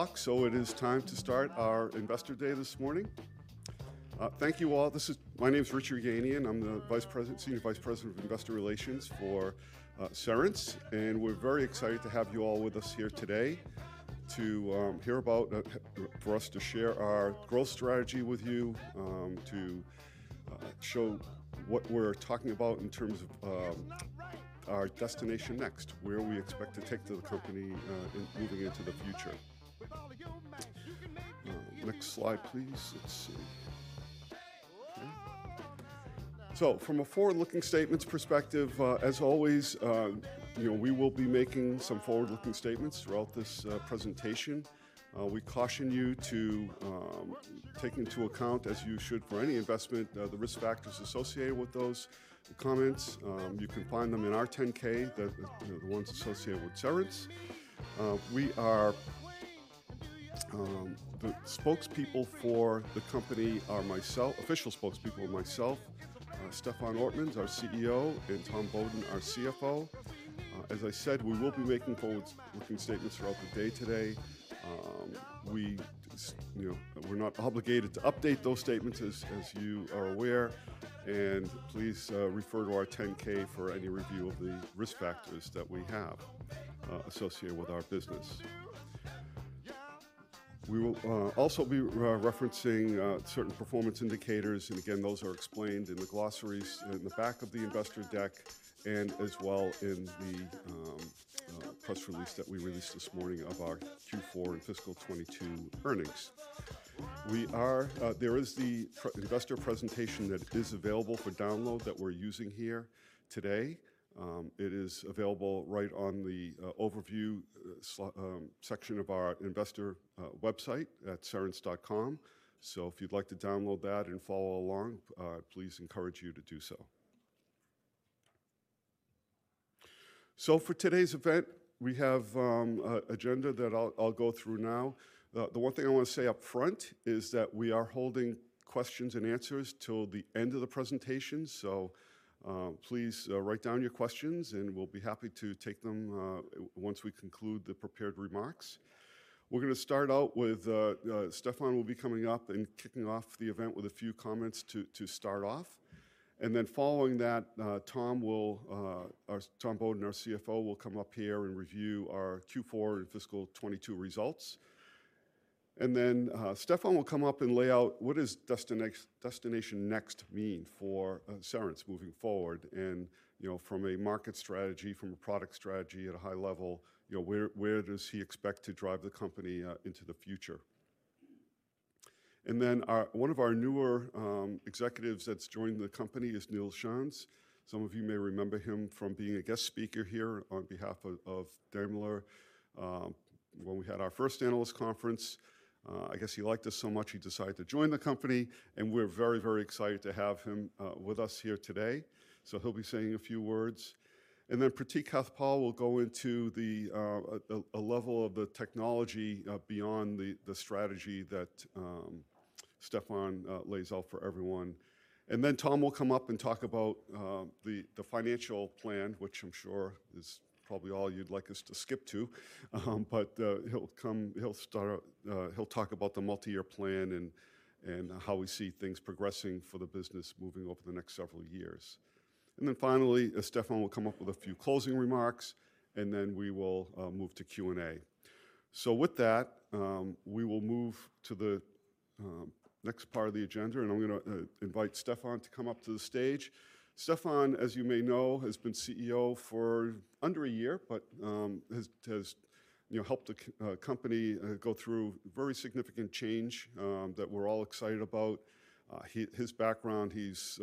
It is time to start our investor day this morning. Thank you all. My name is Rich Yerganian. I'm the vice president, senior vice president of investor relations for Cerence. We're very excited to have you all with us here today to hear about for us to share our growth strategy with you, to show what we're talking about in terms of our Destination Next, where we expect to take the company in moving into the future. Next slide, please. Let's see. From a forward-looking statements perspective, as always, you know, we will be making some forward-looking statements throughout this presentation. We caution you to take into account, as you should for any investment, the risk factors associated with those comments. You can find them in our 10-K, the ones associated with Cerence. The official spokespeople are myself, Stefan Ortmanns, our CEO, and Tom Beaudoin, our CFO. As I said, we will be making forward-looking statements throughout the day today. You know, we're not obligated to update those statements as you are aware. Please refer to our 10-K for any review of the risk factors that we have associated with our business. We will also be re-referencing certain performance indicators. Again, those are explained in the glossaries in the back of the investor deck and as well in the press release that we released this morning of our Q4 and fiscal 2022 earnings. There is the investor presentation that is available for download that we're using here today. It is available right on the overview section of our investor website at Cerence.com. If you'd like to download that and follow along, please encourage you to do so. For today's event, we have a agenda that I'll go through now. The one thing I want to say up front is that we are holding questions and answers till the end of the presentation. Please write down your questions, and we'll be happy to take them once we conclude the prepared remarks. We're gonna start out with Stefan will be coming up and kicking off the event with a few comments to start off. Following that, Tom will, Tom Beaudoin, our CFO, will come up here and review our Q4 and fiscal '22 results. Stefan will come up and lay out what Destination Next mean for Cerence moving forward and, you know, from a market strategy, from a product strategy at a high level, you know, where does he expect to drive the company into the future. Our, one of our newer executives that's joined the company is Nils Schanz. Some of you may remember him from being a guest speaker here on behalf of Daimler, when we had our first analyst conference. I guess he liked us so much he decided to join the company, and we're very, very excited to have him with us here today, so he'll be saying a few words. Prateek Kathpal will go into the level of the technology beyond the strategy that Stefan lays out for everyone. Tom will come up and talk about the financial plan, which I'm sure is probably all you'd like us to skip to. He'll come, he'll start, he'll talk about the multi-year plan and how we see things progressing for the business moving over the next several years. Finally, Stefan will come up with a few closing remarks, and then we will move to Q&A. With that, we will move to the next part of the agenda, and I'm gonna invite Stefan to come up to the stage. Stefan, as you may know, has been CEO for under a year but, you know, helped the company go through very significant change that we're all excited about. He, his background, he's,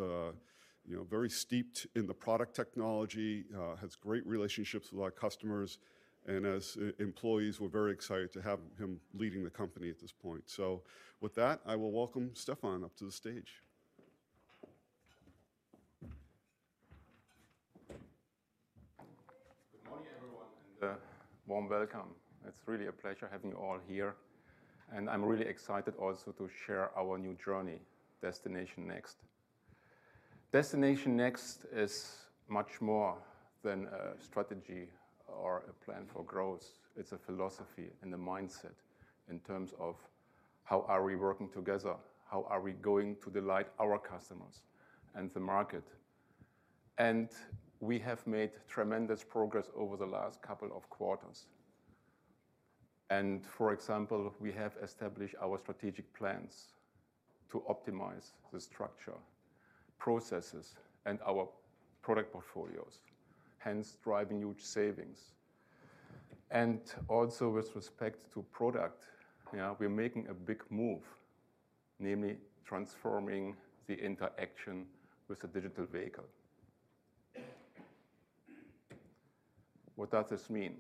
you know, very steeped in the product technology, has great relationships with our customers, and as employees, we're very excited to have him leading the company at this point. With that, I will welcome Stefan up to the stage. Good morning, everyone, and a warm welcome. It's really a pleasure having you all here, and I'm really excited also to share our new journey, Destination Next. Destination Next is much more than a strategy or a plan for growth. It's a philosophy and a mindset in terms of how are we working together? How are we going to delight our customers and the market? We have made tremendous progress over the last couple of quarters. For example, we have established our strategic plans to optimize the structure, processes, and our product portfolios, hence driving huge savings. Also with respect to product, you know, we're making a big move, namely transforming the interaction with the digital vehicle. What does this mean?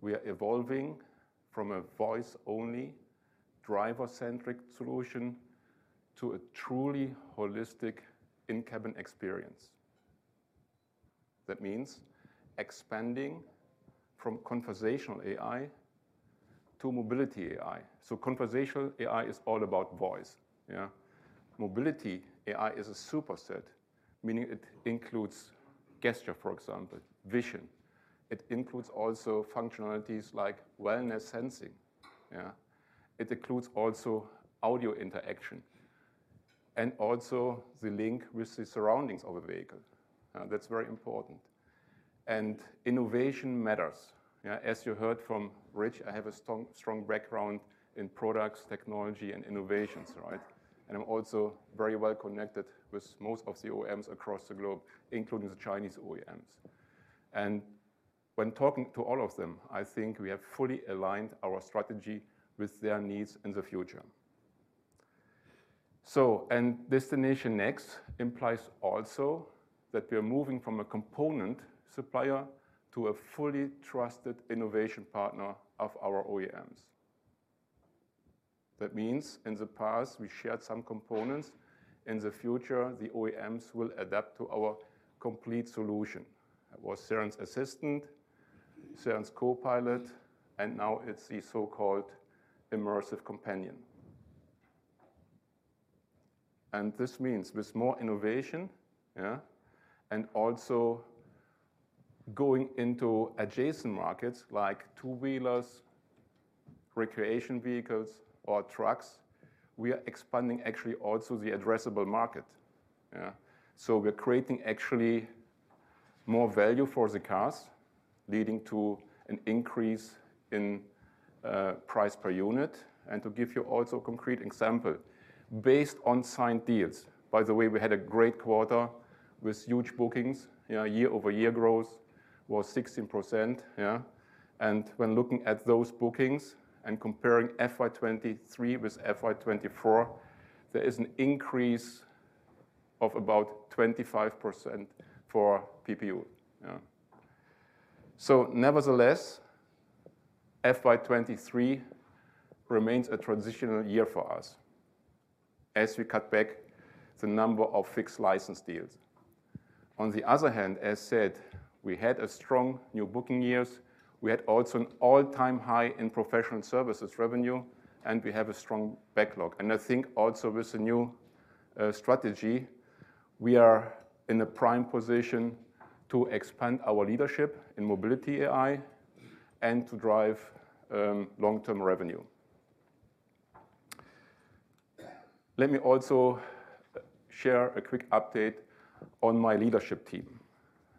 We are evolving from a voice-only, driver-centric solution to a truly holistic in-cabin experience. That means expanding from conversational AI to mobility AI. conversational AI is all about voice, yeah? Mobility AI is a superset, meaning it includes gesture, for example, vision. It includes also functionalities like wellness sensing, yeah. It includes also audio interaction and also the link with the surroundings of a vehicle. That's very important. Innovation matters. Yeah. As you heard from Rich, I have a strong background in products, technology and innovations, right? I'm also very well connected with most of the OEMs across the globe, including the Chinese OEMs. When talking to all of them, I think we have fully aligned our strategy with their needs in the future. Destination Next implies also that we are moving from a component supplier to a fully trusted innovation partner of our OEMs. That means in the past, we shared some components. In the future, the OEMs will adapt to our complete solution. It was Cerence Assistant, Cerence Co-Pilot, and now it's the so-called Immersive Companion. This means with more innovation, and also going into adjacent markets like two-wheelers, recreation vehicles or trucks, we are expanding actually also the addressable market. We're creating actually more value for the cars, leading to an increase in price per unit. To give you also a concrete example, based on signed deals. By the way, we had a great quarter with huge bookings. You know, year-over-year growth was 16%. When looking at those bookings and comparing FY 2023 with FY 2024, there is an increase of about 25% for PPU. Nevertheless, FY 2023 remains a transitional year for us as we cut back the number of fixed license deals. On the other hand, as said, we had a strong new booking years. We had also an all-time high in professional services revenue. We have a strong backlog. I think also with the new strategy, we are in a prime position to expand our leadership in mobility AI and to drive long-term revenue. Let me also share a quick update on my leadership team.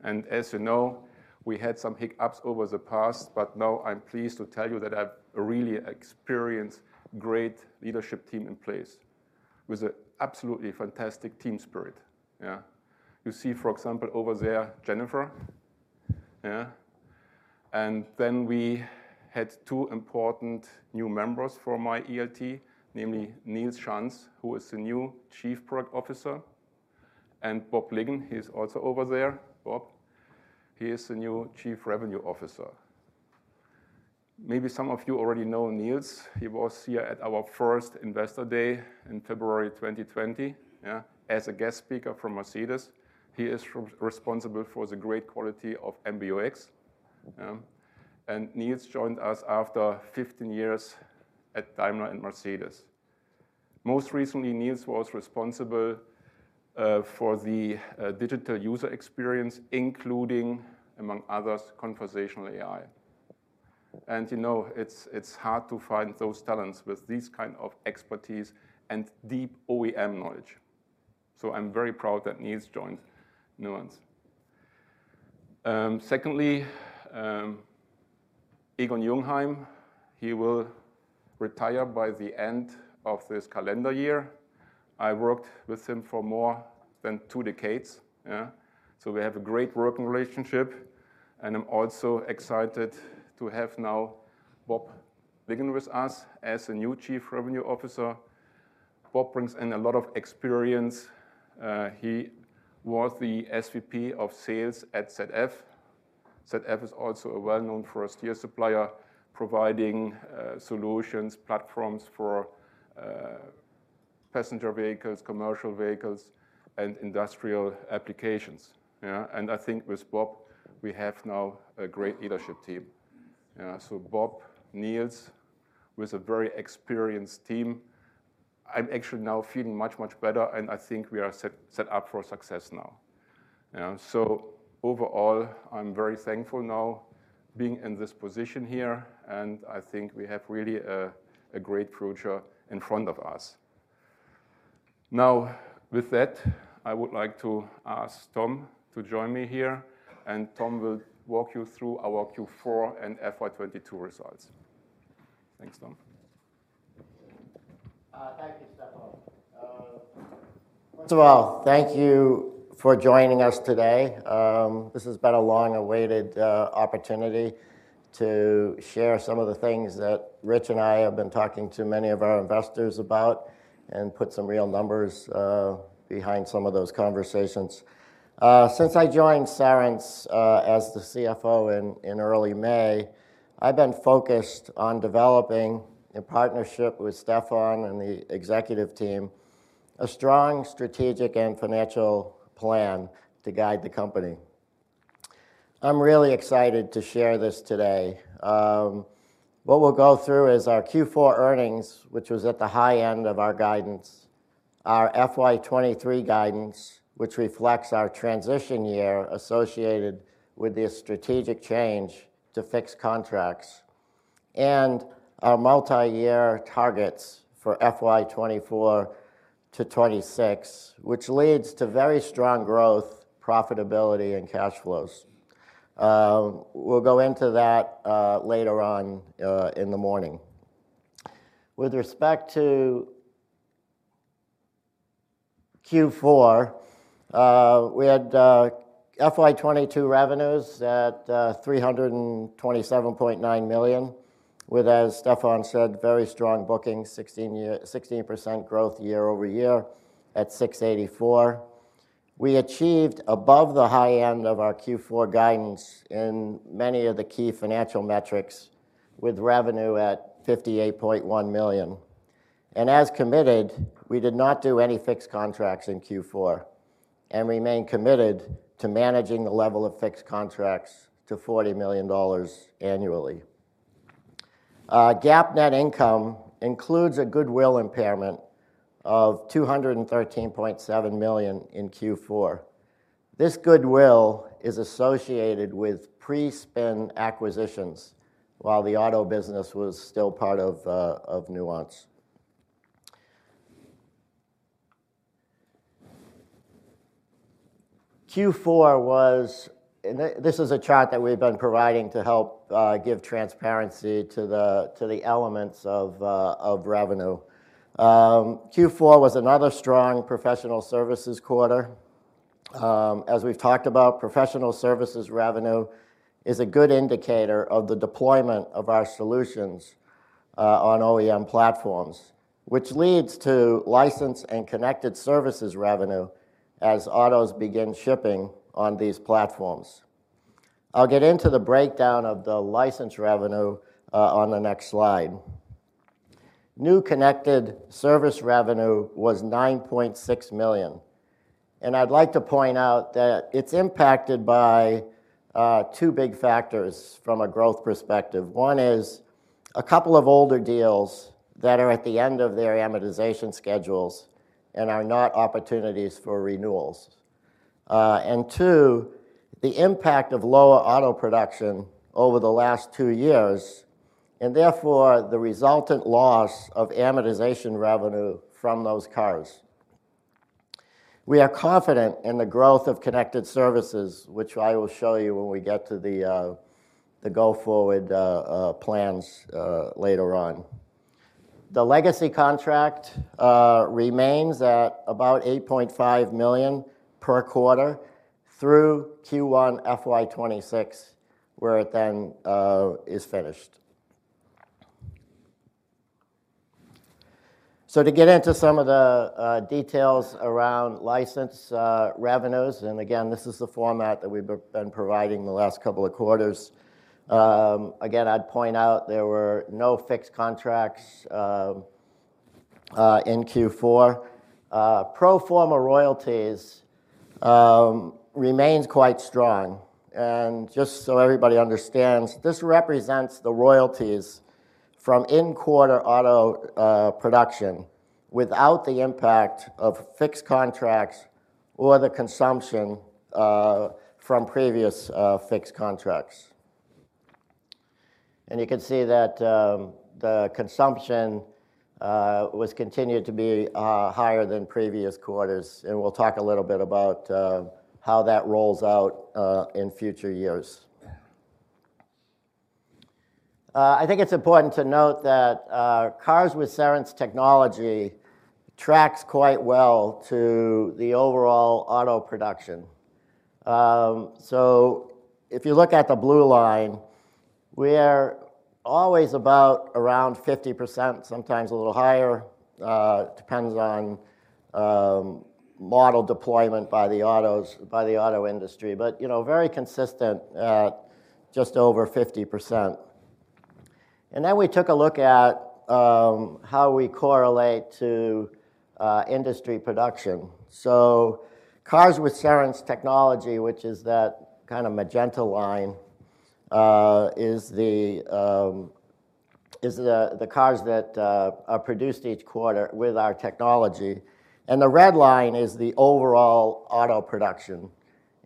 As you know, we had some hiccups over the past, but now I'm pleased to tell you that I have a really experienced, great leadership team in place with a absolutely fantastic team spirit. You see, for example, over there, Jennifer. Then we had two important new members for my ELT, namely Nils Schanz, who is the new Chief Product Officer, and Bob Ligon. He is also over there. Bob. He is the new Chief Revenue Officer. Maybe some of you already know Nils. He was here at our first Investor Day in February 2020, yeah, as a guest speaker from Mercedes. He is responsible for the great quality of MBUX. Nils joined us after 15 years at Daimler and Mercedes. Most recently, Nils was responsible for the digital user experience, including, among others, conversational AI. You know, it's hard to find those talents with this kind of expertise and deep OEM knowledge. I'm very proud that Nils joined Nuance. Secondly, Egon Jungheim, he will retire by the end of this calendar year. I worked with him for more than 2 decades, yeah. We have a great working relationship, and I'm also excited to have now Bob Ligon with us as the new Chief Revenue Officer. Bob brings in a lot of experience. He was the SVP of sales at ZF. ZF is also a well-known first-tier supplier, providing solutions, platforms for passenger vehicles, commercial vehicles, and industrial applications. Yeah. I think with Bob, we have now a great leadership team. Bob, Nils, with a very experienced team, I'm actually now feeling much, much better, and I think we are set up for success now. You know. Overall, I'm very thankful now being in this position here, and I think we have really a great future in front of us. With that, I would like to ask Tom to join me here, and Tom will walk you through our Q4 and FY 2022 results. Thanks, Tom. Thank you, Stefan Ortmanns. First of all, thank you for joining us today. This has been a long-awaited opportunity to share some of the things that Rich Yerganian and I have been talking to many of our investors about and put some real numbers behind some of those conversations. Since I joined Cerence Inc. as the CFO in early May, I've been focused on developing, in partnership with Stefan Ortmanns and the executive team, a strong strategic and financial plan to guide the company. I'm really excited to share this today. What we'll go through is our Q4 earnings, which was at the high end of our guidance, our FY 2023 guidance, which reflects our transition year associated with the strategic change to fixed contracts, and our multi-year targets for FY 2024-2026, which leads to very strong growth, profitability, and cash flows. We'll go into that later on in the morning. With respect to Q4, we had FY22 revenues at $327.9 million, with, as Stefan said, very strong bookings, 16% growth year-over-year at 684. We achieved above the high end of our Q4 guidance in many of the key financial metrics with revenue at $58.1 million. As committed, we did not do any fixed contracts in Q4 and remain committed to managing the level of fixed contracts to $40 million annually. GAAP net income includes a goodwill impairment of $213.7 million in Q4. This goodwill is associated with pre-spin acquisitions, while the auto business was still part of Nuance. Q four was and this is a chart that we've been providing to help give transparency to the elements of revenue. Q four was another strong professional services quarter. As we've talked about, professional services revenue is a good indicator of the deployment of our solutions on OEM platforms, which leads to license and connected services revenue as autos begin shipping on these platforms. I'll get into the breakdown of the license revenue on the next slide. New connected service revenue was $9.6 million, and I'd like to point out that it's impacted by two big factors from a growth perspective. One is a couple of older deals that are at the end of their amortization schedules and are not opportunities for renewals. Two, the impact of lower auto production over the last two years, and therefore the resultant loss of amortization revenue from those cars. We are confident in the growth of connected services, which I will show you when we get to the go-forward plans later on. The legacy contract remains at about $8.5 million per quarter through Q1 FY26, where it then is finished. To get into some of the details around license revenues, and again, this is the format that we've been providing the last couple of quarters. Again, I'd point out there were no fixed contracts in Q4. Pro forma royalties remains quite strong. Just so everybody understands, this represents the royalties from in-quarter auto production without the impact of fixed contracts or the consumption from previous fixed contracts. You can see that the consumption was continued to be higher than previous quarters, and we'll talk a little bit about how that rolls out in future years. I think it's important to note that cars with Cerence technology tracks quite well to the overall auto production. If you look at the blue line, we're always about around 50%, sometimes a little higher. It depends on model deployment by the auto industry, but, you know, very consistent at just over 50%. We took a look at how we correlate to industry production. Cars with Cerence technology, which is that kind of magenta line, is the cars that are produced each quarter with our technology. The red line is the overall auto production.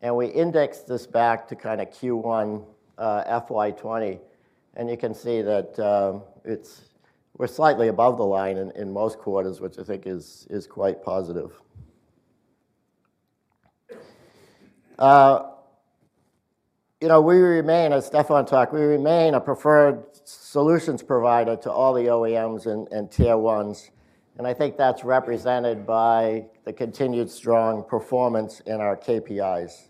We indexed this back to kinda Q1, FY 20, and you can see that we're slightly above the line in most quarters, which I think is quite positive. You know, we remain, as Stefan talked, we remain a preferred solutions provider to all the OEMs and tier ones, and I think that's represented by the continued strong performance in our KPIs.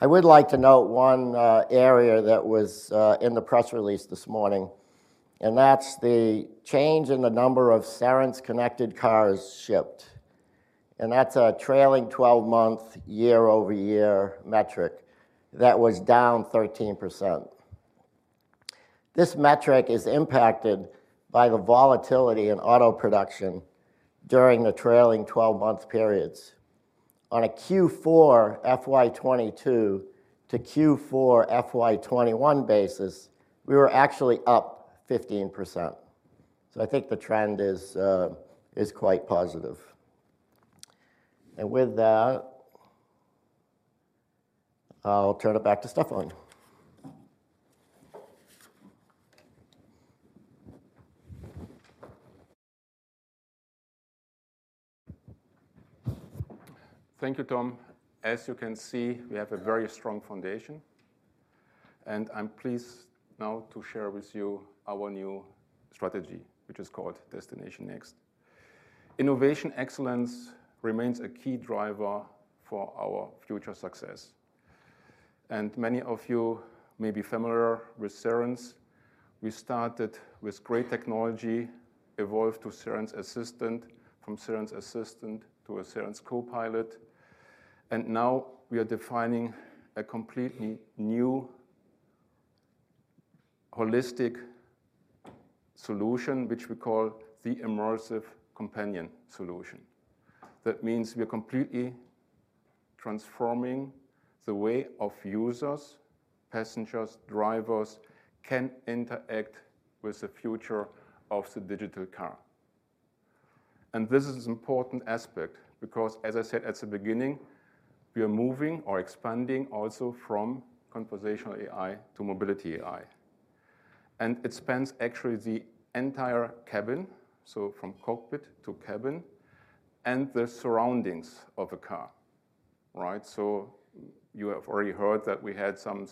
I would like to note one area that was in the press release this morning, and that's the change in the number of Cerence-connected cars shipped. That's a trailing 12-month, year-over-year metric that was down 13%. This metric is impacted by the volatility in auto production during the trailing 12-month periods. On a Q4 FY 22 to Q4 FY 21 basis, we were actually up 15%. I think the trend is quite positive. With that, I'll turn it back to Stefan. Thank you, Tom. As you can see, we have a very strong foundation, and I'm pleased now to share with you our new strategy, which is called Destination Next. Innovation excellence remains a key driver for our future success, and many of you may be familiar with Cerence. We started with great technology, evolved to Cerence Assistant, from Cerence Assistant to a Cerence Co-Pilot, and now we are defining a completely new holistic solution which we call the Immersive Companion solution. That means we are completely transforming the way of users, passengers, drivers can interact with the future of the digital car. This is important aspect because as I said at the beginning, we are moving or expanding also from conversational AI to mobility AI. It spans actually the entire cabin, so from cockpit to cabin, and the surroundings of a car. Right? You have already heard that we had some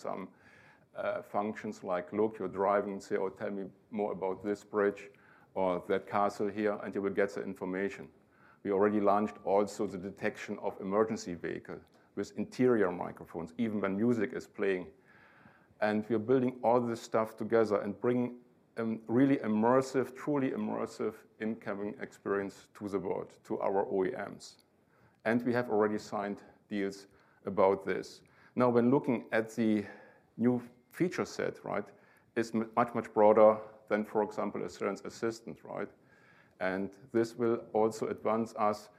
functions like look, you're driving and say, "Oh, tell me more about this bridge or that castle here," and you will get the information. We already launched also the detection of emergency vehicle with interior microphones, even when music is playing. We are building all this stuff together and bringing a really immersive, truly immersive in-cabin experience to the world, to our OEMs. We have already signed deals about this. When looking at the new feature set, right. It's much broader than, for example, a Cerence Assistant, right. This will also advance us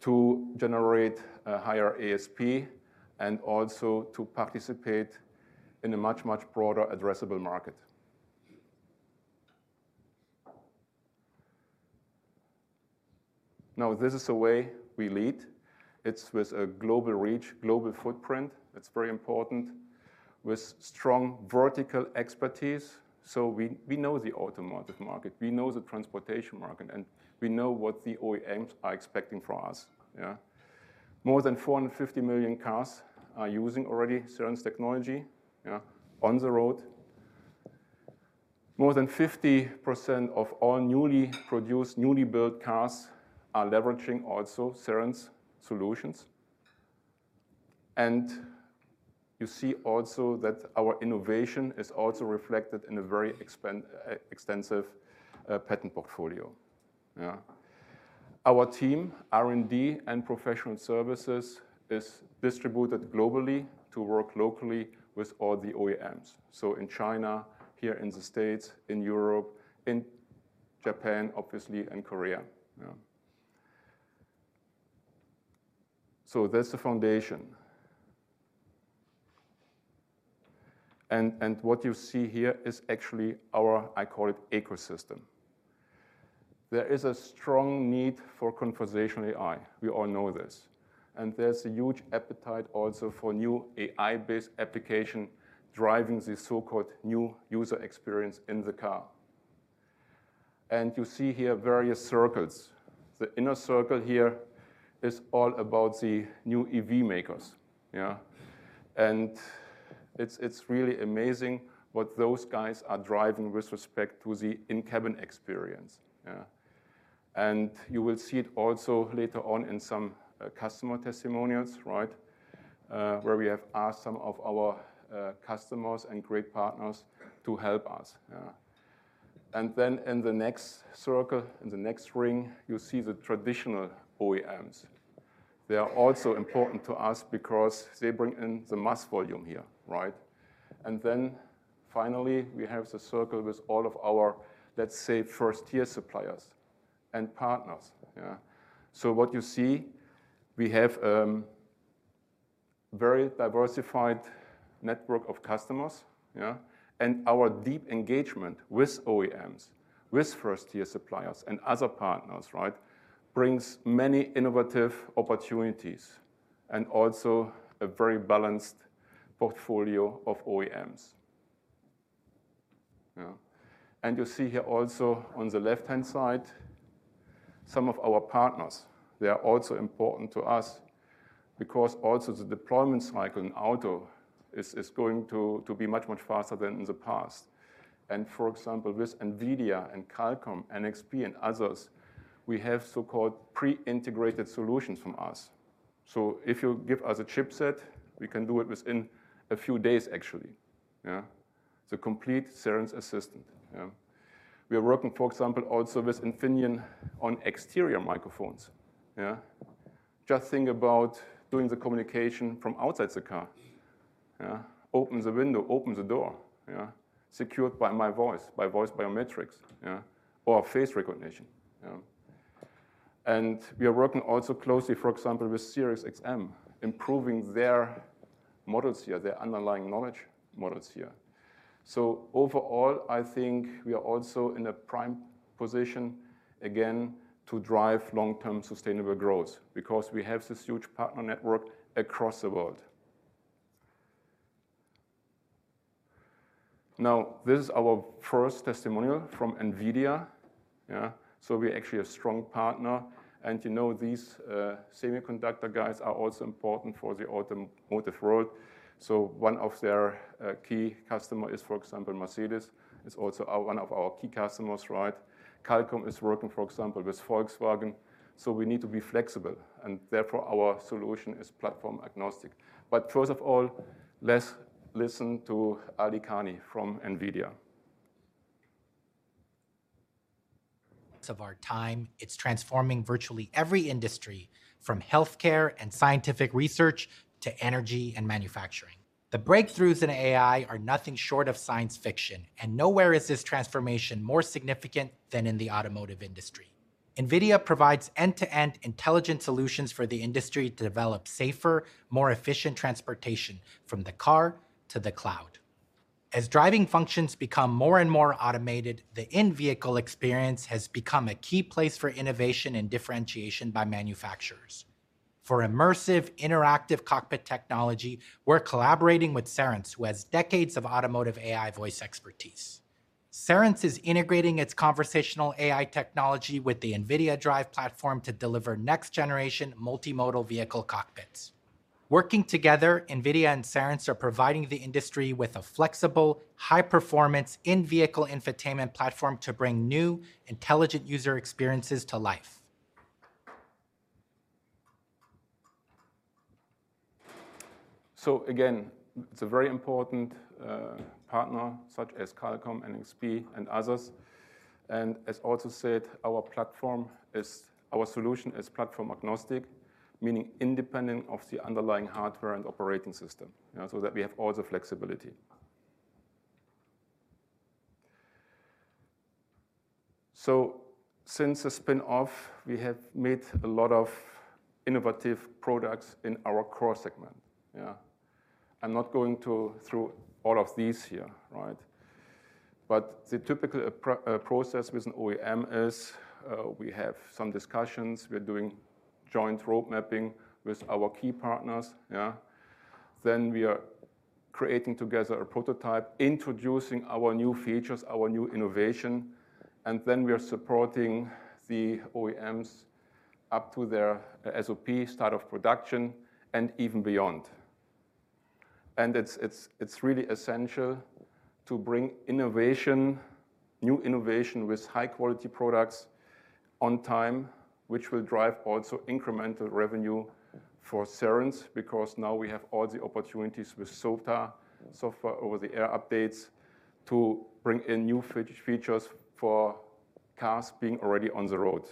to generate a higher ASP and also to participate in a much, much broader addressable market. This is the way we lead. It's with a global reach, global footprint, that's very important, with strong vertical expertise. We know the automotive market, we know the transportation market, and we know what the OEMs are expecting from us. Yeah. More than 450 million cars are using already Cerence technology, yeah, on the road. More than 50% of all newly produced, newly built cars are leveraging also Cerence solutions. You see also that our innovation is also reflected in a very extensive patent portfolio. Yeah. Our team, R&D, and professional services is distributed globally to work locally with all the OEMs, so in China, here in the States, in Europe, in Japan, obviously, and Korea. Yeah. That's the foundation. What you see here is actually our, I call it, ecosystem. There is a strong need for conversational AI, we all know this, there's a huge appetite also for new AI-based application driving the so-called new user experience in the car. You see here various circles. The inner circle here is all about the new EV makers. Yeah. It's really amazing what those guys are driving with respect to the in-cabin experience. Yeah. You will see it also later on in some customer testimonials, right, where we have asked some of our customers and great partners to help us. Yeah. In the next circle, in the next ring, you see the traditional OEMs. They are also important to us because they bring in the mass volume here, right? Finally, we have the circle with all of our, let's say, first-tier suppliers and partners. Yeah. What you see, we have a very diversified network of customers, yeah, and our deep engagement with OEMs, with first-tier suppliers and other partners, right, brings many innovative opportunities and also a very balanced portfolio of OEMs. Yeah. You see here also on the left-hand side, some of our partners. They are also important to us because also the deployment cycle in auto is going to be much, much faster than in the past. For example, with NVIDIA and Qualcomm, NXP, and others, we have so-called pre-integrated solutions from us. If you give us a chipset, we can do it within a few days, actually. Yeah. It's a complete Cerence Assistant. Yeah. We are working, for example, also with Infineon on exterior microphones. Yeah. Just think about doing the communication from outside the car, yeah. Open the window, open the door, yeah, secured by my voice, by voice biometrics, yeah, or face recognition, yeah. We are working also closely, for example, with Sirius XM, improving their models here, their underlying knowledge models here. Overall, I think we are also in a prime position again to drive long-term sustainable growth because we have this huge partner network across the world. This is our first testimonial from NVIDIA, yeah. We're actually a strong partner. You know, these semiconductor guys are also important for the automotive world. One of their key customer is, for example, Mercedes, is also one of our key customers, right? Qualcomm is working, for example, with Volkswagen, so we need to be flexible, and therefore our solution is platform-agnostic. First of all, let's listen to Ali Kani from NVIDIA. Of our time. It's transforming virtually every industry from healthcare and scientific research to energy and manufacturing. The breakthroughs in AI are nothing short of science fiction, and nowhere is this transformation more significant than in the automotive industry. NVIDIA provides end-to-end intelligent solutions for the industry to develop safer, more efficient transportation from the car to the cloud. As driving functions become more and more automated, the in-vehicle experience has become a key place for innovation and differentiation by manufacturers. For immersive, interactive cockpit technology, we're collaborating with Cerence, who has decades of automotive AI voice expertise. Cerence is integrating its conversational AI technology with the NVIDIA DRIVE platform to deliver next-generation multimodal vehicle cockpits. Working together, NVIDIA and Cerence are providing the industry with a flexible, high-performance in-vehicle infotainment platform to bring new, intelligent user experiences to life. Again, it's a very important partner such as Qualcomm, NXP, and others. As also said, our solution is platform-agnostic, meaning independent of the underlying hardware and operating system, you know, so that we have all the flexibility. Since the spin-off, we have made a lot of innovative products in our core segment, yeah. I'm not going to through all of these here, right? The typical process with an OEM is, we have some discussions. We're doing joint road mapping with our key partners, yeah. We are creating together a prototype, introducing our new features, our new innovation, and then we are supporting the OEMs up to their SOP, start of production, and even beyond. It's really essential to bring innovation, new innovation with high-quality products on time, which will drive also incremental revenue for Cerence because now we have all the opportunities with SOTA, software-over-the-air updates, to bring in new features for cars being already on the road.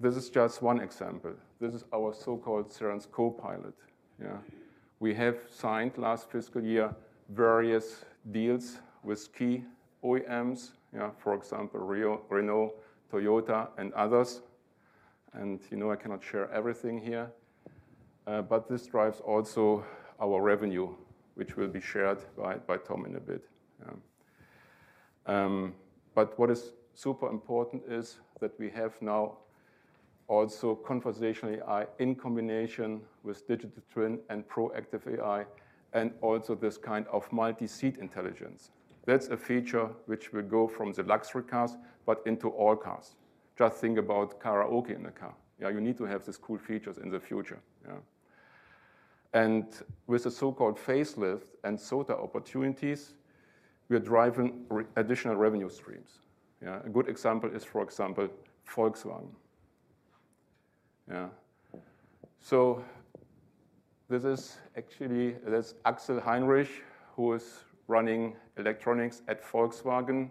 This is just one example. This is our so-called Cerence Co-Pilot, yeah. We have signed last fiscal year various deals with key OEMs, yeah. For example, Renault, Toyota, and others. You know, I cannot share everything here, but this drives also our revenue, which will be shared by Tom in a bit. What is super important is that we have now also conversational AI in combination with digital twin and proactive AI and also this kind of multi-seat intelligence. That's a feature which will go from the luxury cars but into all cars. Just think about karaoke in the car. Yeah, you need to have these cool features in the future, yeah. With the so-called facelift and SOTA opportunities, we are driving additional revenue streams, yeah. A good example is, for example, Volkswagen, yeah. This is actually Axel Heinrich, who is running electronics at Volkswagen,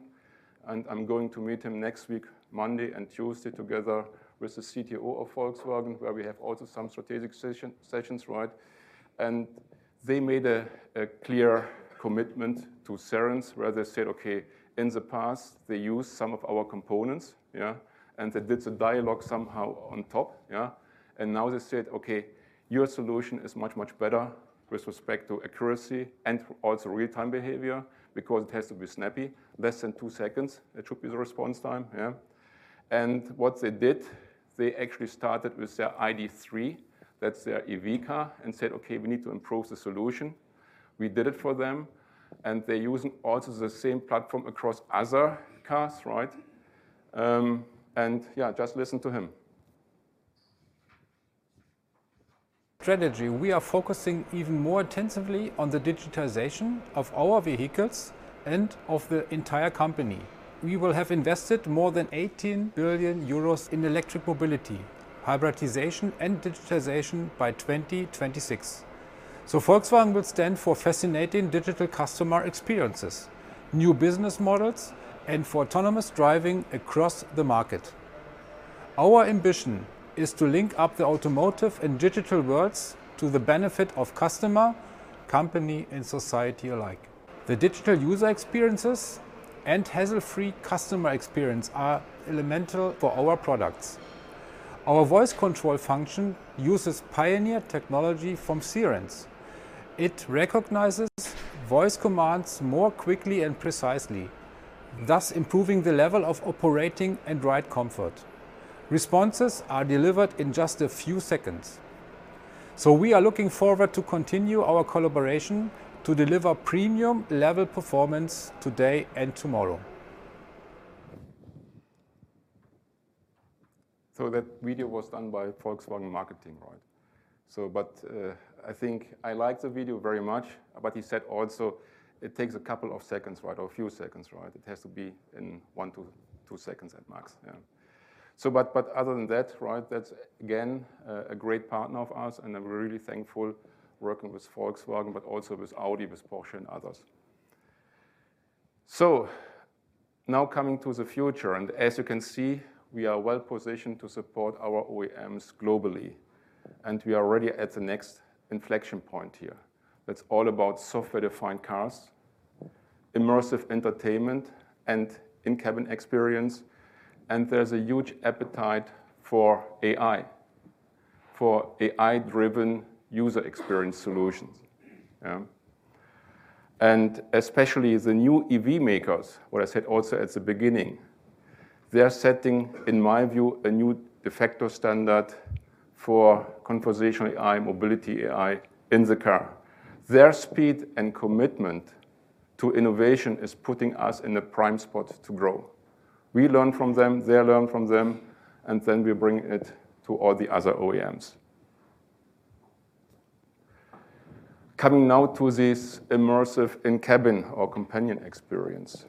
and I'm going to meet him next week, Monday and Tuesday, together with the CTO of Volkswagen, where we have also some strategic sessions, right? They made a clear commitment to Cerence where they said, okay, in the past, they used some of our components, yeah, and they did the dialog somehow on top, yeah. Now they said, "Okay, your solution is much, much better with respect to accuracy and also real-time behavior," because it has to be snappy. Less than two seconds, it should be the response time, yeah. What they did, they actually started with their ID.3, that's their EV car, and said, "Okay, we need to improve the solution." We did it for them, and they're using also the same platform across other cars, right? Yeah, just listen to him. Strategy, we are focusing even more intensively on the digitization of our vehicles and of the entire company. We will have invested more than 18 billion euros in electric mobility, hybridization, and digitization by 2026. Volkswagen will stand for fascinating digital customer experiences, new business models, and for autonomous driving across the market. Our ambition is to link up the automotive and digital worlds to the benefit of customer, company, and society alike. The digital user experiences and hassle-free customer experience are elemental for our products. Our voice control function uses pioneer technology from Cerence. It recognizes voice commands more quickly and precisely, thus improving the level of operating and ride comfort. Responses are delivered in just a few seconds. We are looking forward to continue our collaboration to deliver premium level performance today and tomorrow. That video was done by Volkswagen marketing, right? But, I think I like the video very much, but he said also it takes a couple of seconds, right? Or a few seconds, right? It has to be in 1 to 2 seconds at max. Yeah. But, other than that, right, that's again, a great partner of ours, and I'm really thankful working with Volkswagen, but also with Audi, with Porsche, and others. Now coming to the future, and as you can see, we are well-positioned to support our OEMs globally, and we are already at the next inflection point here. That's all about software-defined cars, immersive entertainment, and in-cabin experience, and there's a huge appetite for AI, for AI-driven user experience solutions. Yeah. Especially the new EV makers, what I said also at the beginning, they are setting, in my view, a new de facto standard for conversational AI, mobility AI in the car. Their speed and commitment to innovation is putting us in a prime spot to grow. We learn from them, they learn from them, and then we bring it to all the other OEMs. Coming now to this immersive in-cabin or companion experience.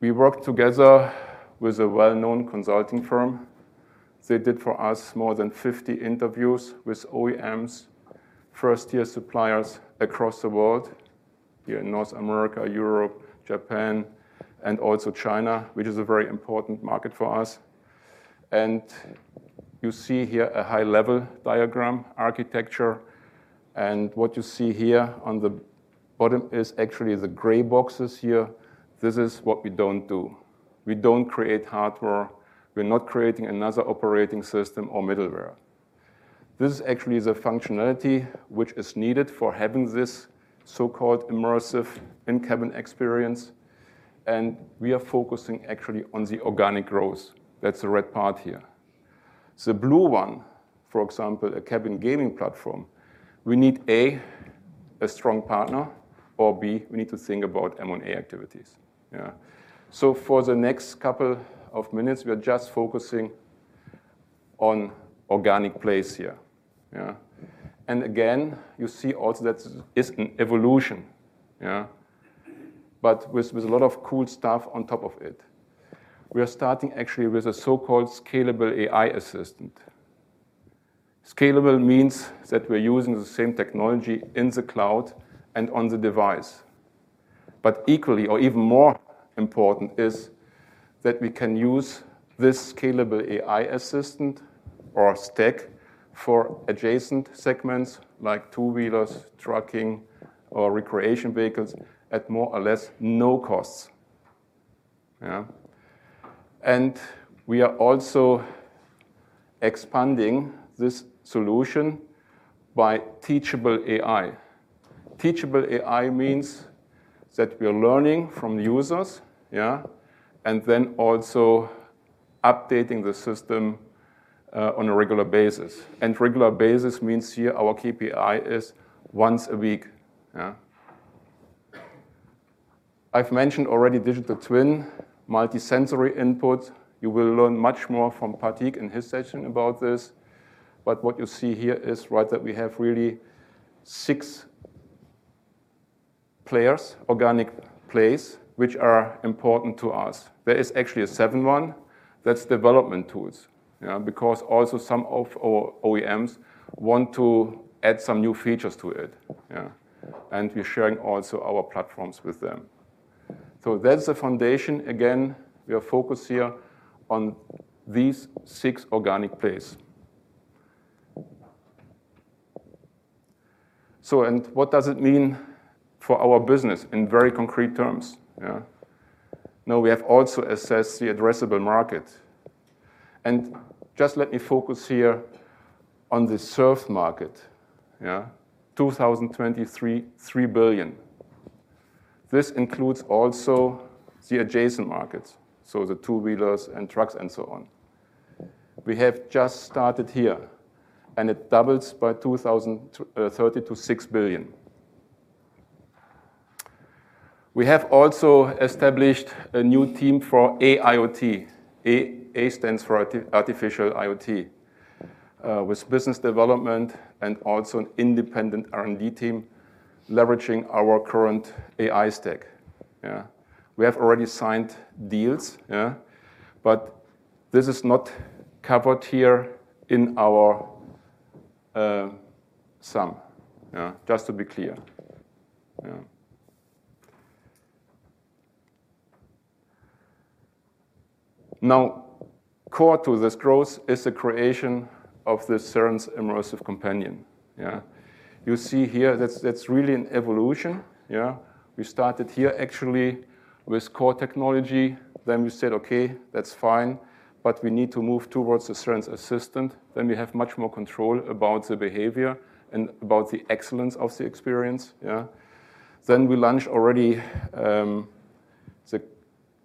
We worked together with a well-known consulting firm. They did for us more than 50 interviews with OEMs, first-year suppliers across the world, here in North America, Europe, Japan, and also China, which is a very important market for us. You see here a high-level diagram architecture, and what you see here on the bottom is actually the gray boxes here. This is what we don't do. We don't create hardware. We're not creating another operating system or middleware. This is actually the functionality which is needed for having this so-called immersive in-cabin experience, and we are focusing actually on the organic growth. That's the red part here. The blue one, for example, a cabin gaming platform, we need A, a strong partner, or B, we need to think about M&A activities. Yeah. For the next couple of minutes, we are just focusing on organic plays here. Yeah. Again, you see also that it's an evolution. Yeah. With a lot of cool stuff on top of it. We are starting actually with a so-called scalable AI assistant. Scalable means that we're using the same technology in the cloud and on the device. Equally or even more important is that we can use this scalable AI assistant or stack for adjacent segments like two-wheelers, trucking, or recreation vehicles at more or less no costs. We are also expanding this solution by teachable AI. Teachable AI means that we are learning from users and then also updating the system on a regular basis. Regular basis means here our KPI is once a week. I've mentioned already digital twin, multi-sensory input. You will learn much more from Patrick in his session about this. What you see here is, right, that we have really 6 players, organic plays, which are important to us. There is actually a 7th one. That's development tools because also some of our OEMs want to add some new features to it. We're sharing also our platforms with them. That's the foundation. Again, we are focused here on these 6 organic plays. What does it mean for our business in very concrete terms? We have also assessed the addressable market. Just let me focus here on the serve market. 2023, $3 billion. This includes also the adjacent markets, so the two-wheelers and trucks and so on. We have just started here, and it doubles by 2030 to $6 billion. We have also established a new team for AIoT. AI stands for artificial IoT, with business development and also an independent R&D team leveraging our current AI stack. We have already signed deals, but this is not covered here in our sum. Just to be clear. Core to this growth is the creation of the Cerence Immersive Companion. You see here that's really an evolution. Yeah. We started here actually with core technology. We said, "Okay, that's fine, but we need to move towards the Cerence Assistant." We have much more control about the behavior and about the excellence of the experience. Yeah. We launched already the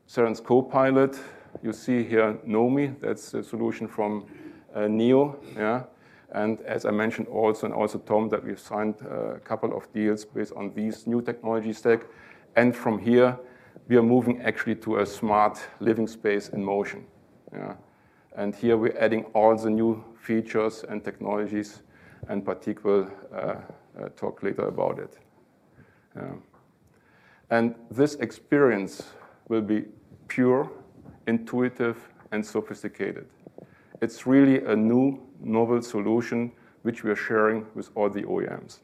Cerence Co-Pilot. You see here NOMI, that's a solution from NIO. Yeah. As I mentioned also, and also Tom, that we've signed a couple of deals based on these new technology stack. From here we are moving actually to a smart living space in motion. Yeah. Here we're adding all the new features and technologies, and Patrick will talk later about it. This experience will be pure, intuitive, and sophisticated. It's really a new novel solution which we are sharing with all the OEMs.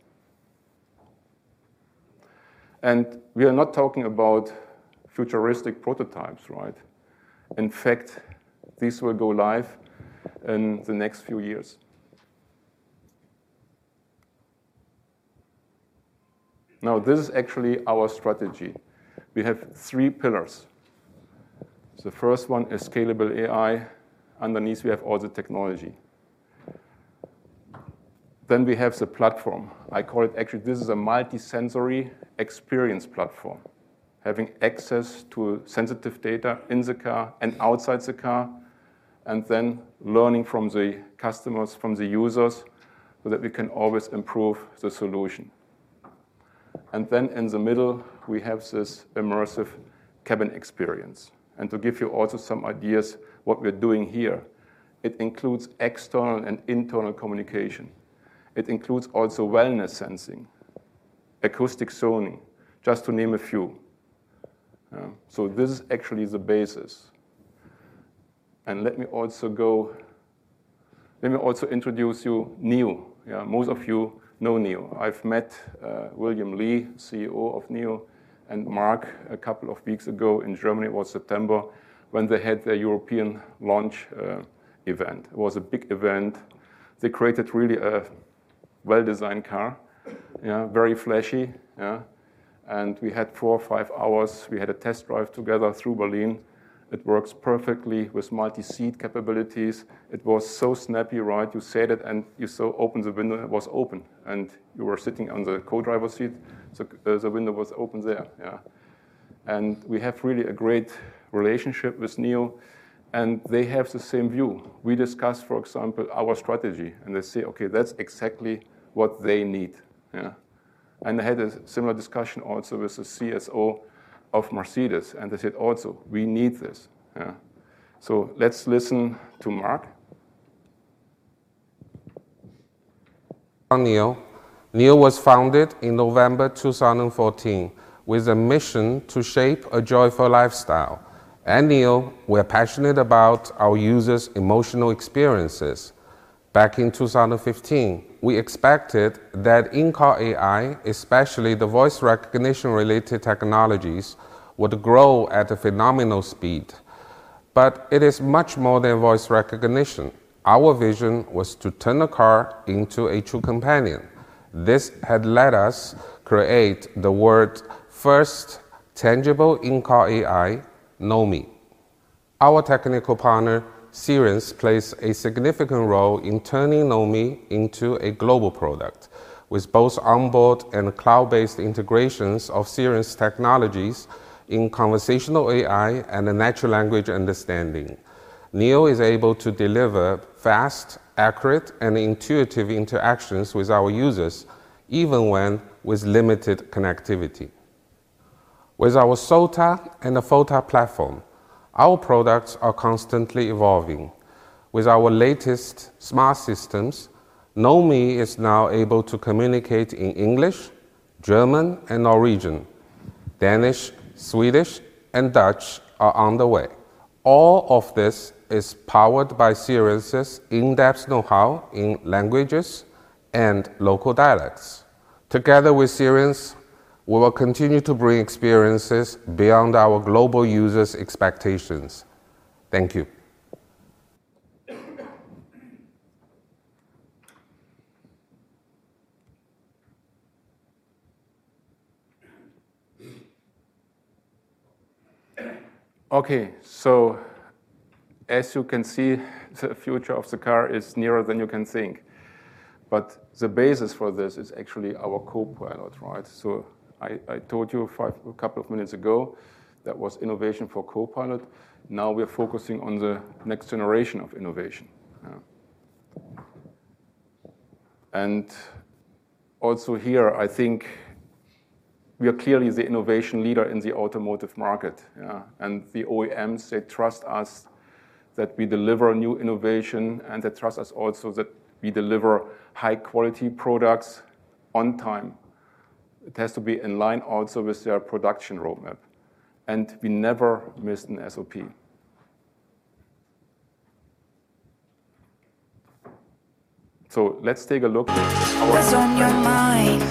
We are not talking about futuristic prototypes, right? In fact, this will go live in the next few years. Now, this is actually our strategy. We have 3 pillars. The first one is scalable AI. Underneath we have all the technology. We have the platform. I call it, actually, this is a multi-sensory experience platform, having access to sensitive data in the car and outside the car, and then learning from the customers, from the users, so that we can always improve the solution. In the middle, we have this immersive cabin experience. To give you also some ideas what we're doing here, it includes external and internal communication. It includes also wellness sensing, acoustic zoning, just to name a few. This is actually the basis. Let me also introduce you NIO. Yeah. Most of you know NIO. I've met William Li, CEO of NIO, and Mark a couple of weeks ago in Germany. It was September when they had their European launch event. It was a big event. They created really a well-designed car. Yeah. Very flashy. Yeah. We had four or five hours. We had a test drive together through Berlin. It works perfectly with multi-seat capabilities. It was so snappy, right? You said it and you saw open the window, it was open, and you were sitting on the co-driver seat. The window was open there. Yeah. We have really a great relationship with NIO, and they have the same view. We discussed, for example, our strategy, and they say, "Okay, that's exactly what they need." Yeah. I had a similar discussion also with the CSO of Mercedes, and they said also, "We need this." Yeah. Let's listen to Mark. On NIO. NIO was founded in November 2014 with a mission to shape a joyful lifestyle. At NIO, we're passionate about our users' emotional experiences. Back in 2015, we expected that in-car AI, especially the voice recognition related technologies, would grow at a phenomenal speed. It is much more than voice recognition. Our vision was to turn the car into a true companion. This had led us create the world's first tangible in-car AI, NOMI. Our technical partner, Cerence, plays a significant role in turning NOMI into a global product. With both onboard and cloud-based integrations of Cerence technologies in conversational AI and natural language understanding, NIO is able to deliver fast, accurate, and intuitive interactions with our users, even when with limited connectivity. With our SOTA and the FOTA platform, our products are constantly evolving. With our latest smart systems, NOMI is now able to communicate in English, German, and Norwegian. Danish, Swedish, and Dutch are on the way. All of this is powered by Cerence's in-depth know-how in languages and local dialects. Together with Cerence, we will continue to bring experiences beyond our global users' expectations. Thank you. Okay. as you can see, the future of the car is nearer than you can think. the basis for this is actually our Co-Pilot, right? I told you a couple of minutes ago, that was innovation for Co-Pilot. Now we are focusing on the next generation of innovation. Yeah. also here, I think we are clearly the innovation leader in the automotive market. Yeah. the OEMs, they trust us that we deliver new innovation, and they trust us also that we deliver high quality products on time. It has to be in line also with their production roadmap. we never missed an SOP. let's take a look at this. What's on your mind?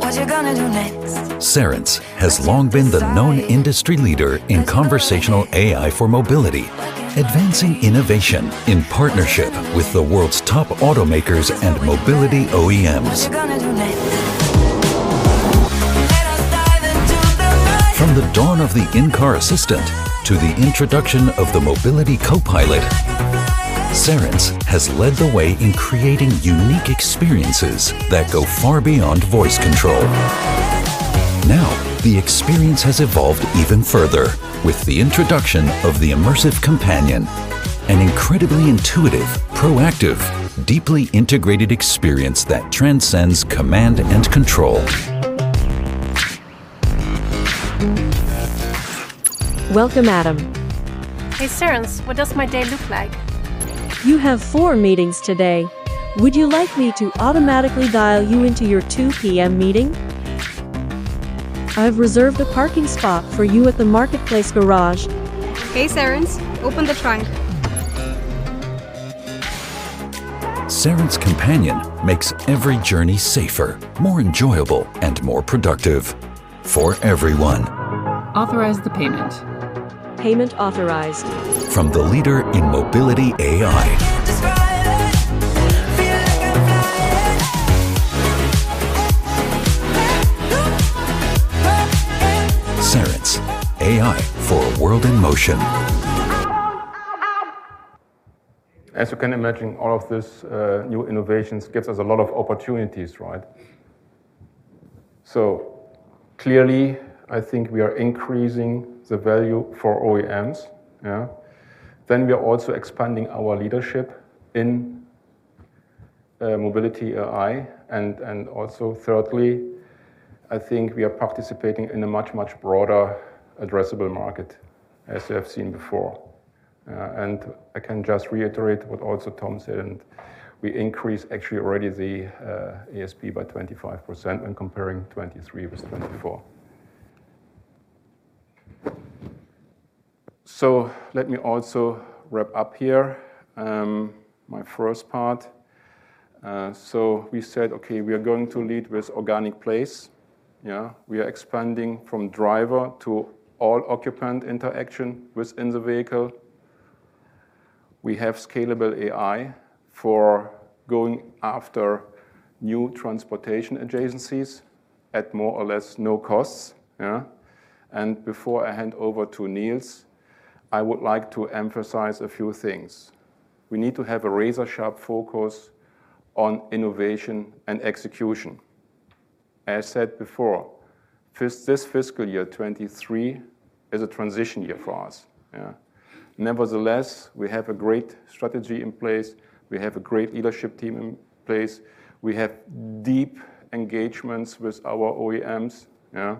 What you gonna do next? Cerence has long been the known industry leader in conversational AI for mobility, advancing innovation in partnership with the world's top automakers and mobility OEMs. What you gonna do next? Let us dive into the night. From the dawn of the in-car assistant to the introduction of the mobility co-pilot, Cerence has led the way in creating unique experiences that go far beyond voice control. Now, the experience has evolved even further with the introduction of the Immersive Companion, an incredibly intuitive, proactive, deeply integrated experience that transcends command and control. Welcome, Adam. Hey, Cerence. What does my day look like? You have four meetings today. Would you like me to automatically dial you into your 2:00 P.M. meeting? I've reserved a parking spot for you at the marketplace garage. Hey, Cerence, open the trunk. Cerence Companion makes every journey safer, more enjoyable and more productive for everyone. Authorize the payment. Payment authorized. From the leader in mobility AI. I can't describe it. Feel like I'm flying. Ooh, oh. Cerence, AI for a world in motion. Out, out. As you can imagine, all of this new innovations gives us a lot of opportunities, right? Clearly, I think we are increasing the value for OEMs, yeah. We are also expanding our leadership in mobility AI. Also thirdly, I think we are participating in a much, much broader addressable market as you have seen before. I can just reiterate what also Tom said, and we increased actually already the ASP by 25% when comparing 2023 with 2024. Let me also wrap up here my first part. We said, okay, we are going to lead with organic place. Yeah, we are expanding from driver to all occupant interaction within the vehicle. We have scalable AI for going after new transportation adjacencies at more or less no costs. Yeah. Before I hand over to Nils, I would like to emphasize a few things. We need to have a razor-sharp focus on innovation and execution. As said before, this fiscal year 2023 is a transition year for us. Yeah. Nevertheless, we have a great strategy in place. We have a great leadership team in place. We have deep engagements with our OEMs, yeah,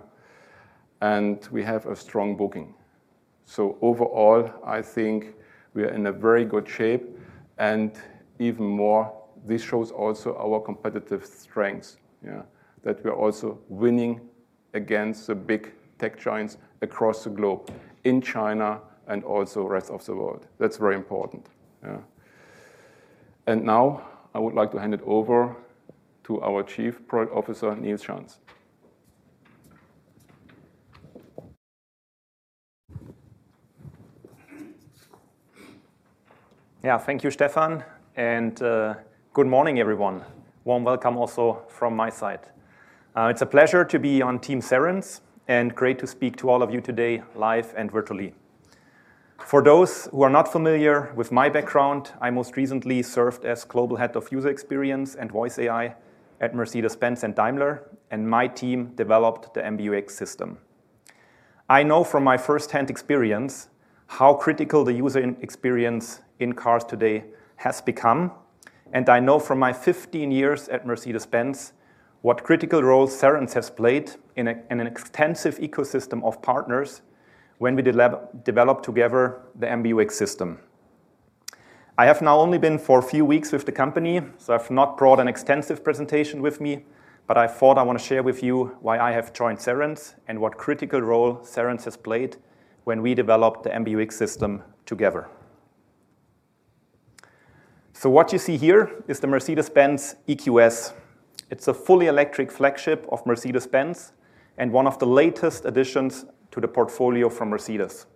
and we have a strong booking. Overall, I think we are in a very good shape, and even more, this shows also our competitive strengths, yeah, that we are also winning against the big tech giants across the globe, in China and also rest of the world. That's very important. Yeah. Now I would like to hand it over to our Chief Product Officer, Nils Schanz. Thank you, Stefan, and good morning, everyone. Warm welcome also from my side. It's a pleasure to be on Team Cerence and great to speak to all of you today live and virtually. For those who are not familiar with my background, I most recently served as Global Head of User Experience and Voice AI at Mercedes-Benz and Daimler, and my team developed the MBUX system. I know from my firsthand experience how critical the user experience in cars today has become, and I know from my 15 years at Mercedes-Benz what critical role Cerence has played in an extensive ecosystem of partners when we developed together the MBUX system. I have now only been for a few weeks with the company, so I've not brought an extensive presentation with me, but I thought I wanna share with you why I have joined Cerence and what critical role Cerence has played when we developed the MBUX system together. What you see here is the Mercedes-Benz EQS. It's a fully electric flagship of Mercedes-Benz and one of the latest additions to the portfolio from Mercedes.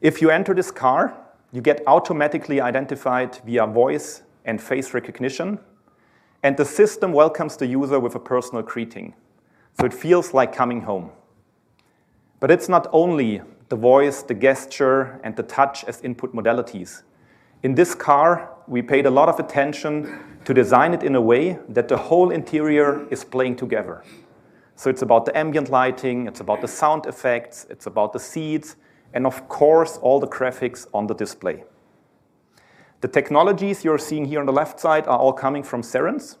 If you enter this car, you get automatically identified via voice and face recognition, and the system welcomes the user with a personal greeting, so it feels like coming home. It's not only the voice, the gesture and the touch as input modalities. In this car, we paid a lot of attention to design it in a way that the whole interior is playing together. It's about the ambient lighting, it's about the sound effects, it's about the seats and of course, all the graphics on the display. The technologies you're seeing here on the left side are all coming from Cerence.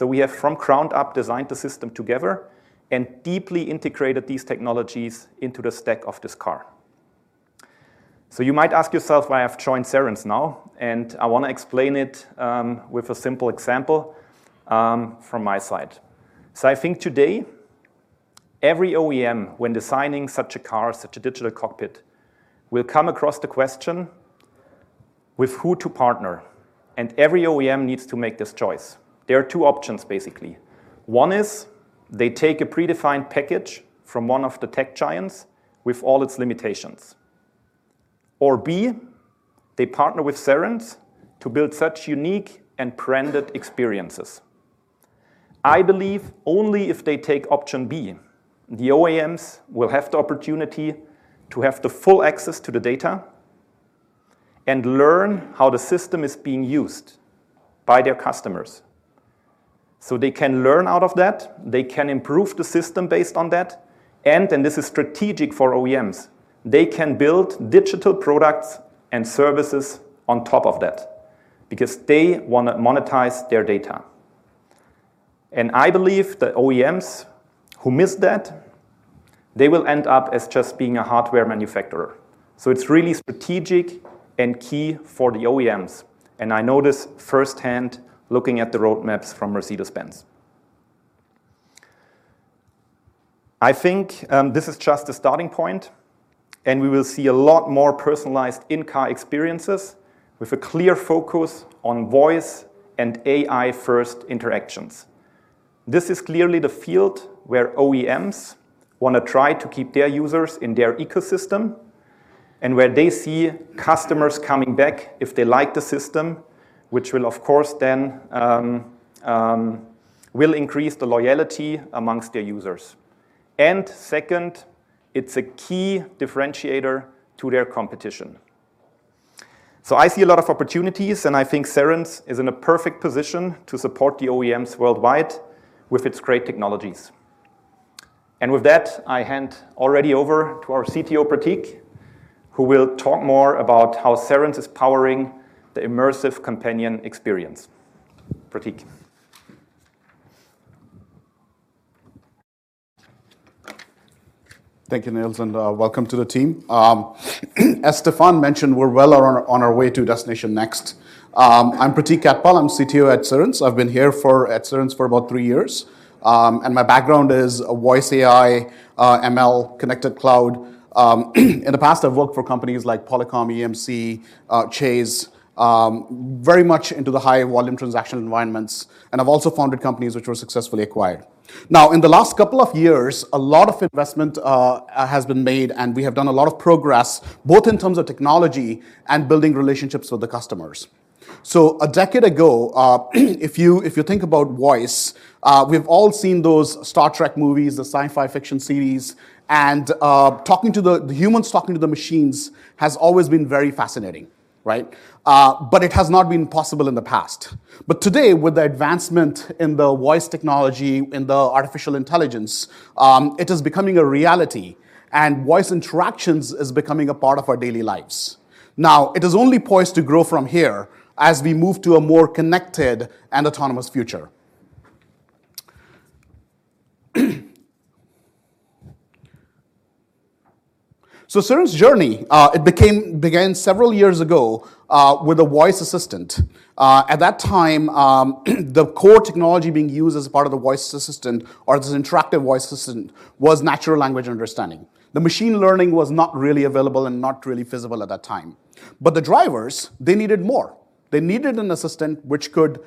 We have from ground up designed the system together and deeply integrated these technologies into the stack of this car. You might ask yourself why I've joined Cerence now, and I wanna explain it with a simple example from my side. I think today, every OEM when designing such a car, such a digital cockpit, will come across the question with who to partner, and every OEM needs to make this choice. There are two options, basically. One is they take a predefined package from one of the tech giants with all its limitations. B, they partner with Cerence to build such unique and branded experiences. I believe only if they take option B, the OEMs will have the opportunity to have the full access to the data and learn how the system is being used by their customers. They can learn out of that, they can improve the system based on that, and then this is strategic for OEMs. They can build digital products and services on top of that because they wanna monetize their data. I believe the OEMs who miss that, they will end up as just being a hardware manufacturer. It's really strategic and key for the OEMs, and I know this firsthand looking at the roadmaps from Mercedes-Benz. I think this is just a starting point. We will see a lot more personalized in-car experiences with a clear focus on voice and AI-first interactions. This is clearly the field where OEMs wanna try to keep their users in their ecosystem and where they see customers coming back if they like the system, which will of course then will increase the loyalty amongst their users. Second, it's a key differentiator to their competition. So I see a lot of opportunities, and I think Cerence is in a perfect position to support the OEMs worldwide with its great technologies. With that, I hand already over to our CTO, Pratik, who will talk more about how Cerence is powering the Immersive Companion experience. Pratik. Thank you, Nils, welcome to the team. As Stefan mentioned, we're well on our way to Destination Next. I'm Pratik Katpal. I'm CTO at Cerence. I've been at Cerence for about three years, my background is voice AI, ML, connected cloud. In the past, I've worked for companies like Polycom, EMC, Chase, very much into the high volume transaction environments, I've also founded companies which were successfully acquired. In the last couple of years, a lot of investment has been made, we have done a lot of progress, both in terms of technology and building relationships with the customers. A decade ago, if you, if you think about voice, we've all seen those Star Trek movies, the sci-fi fiction series, and talking to the humans talking to the machines has always been very fascinating, right? It has not been possible in the past. Today, with the advancement in the voice technology and the artificial intelligence, it is becoming a reality, and voice interactions is becoming a part of our daily lives. Now, it is only poised to grow from here as we move to a more connected and autonomous future. Cerence journey began several years ago with a voice assistant. At that time, the core technology being used as part of the voice assistant or this interactive voice assistant was natural language understanding. The machine learning was not really available and not really feasible at that time. The drivers, they needed more. They needed an assistant which could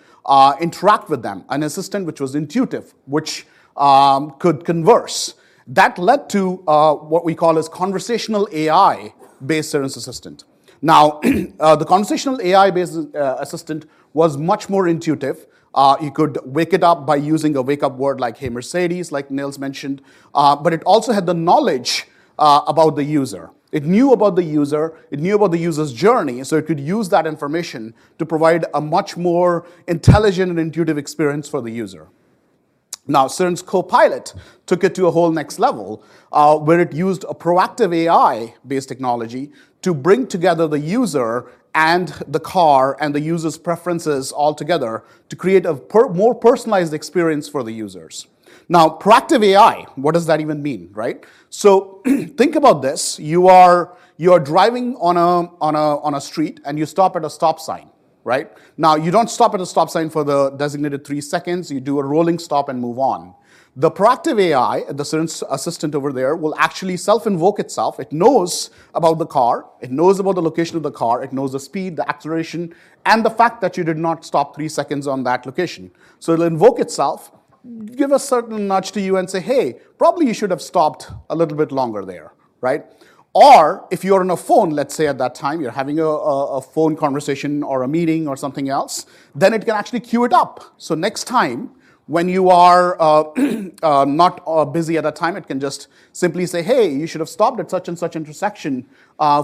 interact with them, an assistant which was intuitive, which could converse. That led to what we call as conversational AI-based Cerence Assistant. The conversational AI-based assistant was much more intuitive. You could wake it up by using a wake-up word like, "Hey, Mercedes," like Nils mentioned, but it also had the knowledge about the user. It knew about the user, it knew about the user's journey, so it could use that information to provide a much more intelligent and intuitive experience for the user. Cerence Co-Pilot took it to a whole next level, where it used a proactive AI-based technology to bring together the user and the car and the user's preferences all together to create a more personalized experience for the users. Proactive AI, what does that even mean, right? Think about this. You are driving on a street, and you stop at a stop sign, right? You don't stop at a stop sign for the designated 3 seconds. You do a rolling stop and move on. The proactive AI, the Cerence Assistant over there, will actually self-invoke itself. It knows about the car, it knows about the location of the car, it knows the speed, the acceleration, and the fact that you did not stop 3 seconds on that location. It'll invoke itself, give a certain nudge to you and say, "Hey, probably you should have stopped a little bit longer there," right? If you're on a phone, let's say, at that time, you're having a phone conversation or a meeting or something else, then it can actually queue it up. Next time when you are not busy at that time, it can just simply say, "Hey, you should have stopped at such and such intersection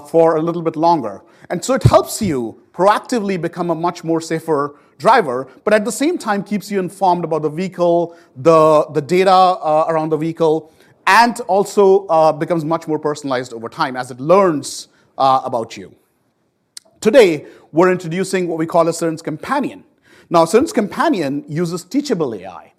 for a little bit longer." It helps you proactively become a much more safer driver, but at the same time keeps you informed about the vehicle, the data around the vehicle, and also becomes much more personalized over time as it learns about you. Today, we're introducing what we call a Cerence Companion. A Cerence Companion uses teachable AI.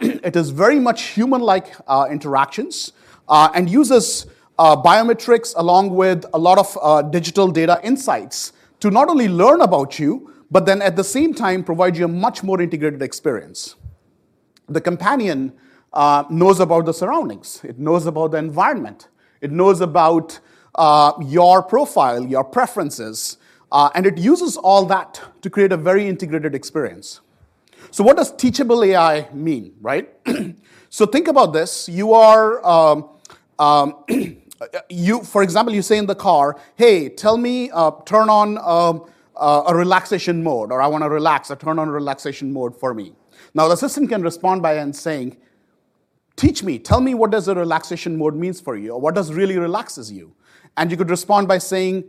It is very much human-like interactions and uses biometrics along with a lot of digital data insights to not only learn about you, but then at the same time provide you a much more integrated experience. The companion knows about the surroundings, it knows about the environment, it knows about your profile, your preferences, and it uses all that to create a very integrated experience. What does teachable AI mean, right? Think about this, you are, for example, you say in the car, "Hey, tell me, turn on a relaxation mode," or, "I wanna relax, so turn on relaxation mode for me." The system can respond by then saying, "Teach me. Tell me what does a relaxation mode means for you, or what does really relaxes you?" You could respond by saying,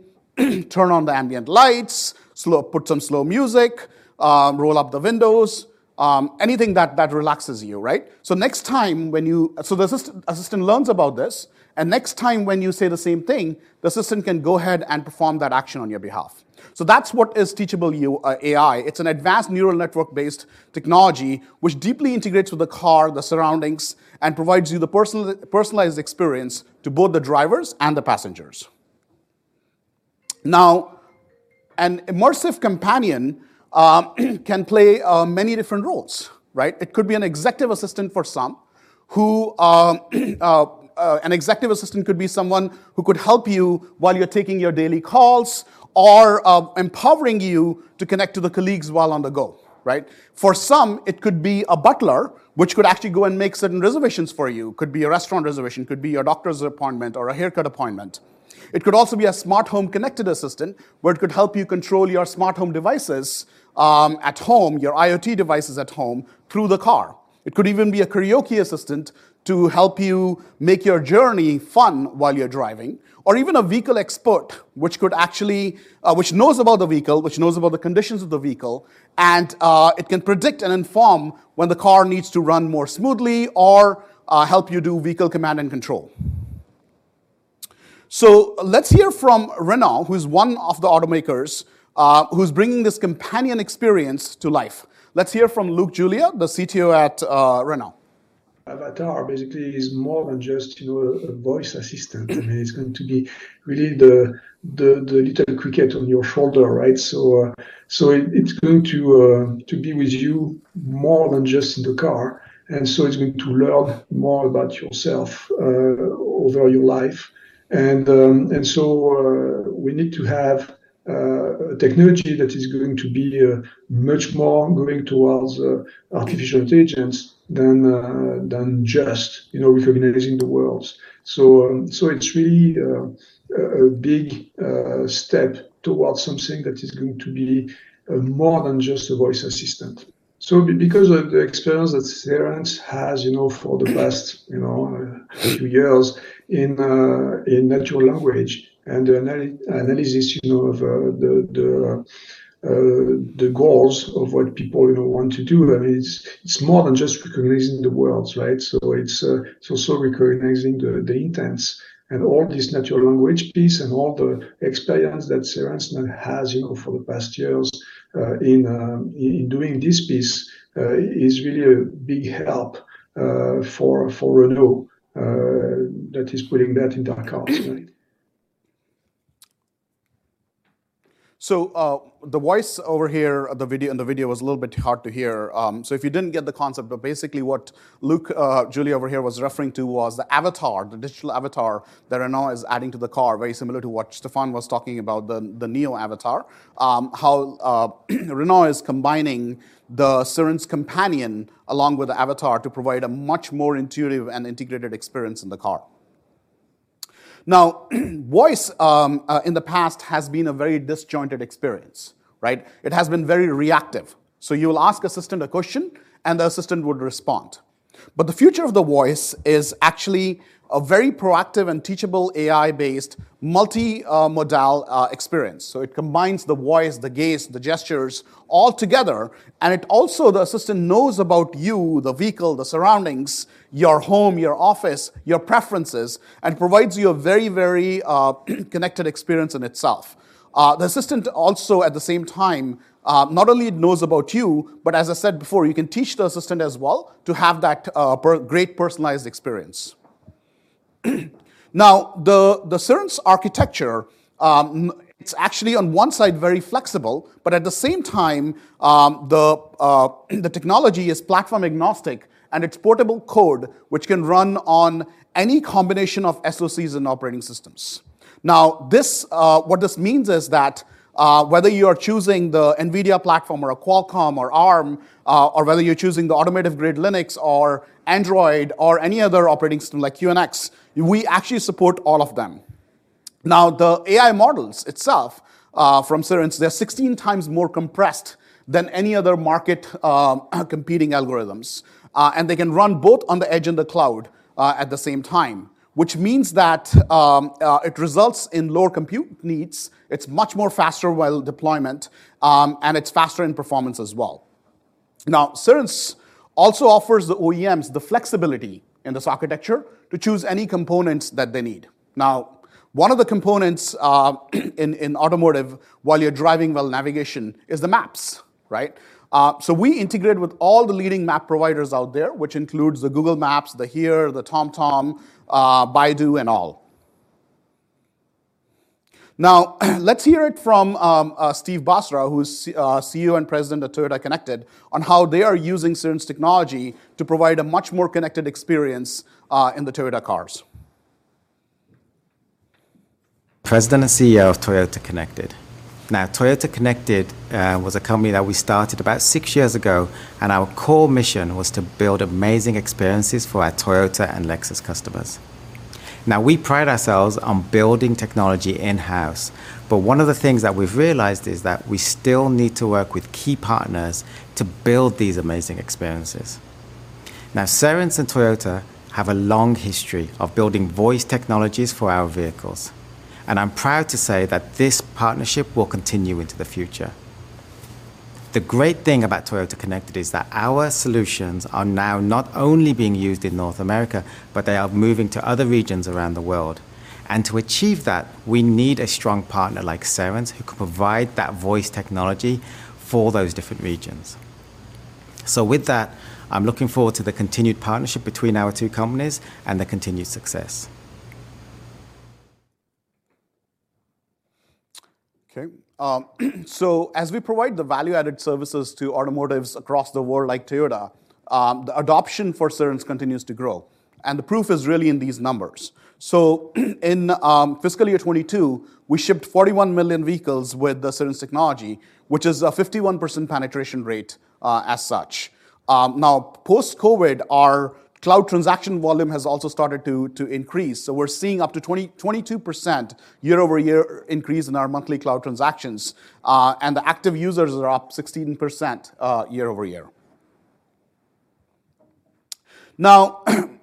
"Turn on the ambient lights, put some slow music, roll up the windows," anything that relaxes you, right. Next time when the assistant learns about this, next time when you say the same thing, the assistant can go ahead and perform that action on your behalf. That's what is teachable AI. It's an advanced neural network-based technology which deeply integrates with the car, the surroundings, and provides you the personalized experience to both the drivers and the passengers. An Immersive Companion can play many different roles, right. It could be an executive assistant for some who could help you while you're taking your daily calls or, empowering you to connect to the colleagues while on the go, right? For some, it could be a butler, which could actually go and make certain reservations for you. It could be a restaurant reservation, it could be your doctor's appointment or a haircut appointment. It could also be a smart home connected assistant, where it could help you control your smart home devices, at home, your IoT devices at home through the car. It could even be a karaoke assistant to help you make your journey fun while you're driving, or even a vehicle expert, which could actually, which knows about the vehicle, which knows about the conditions of the vehicle, and it can predict and inform when the car needs to run more smoothly or help you do vehicle command and control. Let's hear from Renault, who's one of the automakers, who's bringing this companion experience to life. Let's hear from Luc Julia, the CTO at Renault. Avatar basically is more than just a voice assistant. It's going to be really the little cricket on your shoulder, right? It's going to be with you more than just in the car, it's going to learn more about yourself over your life. We need to have technology that is going to be much more going towards artificial intelligence than than just recognizing the words. It's really a big step towards something that is going to be more than just a voice assistant. Because of the experience that Cerence has, you know, for the last, you know, few years in natural language and analysis, you know, of the, the goals of what people, you know, want to do, I mean, it's more than just recognizing the words, right? It's also recognizing the intents and all this natural language piece and all the experience that Cerence now has, you know, for the past years in doing this piece is really a big help for Renault that is putting that into our cars. The voice over here in the video was a little bit hard to hear. If you didn't get the concept, basically what Luc Julia over here was referring to was the avatar, the digital avatar that Renault is adding to the car, very similar to what Stefan was talking about, the NIO avatar. How Renault is combining the Cerence Companion along with the avatar to provide a much more intuitive and integrated experience in the car. Voice in the past has been a very disjointed experience, right? It has been very reactive. You will ask assistant a question, and the assistant would respond. The future of the voice is actually a very proactive and teachable AI-based multi-modal experience. It combines the voice, the gaze, the gestures all together, and it also, the assistant knows about you, the vehicle, the surroundings, your home, your office, your preferences, and provides you a very, very connected experience in itself. The assistant also, at the same time, not only knows about you, but as I said before, you can teach the assistant as well to have that great personalized experience. The Cerence architecture, it's actually on one side very flexible, but at the same time, the technology is platform-agnostic and it's portable code which can run on any combination of SoCs and operating systems. This, what this means is that, whether you are choosing the NVIDIA platform or a Qualcomm or Arm, or whether you're choosing the Automotive Grade Linux or Android or any other operating system like QNX, we actually support all of them. The AI models itself, from Cerence, they're 16 times more compressed than any other market competing algorithms. And they can run both on the edge and the cloud, at the same time, which means that, it results in lower compute needs, it's much more faster while deployment, and it's faster in performance as well. Cerence also offers the OEMs the flexibility in this architecture to choose any components that they need. One of the components, in automotive while you're driving, well, navigation is the maps, right? We integrate with all the leading map providers out there, which includes the Google Maps, the Here, the TomTom, Baidu and all. Now let's hear it from Steve Basra, who's CEO and President of Toyota Connected, on how they are using Cerence technology to provide a much more connected experience in the Toyota cars. President and CEO of Toyota Connected. Now, Toyota Connected was a company that we started about 6 years ago, and our core mission was to build amazing experiences for our Toyota and Lexus customers. Now, we pride ourselves on building technology in-house, but one of the things that we've realized is that we still need to work with key partners to build these amazing experiences. Now, Cerence and Toyota have a long history of building voice technologies for our vehicles, and I'm proud to say that this partnership will continue into the future. The great thing about Toyota Connected is that our solutions are now not only being used in North America, but they are moving to other regions around the world. To achieve that, we need a strong partner like Cerence who can provide that voice technology for those different regions. With that, I'm looking forward to the continued partnership between our two companies and the continued success. Okay. As we provide the value-added services to automotives across the world like Toyota, the adoption for Cerence continues to grow, and the proof is really in these numbers. In fiscal year 2022, we shipped 41 million vehicles with the Cerence technology, which is a 51% penetration rate as such. Post-COVID, our cloud transaction volume has also started to increase, so we're seeing up to 22% year-over-year increase in our monthly cloud transactions. The active users are up 16% year over year.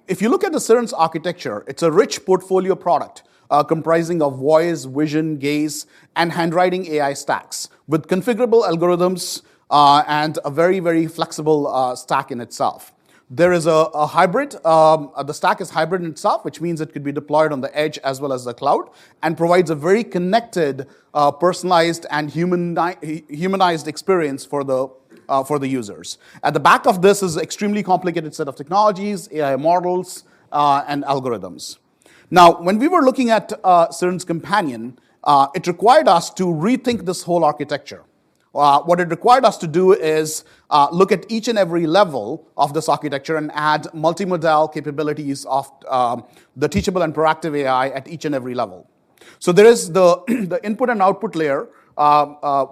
If you look at the Cerence architecture, it's a rich portfolio product comprising of voice, vision, gaze, and handwriting AI stacks with configurable algorithms and a very, very flexible stack in itself. There is a hybrid, the stack is hybrid in itself, which means it could be deployed on the edge as well as the cloud and provides a very connected, personalized and humanized experience for the users. At the back of this is extremely complicated set of technologies, AI models, and algorithms. When we were looking at Cerence Companion, it required us to rethink this whole architecture. What it required us to do is look at each and every level of this architecture and add multimodal capabilities of the teachable and proactive AI at each and every level. There is the input and output layer,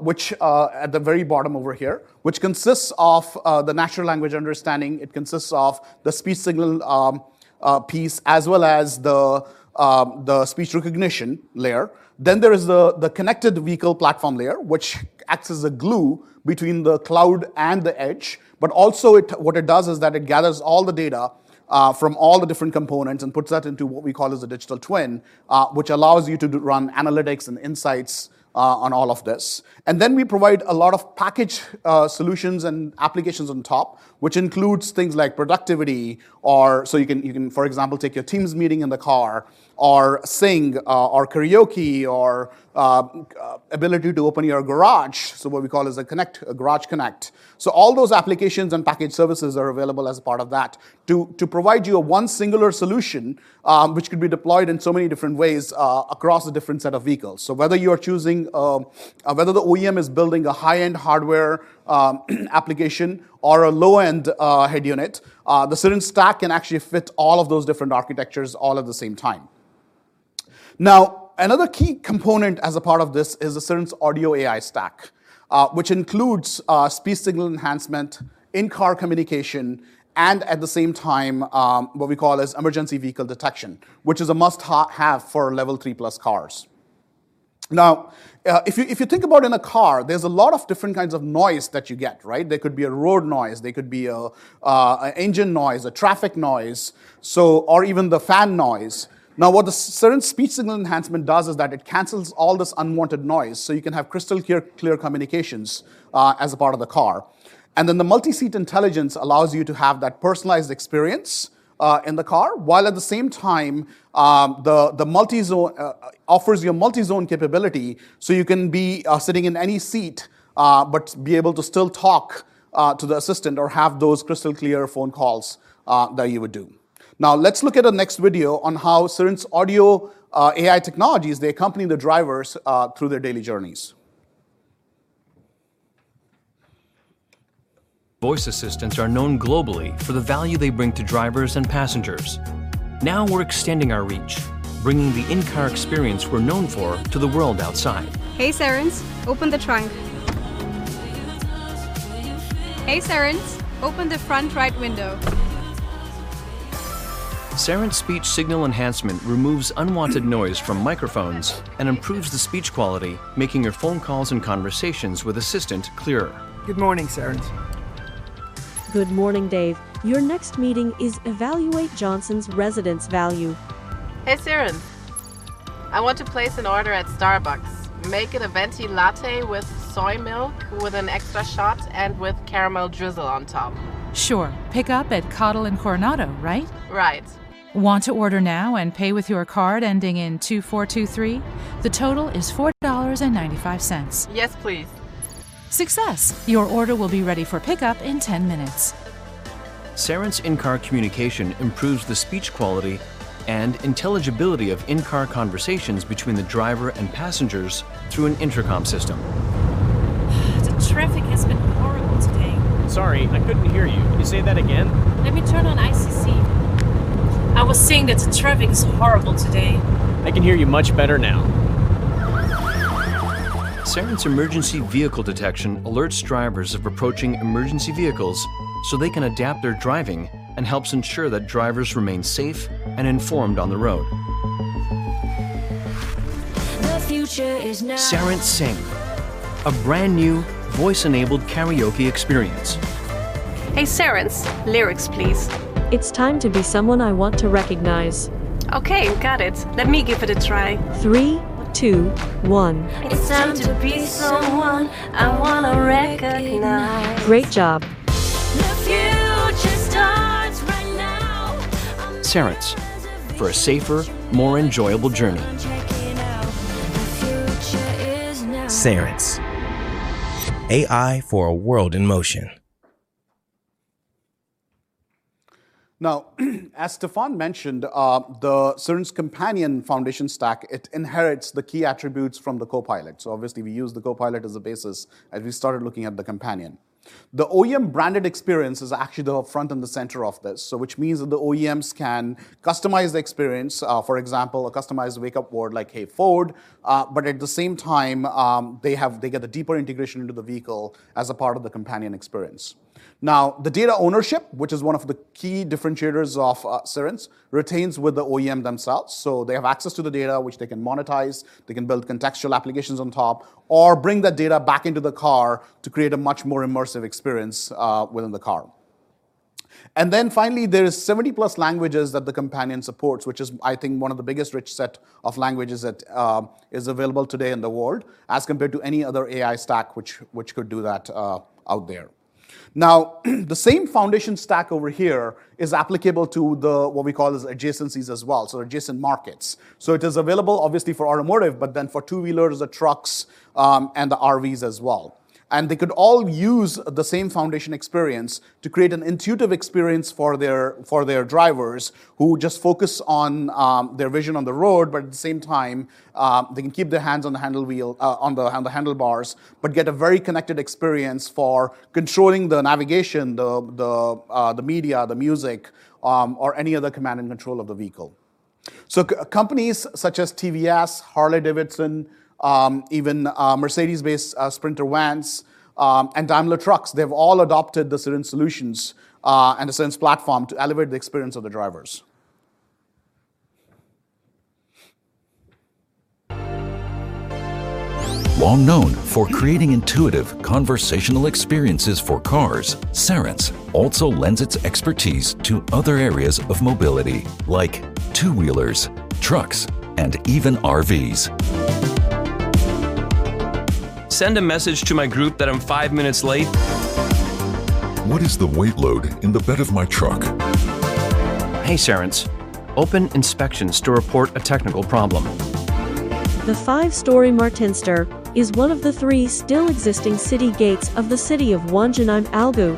which at the very bottom over here, which consists of the natural language understanding. It consists of the speech signal piece, as well as the speech recognition layer. There is the connected vehicle platform layer, which acts as a glue between the cloud and the edge. Also what it does is that it gathers all the data from all the different components and puts that into what we call as a digital twin, which allows you to run analytics and insights on all of this. We provide a lot of package solutions and applications on top, which includes things like productivity or so you can, for example, take your Teams meeting in the car or sing or karaoke or ability to open your garage, so what we call as a garage connect. All those applications and package services are available as a part of that to provide you a one singular solution, which could be deployed in so many different ways across a different set of vehicles. Whether you are choosing, whether the OEM is building a high-end hardware application or a low-end head unit, the Cerence stack can actually fit all of those different architectures all at the same time. Another key component as a part of this is the Cerence Audio AI stack, which includes Speech Signal Enhancement, In-Car Communication, and at the same time, what we call as Emergency Vehicle Detection, which is a must-have for level 3-plus cars. If you think about in a car, there's a lot of different kinds of noise that you get, right? There could be a road noise, there could be a engine noise, a traffic noise, or even the fan noise. What the Cerence Speech Signal Enhancement does is that it cancels all this unwanted noise, so you can have crystal clear communications as a part of the car. The multi-seat intelligence allows you to have that personalized experience in the car, while at the same time, the multi-zone offers you a multi-zone capability, so you can be sitting in any seat, but be able to still talk to the assistant or have those crystal clear phone calls that you would do. Let's look at the next video on how Cerence Audio AI technologies, they accompany the drivers through their daily journeys. Voice assistants are known globally for the value they bring to drivers and passengers. Now we're extending our reach, bringing the in-car experience we're known for to the world outside. Hey, Cerence, open the trunk. Hey, Cerence, open the front right window. Cerence Speech Signal Enhancement removes unwanted noise from microphones and improves the speech quality, making your phone calls and conversations with Assistant clearer. Good morning, Cerence. Good morning, Dave. Your next meeting is Evaluate Johnson's Residence Value. Hey, Cerence. I want to place an order at Starbucks. Make it a venti latte with soy milk, with an extra shot, and with caramel drizzle on top. Sure. Pick up at Cottle and Coronado, right? Right. Want to order now and pay with your card ending in 2423? The total is $4.95. Yes, please. Success. Your order will be ready for pickup in 10 minutes. Cerence In-Car Communication improves the speech quality and intelligibility of in-car conversations between the driver and passengers through an intercom system. The traffic has been horrible today. Sorry, I couldn't hear you. Can you say that again? Let me turn on ICC. I was saying that the traffic is horrible today. I can hear you much better now. Cerence Emergency Vehicle Detection alerts drivers of approaching emergency vehicles so they can adapt their driving, and helps ensure that drivers remain safe and informed on the road. The future is now. Cerence Sing, a brand-new voice-enabled karaoke experience. Hey, Cerence, lyrics, please. It's time to be someone I want to recognize. Okay, got it. Let me give it a try. Three, two, one. It's time to be someone I wanna recognize. Great job. The future starts right now. for a safer, more enjoyable journey. The future is now. Cerence, AI for a world in motion. As Stefan mentioned, the Cerence Companion foundation stack, it inherits the key attributes from the Co-Pilot. Obviously we use the Co-Pilot as a basis as we started looking at the Companion. The OEM-branded experience is actually the front and the center of this, which means that the OEMs can customize the experience, for example, a customized wake-up word, like, "Hey, Ford," but at the same time, they get a deeper integration into the vehicle as a part of the Companion experience. The data ownership, which is one of the key differentiators of Cerence, retains with the OEM themselves, so they have access to the data which they can monetize. They can build contextual applications on top or bring the data back into the car to create a much more immersive experience within the car. Finally, there is 70-plus languages that the Companion supports, which is, I think, one of the biggest rich set of languages that is available today in the world as compared to any other AI stack which could do that out there. The same foundation stack over here is applicable to what we call as adjacencies as well, so adjacent markets. It is available obviously for automotive, but then for two-wheelers, the trucks and the RVs as well. They could all use the same foundation experience to create an intuitive experience for their drivers, who just focus on their vision on the road, but at the same time, they can keep their hands on the handlebars but get a very connected experience for controlling the navigation, the media, the music, or any other command and control of the vehicle. Companies such as TVS, Harley-Davidson, even Mercedes-based sprinter vans, and Daimler Trucks, they've all adopted the Cerence solutions and the Cerence platform to elevate the experience of the drivers. Well known for creating intuitive conversational experiences for cars, Cerence also lends its expertise to other areas of mobility, like two-wheelers, trucks, and even RVs. Send a message to my group that I'm five minutes late. What is the weight load in the bed of my truck? Hey, Cerence, open Inspections to report a technical problem. The five-story Martinstor is one of the three still-existing city gates of the city of Wangen im Allgäu.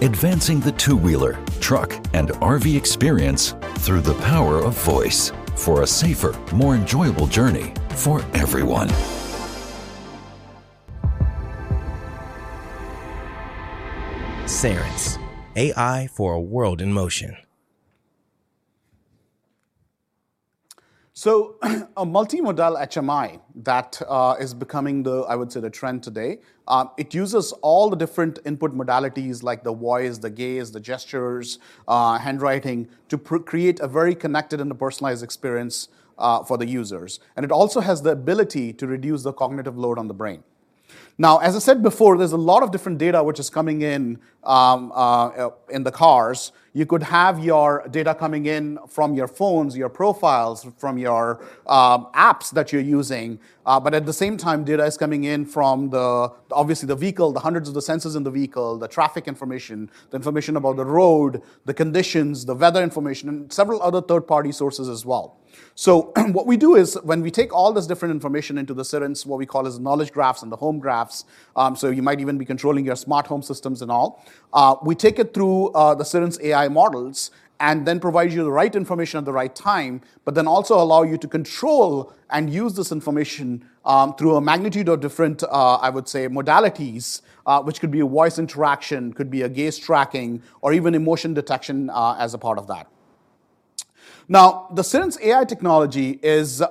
Advancing the two-wheeler, truck, and RV experience through the power of voice, for a safer, more enjoyable journey for everyone. Cerence, AI for a world in motion. A multimodal HMI that is becoming the, I would say, the trend today. It uses all the different input modalities like the voice, the gaze, the gestures, handwriting, to create a very connected and a personalized experience for the users. It also has the ability to reduce the cognitive load on the brain. As I said before, there's a lot of different data which is coming in in the cars. You could have your data coming in from your phones, your profiles, from your apps that you're using. At the same time, data is coming in from the, obviously the vehicle, the hundreds of the sensors in the vehicle, the traffic information, the information about the road, the conditions, the weather information, and several other third-party sources as well. What we do is when we take all this different information into the Cerence, what we call as knowledge graphs and the home graphs, so you might even be controlling your smart home systems and all, we take it through the Cerence AI models and then provide you the right information at the right time, but then also allow you to control and use this information through a magnitude of different, I would say, modalities, which could be a voice interaction, could be a gaze tracking, or even emotion detection as a part of that. The Cerence AI technology is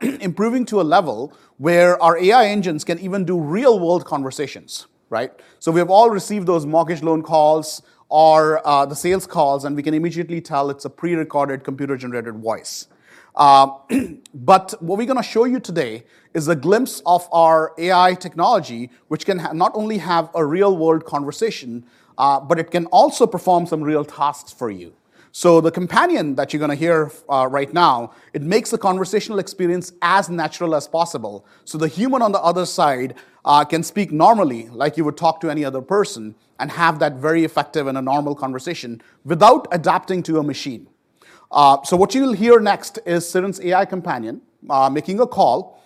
improving to a level where our AI engines can even do real-world conversations, right? We've all received those mortgage loan calls or the sales calls, and we can immediately tell it's a pre-recorded, computer-generated voice. What we're gonna show you today is a glimpse of our AI technology, which can not only have a real-world conversation, but it can also perform some real tasks for you. The Companion that you're gonna hear, right now, it makes the conversational experience as natural as possible, the human on the other side, can speak normally, like you would talk to any other person, and have that very effective and a normal conversation without adapting to a machine. What you'll hear next is Cerence AI Companion making a call.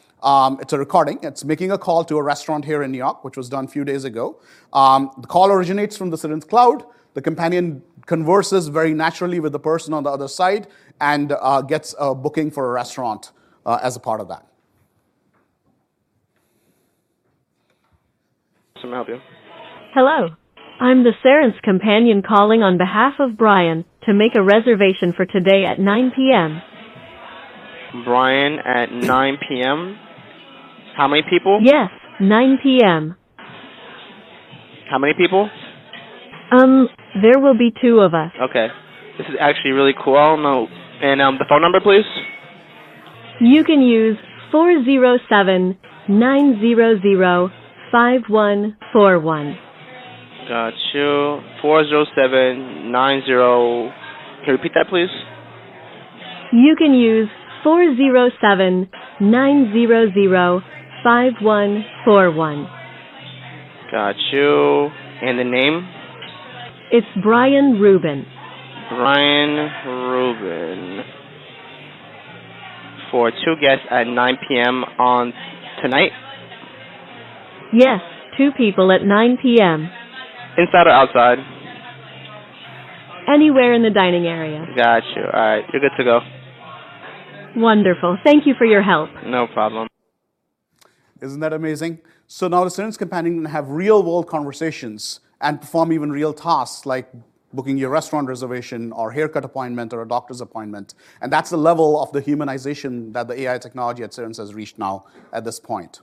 It's a recording. It's making a call to a restaurant here in New York, which was done few days ago. The call originates from the Cerence cloud. The Companion converses very naturally with the person on the other side and gets a booking for a restaurant as a part of that. How may I help you? Hello, I'm the Cerence Companion calling on behalf of Brian to make a reservation for today at 9:00 P.M. Brian at 9 P.M. How many people? Yes, 9:00 P.M. How many people? There will be two of us. Okay. This is actually really cool. The phone number, please. You can use 4079005141. Got you. 40790... Can you repeat that, please? You can use 407-900-5141. Got you. The name? It's Brian Rubin. Brian Rubin. For two guests at 9:00 P.M. on tonight? Yes, 2 people at 9:00 P.M. Inside or outside? Anywhere in the dining area. Got you. All right, you're good to go. Wonderful. Thank you for your help. No problem. Isn't that amazing? Now the Cerence Companion have real-world conversations and perform even real tasks like booking your restaurant reservation or haircut appointment or a doctor's appointment, and that's the level of the humanization that the AI technology at Cerence has reached now at this point.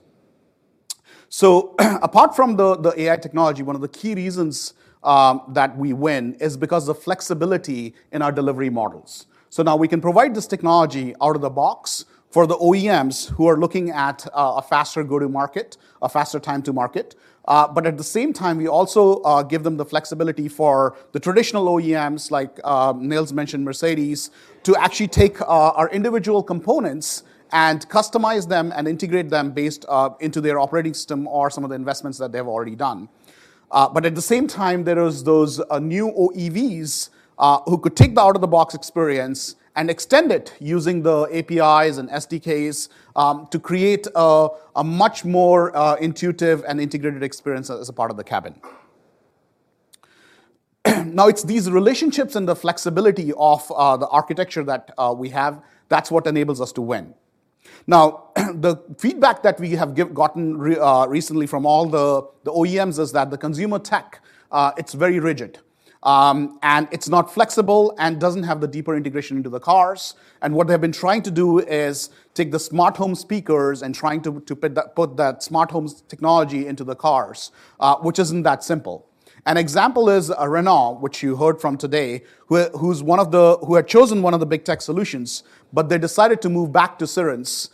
Apart from the AI technology, one of the key reasons that we win is because the flexibility in our delivery models. Now we can provide this technology out of the box for the OEMs who are looking at a faster go-to-market, a faster time to market. At the same time, we also give them the flexibility for the traditional OEMs like Nils mentioned Mercedes, to actually take our individual components and customize them and integrate them based into their operating system or some of the investments that they have already done. At the same time, there is those new OEMs who could take the out-of-the-box experience and extend it using the APIs and SDKs to create a much more intuitive and integrated experience as a part of the cabin. Now, it's these relationships and the flexibility of the architecture that we have, that's what enables us to win. Now, the feedback that we have gotten recently from all the OEMs is that the consumer tech, it's very rigid, and it's not flexible and doesn't have the deeper integration into the cars. What they've been trying to do is take the smart home speakers and trying to put that smart home technology into the cars, which isn't that simple. An example is Renault, which you heard from today, who had chosen one of the big tech solutions, but they decided to move back to Cerence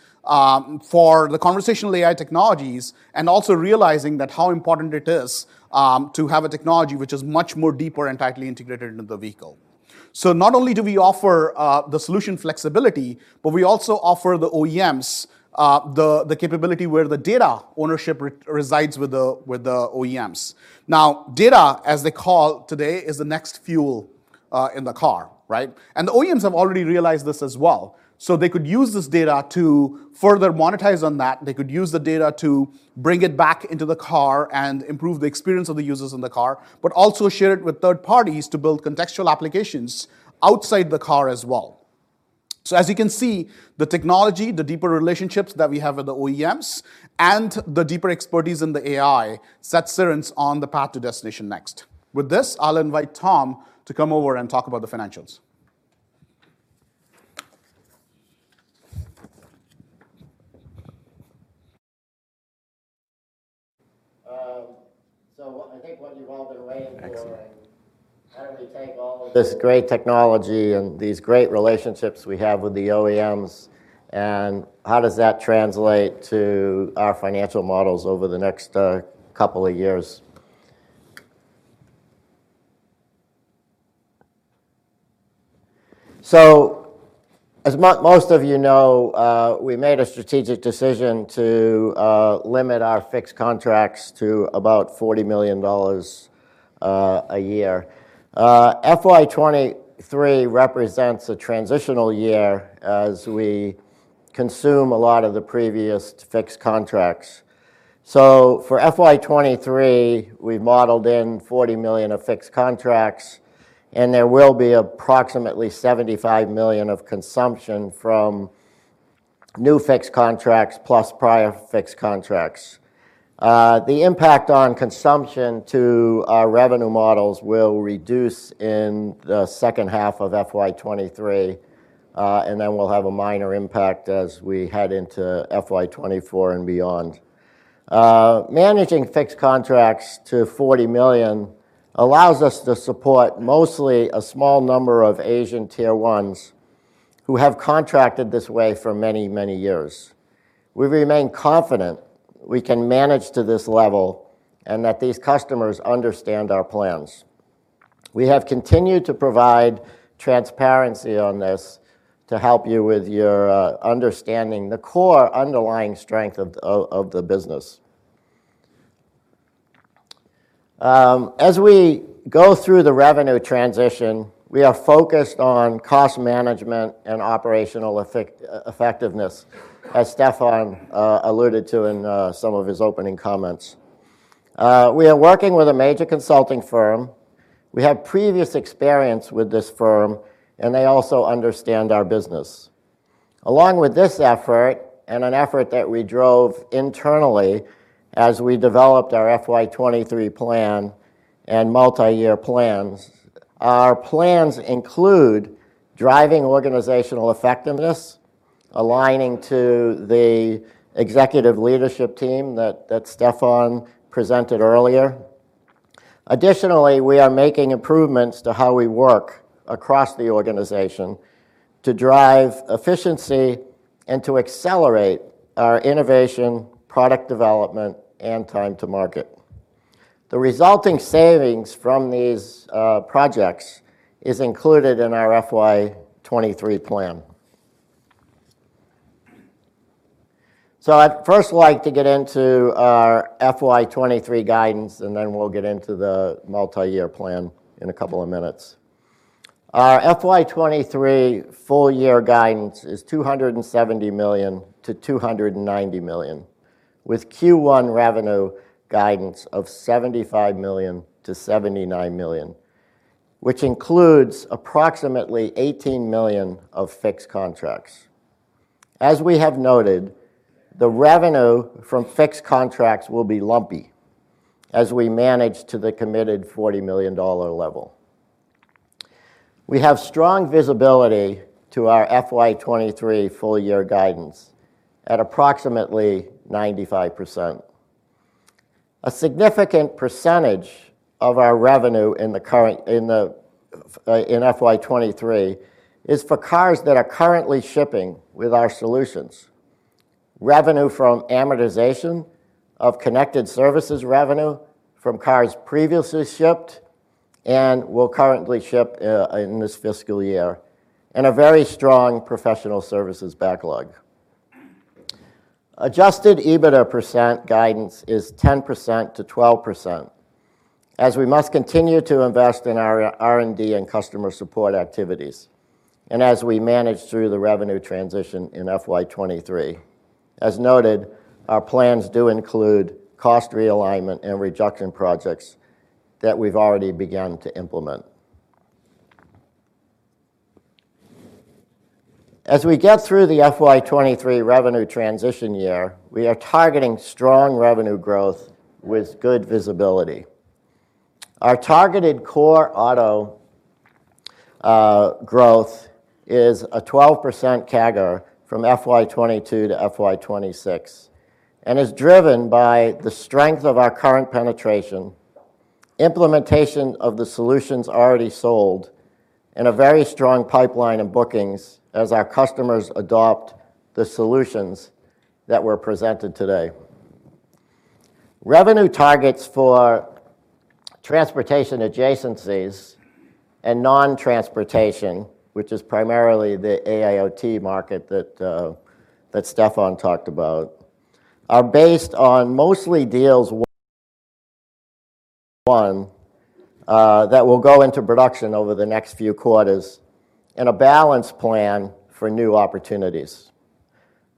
for the conversational AI technologies and also realizing that how important it is to have a technology which is much more deeper and tightly integrated into the vehicle. Not only do we offer the solution flexibility, but we also offer the OEMs the capability where the data ownership resides with the OEMs. Data, as they call today, is the next fuel in the car, right? The OEMs have already realized this as well, they could use this data to further monetize on that. They could use the data to bring it back into the car and improve the experience of the users in the car, but also share it with third parties to build contextual applications outside the car as well. As you can see, the technology, the deeper relationships that we have with the OEMs, and the deeper expertise in the AI sets Cerence on the path to Destination Next. With this, I'll invite Tom to come over and talk about the financials. I think what you've all been waiting for... Excellent How do we take all of this great technology and these great relationships we have with the OEMs, and how does that translate to our financial models over the next couple of years? As most of you know, we made a strategic decision to limit our fixed contracts to about $40 million a year. FY 2023 represents a transitional year as we consume a lot of the previous fixed contracts. For FY 2023, we've modeled in $40 million of fixed contracts, and there will be approximately $75 million of consumption from new fixed contracts plus prior fixed contracts. The impact on consumption to our revenue models will reduce in the second half of FY 2023, and then we'll have a minor impact as we head into FY 2024 and beyond. Managing fixed contracts to $40 million allows us to support mostly a small number of Asian tier ones who have contracted this way for many, many years. We remain confident we can manage to this level and that these customers understand our plans. We have continued to provide transparency on this to help you with your understanding the core underlying strength of the business. As we go through the revenue transition, we are focused on cost management and operational effectiveness, as Stefan alluded to in some of his opening comments. We are working with a major consulting firm. We have previous experience with this firm, they also understand our business. Along with this effort and an effort that we drove internally as we developed our FY 23 plan and multi-year plans, our plans include driving organizational effectiveness, aligning to the executive leadership team that Stefan presented earlier. Additionally, we are making improvements to how we work across the organization to drive efficiency and to accelerate our innovation, product development, and time to market. The resulting savings from these projects is included in our FY 23 plan. I'd first like to get into our FY 23 guidance, and then we'll get into the multi-year plan in a couple of minutes. Our FY 23 full year guidance is $270 million-$290 million, with Q1 revenue guidance of $75 million-$79 million, which includes approximately $18 million of fixed contracts. As we have noted, the revenue from fixed contracts will be lumpy as we manage to the committed $40 million level. We have strong visibility to our FY 23 full year guidance at approximately 95%. A significant percentage of our revenue in FY 23 is for cars that are currently shipping with our solutions, revenue from amortization of connected services revenue from cars previously shipped and will currently ship in this fiscal year, and a very strong professional services backlog. Adjusted EBITDA % guidance is 10%-12%, as we must continue to invest in our R&D and customer support activities and as we manage through the revenue transition in FY 23. As noted, our plans do include cost realignment and reduction projects that we've already begun to implement. As we get through the FY 23 revenue transition year, we are targeting strong revenue growth with good visibility. Our targeted core auto growth is a 12% CAGR from FY 22 to FY 26 and is driven by the strength of our current penetration, implementation of the solutions already sold, and a very strong pipeline of bookings as our customers adopt the solutions that were presented today. Revenue targets for transportation adjacencies and non-transportation, which is primarily the AIoT market that Stefan talked about, are based on mostly deals won that will go into production over the next few quarters and a balanced plan for new opportunities.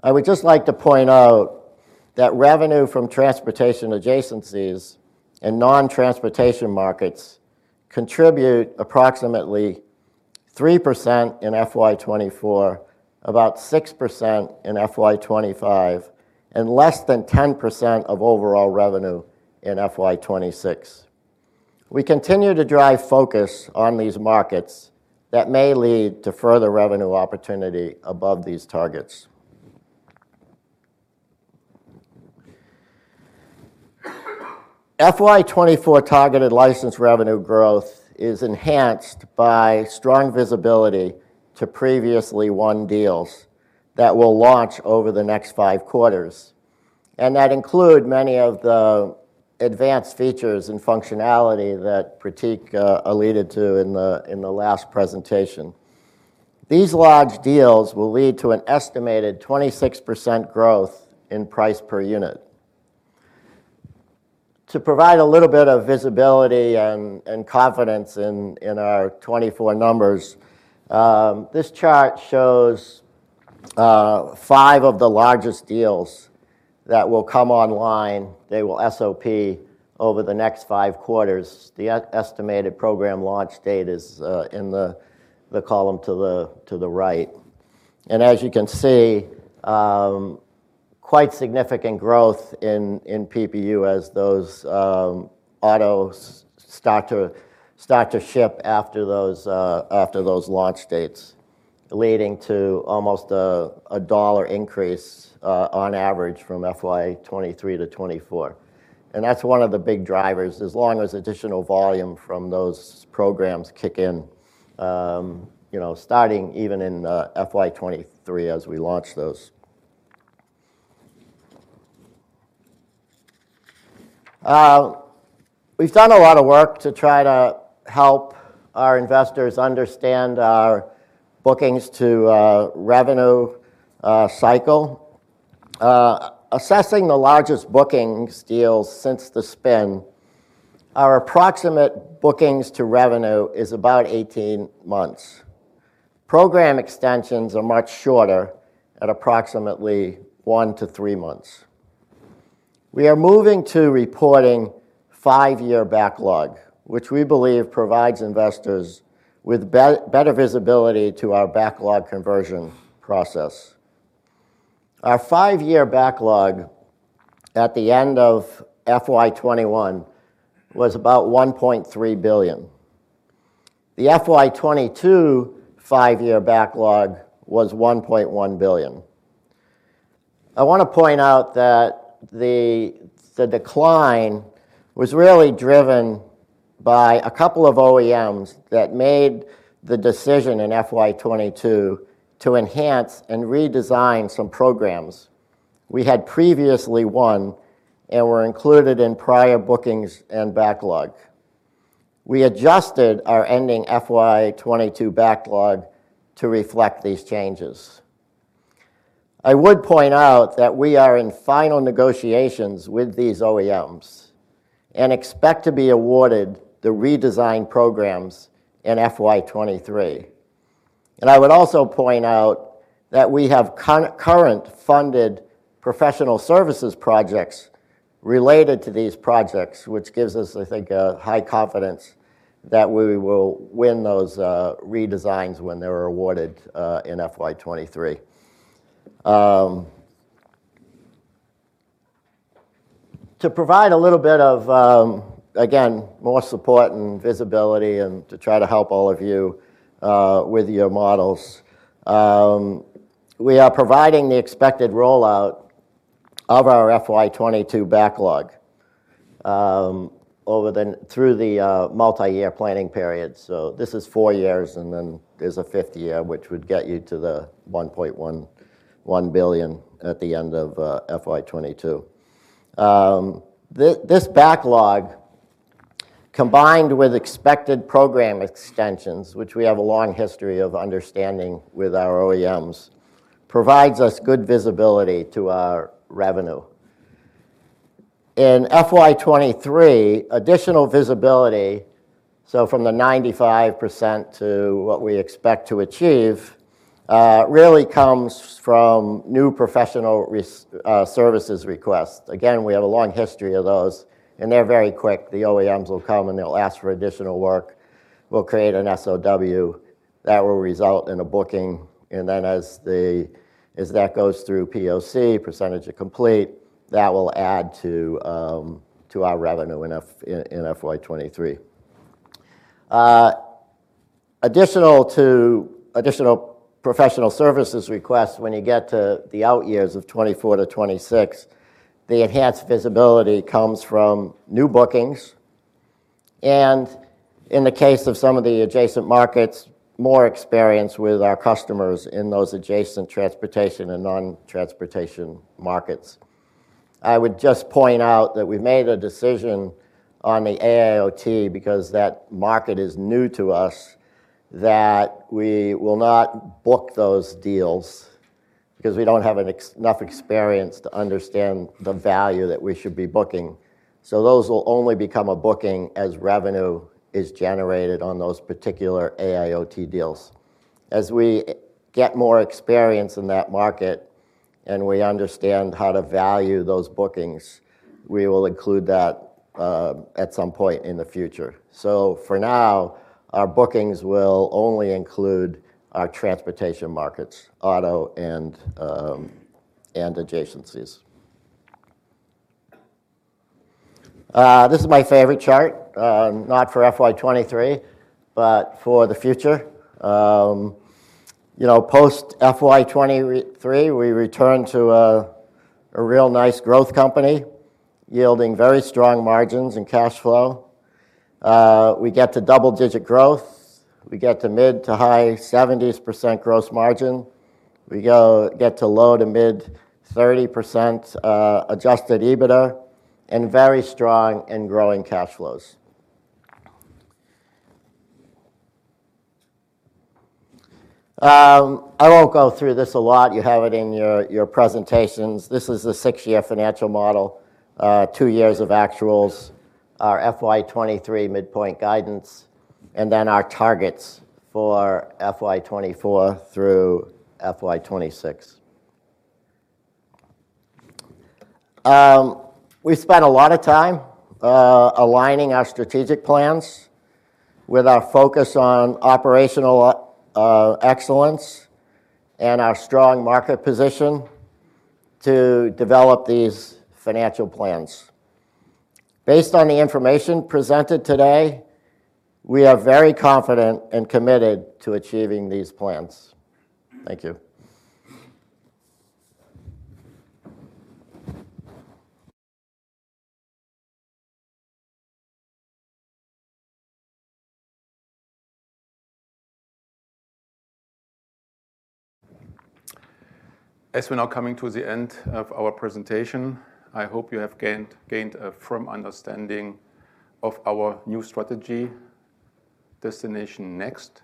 I would just like to point out that revenue from transportation adjacencies and non-transportation markets contribute approximately 3% in FY 24, about 6% in FY 25, and less than 10% of overall revenue in FY 26. We continue to drive focus on these markets that may lead to further revenue opportunity above these targets. FY 2024 targeted licensed revenue growth is enhanced by strong visibility to previously won deals that will launch over the next 5 quarters, and that include many of the advanced features and functionality that Pratik alluded to in the last presentation. These large deals will lead to an estimated 26% growth in price per unit. To provide a little bit of visibility and confidence in our 2024 numbers, this chart shows 5 of the largest deals that will come online. They will SOP over the next 5 quarters. The estimated program launch date is in the column to the right. As you can see, quite significant growth in PPU as those autos start to ship after those launch dates, leading to almost a $1 increase on average from FY 2023 to 2024. That's one of the big drivers as long as additional volume from those programs kick in, you know, starting even in FY 2023 as we launch those. We've done a lot of work to try to help our investors understand our bookings to revenue cycle. Assessing the largest bookings deals since the spin, our approximate bookings to revenue is about 18 months. Program extensions are much shorter at approximately 1-3 months. We are moving to reporting 5-year backlog, which we believe provides investors with better visibility to our backlog conversion process. Our five-year backlog at the end of FY 2021 was about $1.3 billion. The FY 2022 five-year backlog was $1.1 billion. I want to point out that the decline was really driven by a couple of OEMs that made the decision in FY 2022 to enhance and redesign some programs we had previously won and were included in prior bookings and backlog. We adjusted our ending FY 2022 backlog to reflect these changes. I would point out that we are in final negotiations with these OEMs and expect to be awarded the redesigned programs in FY 2023. I would also point out that we have concurrent funded professional services projects related to these projects, which gives us, I think, a high confidence that we will win those redesigns when they're awarded in FY 2023. To provide a little bit of, again, more support and visibility and to try to help all of you with your models, we are providing the expected rollout of our FY 22 backlog through the multi-year planning period. This is four years, and then there's a fifth year, which would get you to the $1.1 billion at the end of FY 22. This backlog, combined with expected program extensions, which we have a long history of understanding with our OEMs, provides us good visibility to our revenue. In FY 23, additional visibility, so from the 95% to what we expect to achieve, really comes from new professional services requests. Again, we have a long history of those, and they're very quick. The OEMs will come, and they'll ask for additional work. We'll create an SOW that will result in a booking, and then as that goes through POC, percentage of complete, that will add to our revenue in FY 23. Additional to additional professional services requests, when you get to the out years of 24-26, the enhanced visibility comes from new bookings and, in the case of some of the adjacent markets, more experience with our customers in those adjacent transportation and non-transportation markets. I would just point out that we've made a decision on the AIoT, because that market is new to us, that we will not book those deals because we don't have enough experience to understand the value that we should be booking. Those will only become a booking as revenue is generated on those particular AIoT deals. As we get more experience in that market and we understand how to value those bookings, we will include that at some point in the future. For now, our bookings will only include our transportation markets, auto and adjacencies. This is my favorite chart, not for FY23, but for the future. You know, post FY23, we return to a real nice growth company yielding very strong margins and cash flow. We get to double-digit growth. We get to mid to high 70% gross margin. We get to low to mid 30% adjusted EBITDA and very strong and growing cash flows. I won't go through this a lot. You have it in your presentations. This is the 6-year financial model, 2 years of actuals, our FY 2023 midpoint guidance, and then our targets for FY 2024 through FY 2026. We spent a lot of time aligning our strategic plans with our focus on operational excellence and our strong market position to develop these financial plans. Based on the information presented today, we are very confident and committed to achieving these plans. Thank you. As we're now coming to the end of our presentation, I hope you have gained a firm understanding of our new strategy Destination Next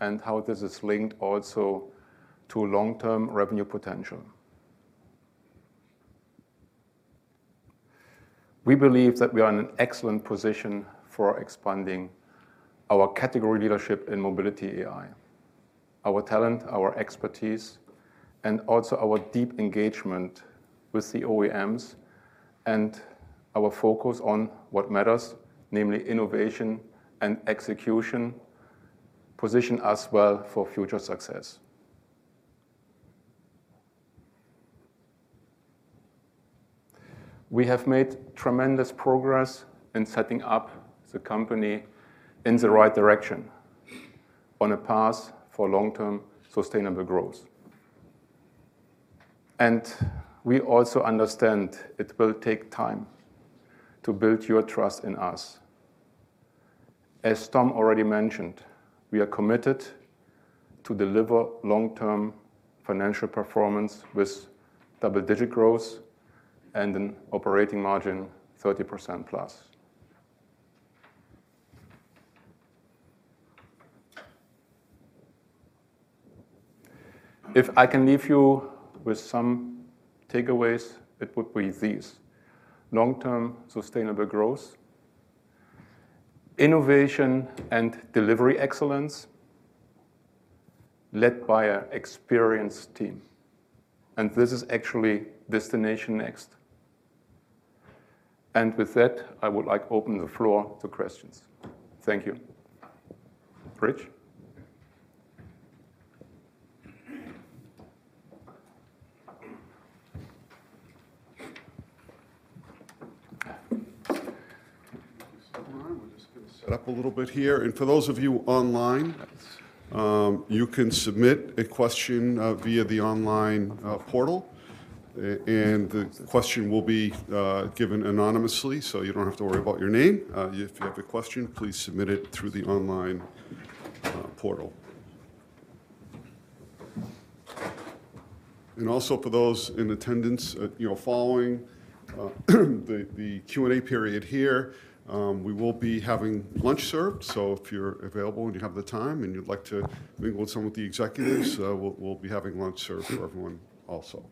and how this is linked also to long-term revenue potential. We believe that we are in an excellent position for expanding our category leadership in mobility AI. Our talent, our expertise, and also our deep engagement with the OEMs and our focus on what matters, namely innovation and execution, position us well for future success. We have made tremendous progress in setting up the company in the right direction, on a path for long-term sustainable growth. We also understand it will take time to build your trust in us. As Tom already mentioned, we are committed to deliver long-term financial performance with double-digit growth and an operating margin 30%+. If I can leave you with some takeaways, it would be these: long-term sustainable growth, innovation and delivery excellence, led by an experienced team. This is actually Destination Next. With that, I would like to open the floor to questions. Thank you. Rich? Thank you, Stefan. We're just gonna set up a little bit here. For those of you online, you can submit a question via the online portal. The question will be given anonymously, so you don't have to worry about your name. If you have a question, please submit it through the online portal. Also for those in attendance, you know, following the Q&A period here, we will be having lunch served. If you're available and you have the time and you'd like to mingle with some of the executives, we'll be having lunch served for everyone also.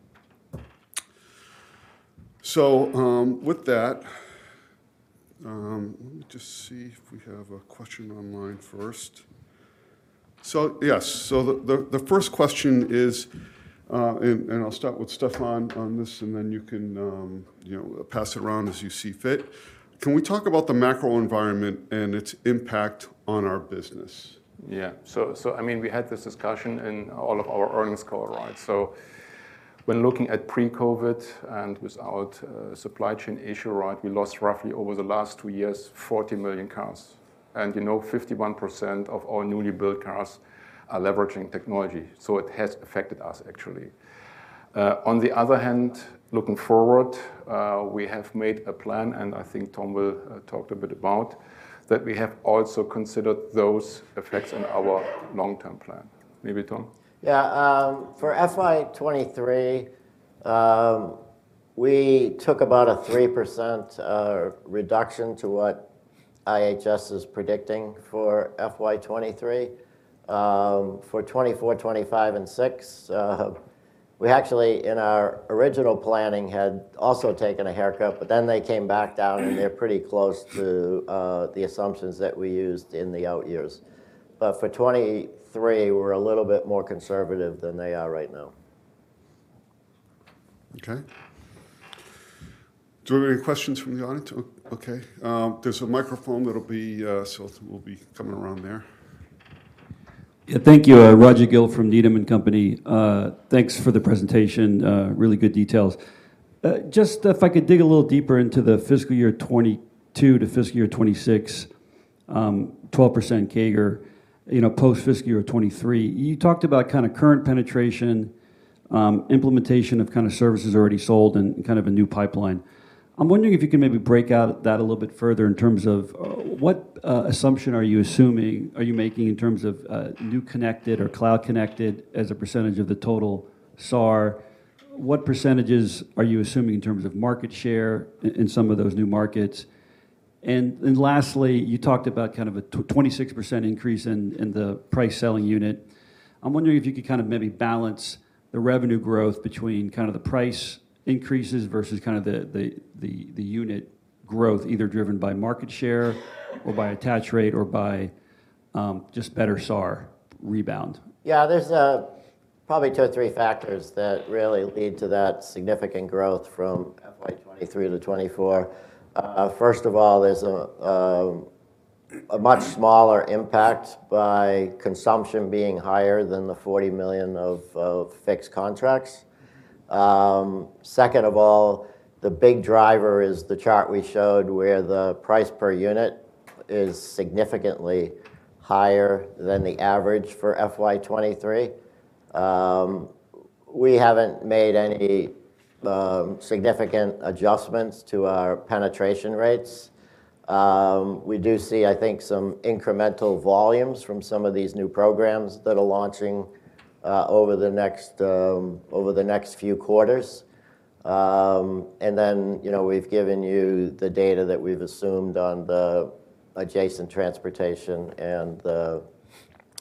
With that, let me just see if we have a question online first. Yes. The first question is, and I'll start with Stefan on this, and then you can, you know, pass it around as you see fit. Can we talk about the macro environment and its impact on our business? Yeah. I mean, we had this discussion in all of our earnings call, right? When looking at pre-COVID and without supply chain issue, right, we lost roughly over the last two years, 40 million cars. You know, 51% of our newly built cars are leveraging technology, so it has affected us actually. On the other hand, looking forward, we have made a plan, and I think Tom will talk a bit about, that we have also considered those effects in our long-term plan. Maybe Tom. Yeah. For FY 2023, we took about a 3% reduction to what IHS is predicting for FY 2023. For 2024, 2025, and 2026, we actually, in our original planning, had also taken a haircut, but then they came back down, and they're pretty close to the assumptions that we used in the out years. For 2023, we're a little bit more conservative than they are right now. Okay. Do we have any questions from the audience? Okay. There's a microphone that'll be, so it will be coming around there. Yeah, thank you. Rajvindra Gill from Needham & Company. Thanks for the presentation. Really good details. Just if I could dig a little deeper into the fiscal year 22 to fiscal year 26, 12% CAGR, you know, post-fiscal year 23. You talked about kinda current penetration, implementation of kinda services already sold and kind of a new pipeline. I'm wondering if you can maybe break out that a little bit further in terms of what assumption are you making in terms of new connected or cloud connected as a percentage of the total SAR? What percentages are you assuming in terms of market share in some of those new markets? Lastly, you talked about kind of a 26% increase in the price selling unit. I'm wondering if you could kind of maybe balance the revenue growth between kind of the price increases versus kind of the unit growth, either driven by market share or by attach rate or by just better SAR rebound. Yeah, there's probably 2 or 3 factors that really lead to that significant growth from FY 2023 to 2024. First of all, there's a much smaller impact by consumption being higher than the $40 million of fixed contracts. Second of all, the big driver is the chart we showed where the price per unit is significantly higher than the average for FY 2023. We haven't made any significant adjustments to our penetration rates. We do see, I think, some incremental volumes from some of these new programs that are launching over the next over the next few quarters. You know, we've given you the data that we've assumed on the adjacent transportation and the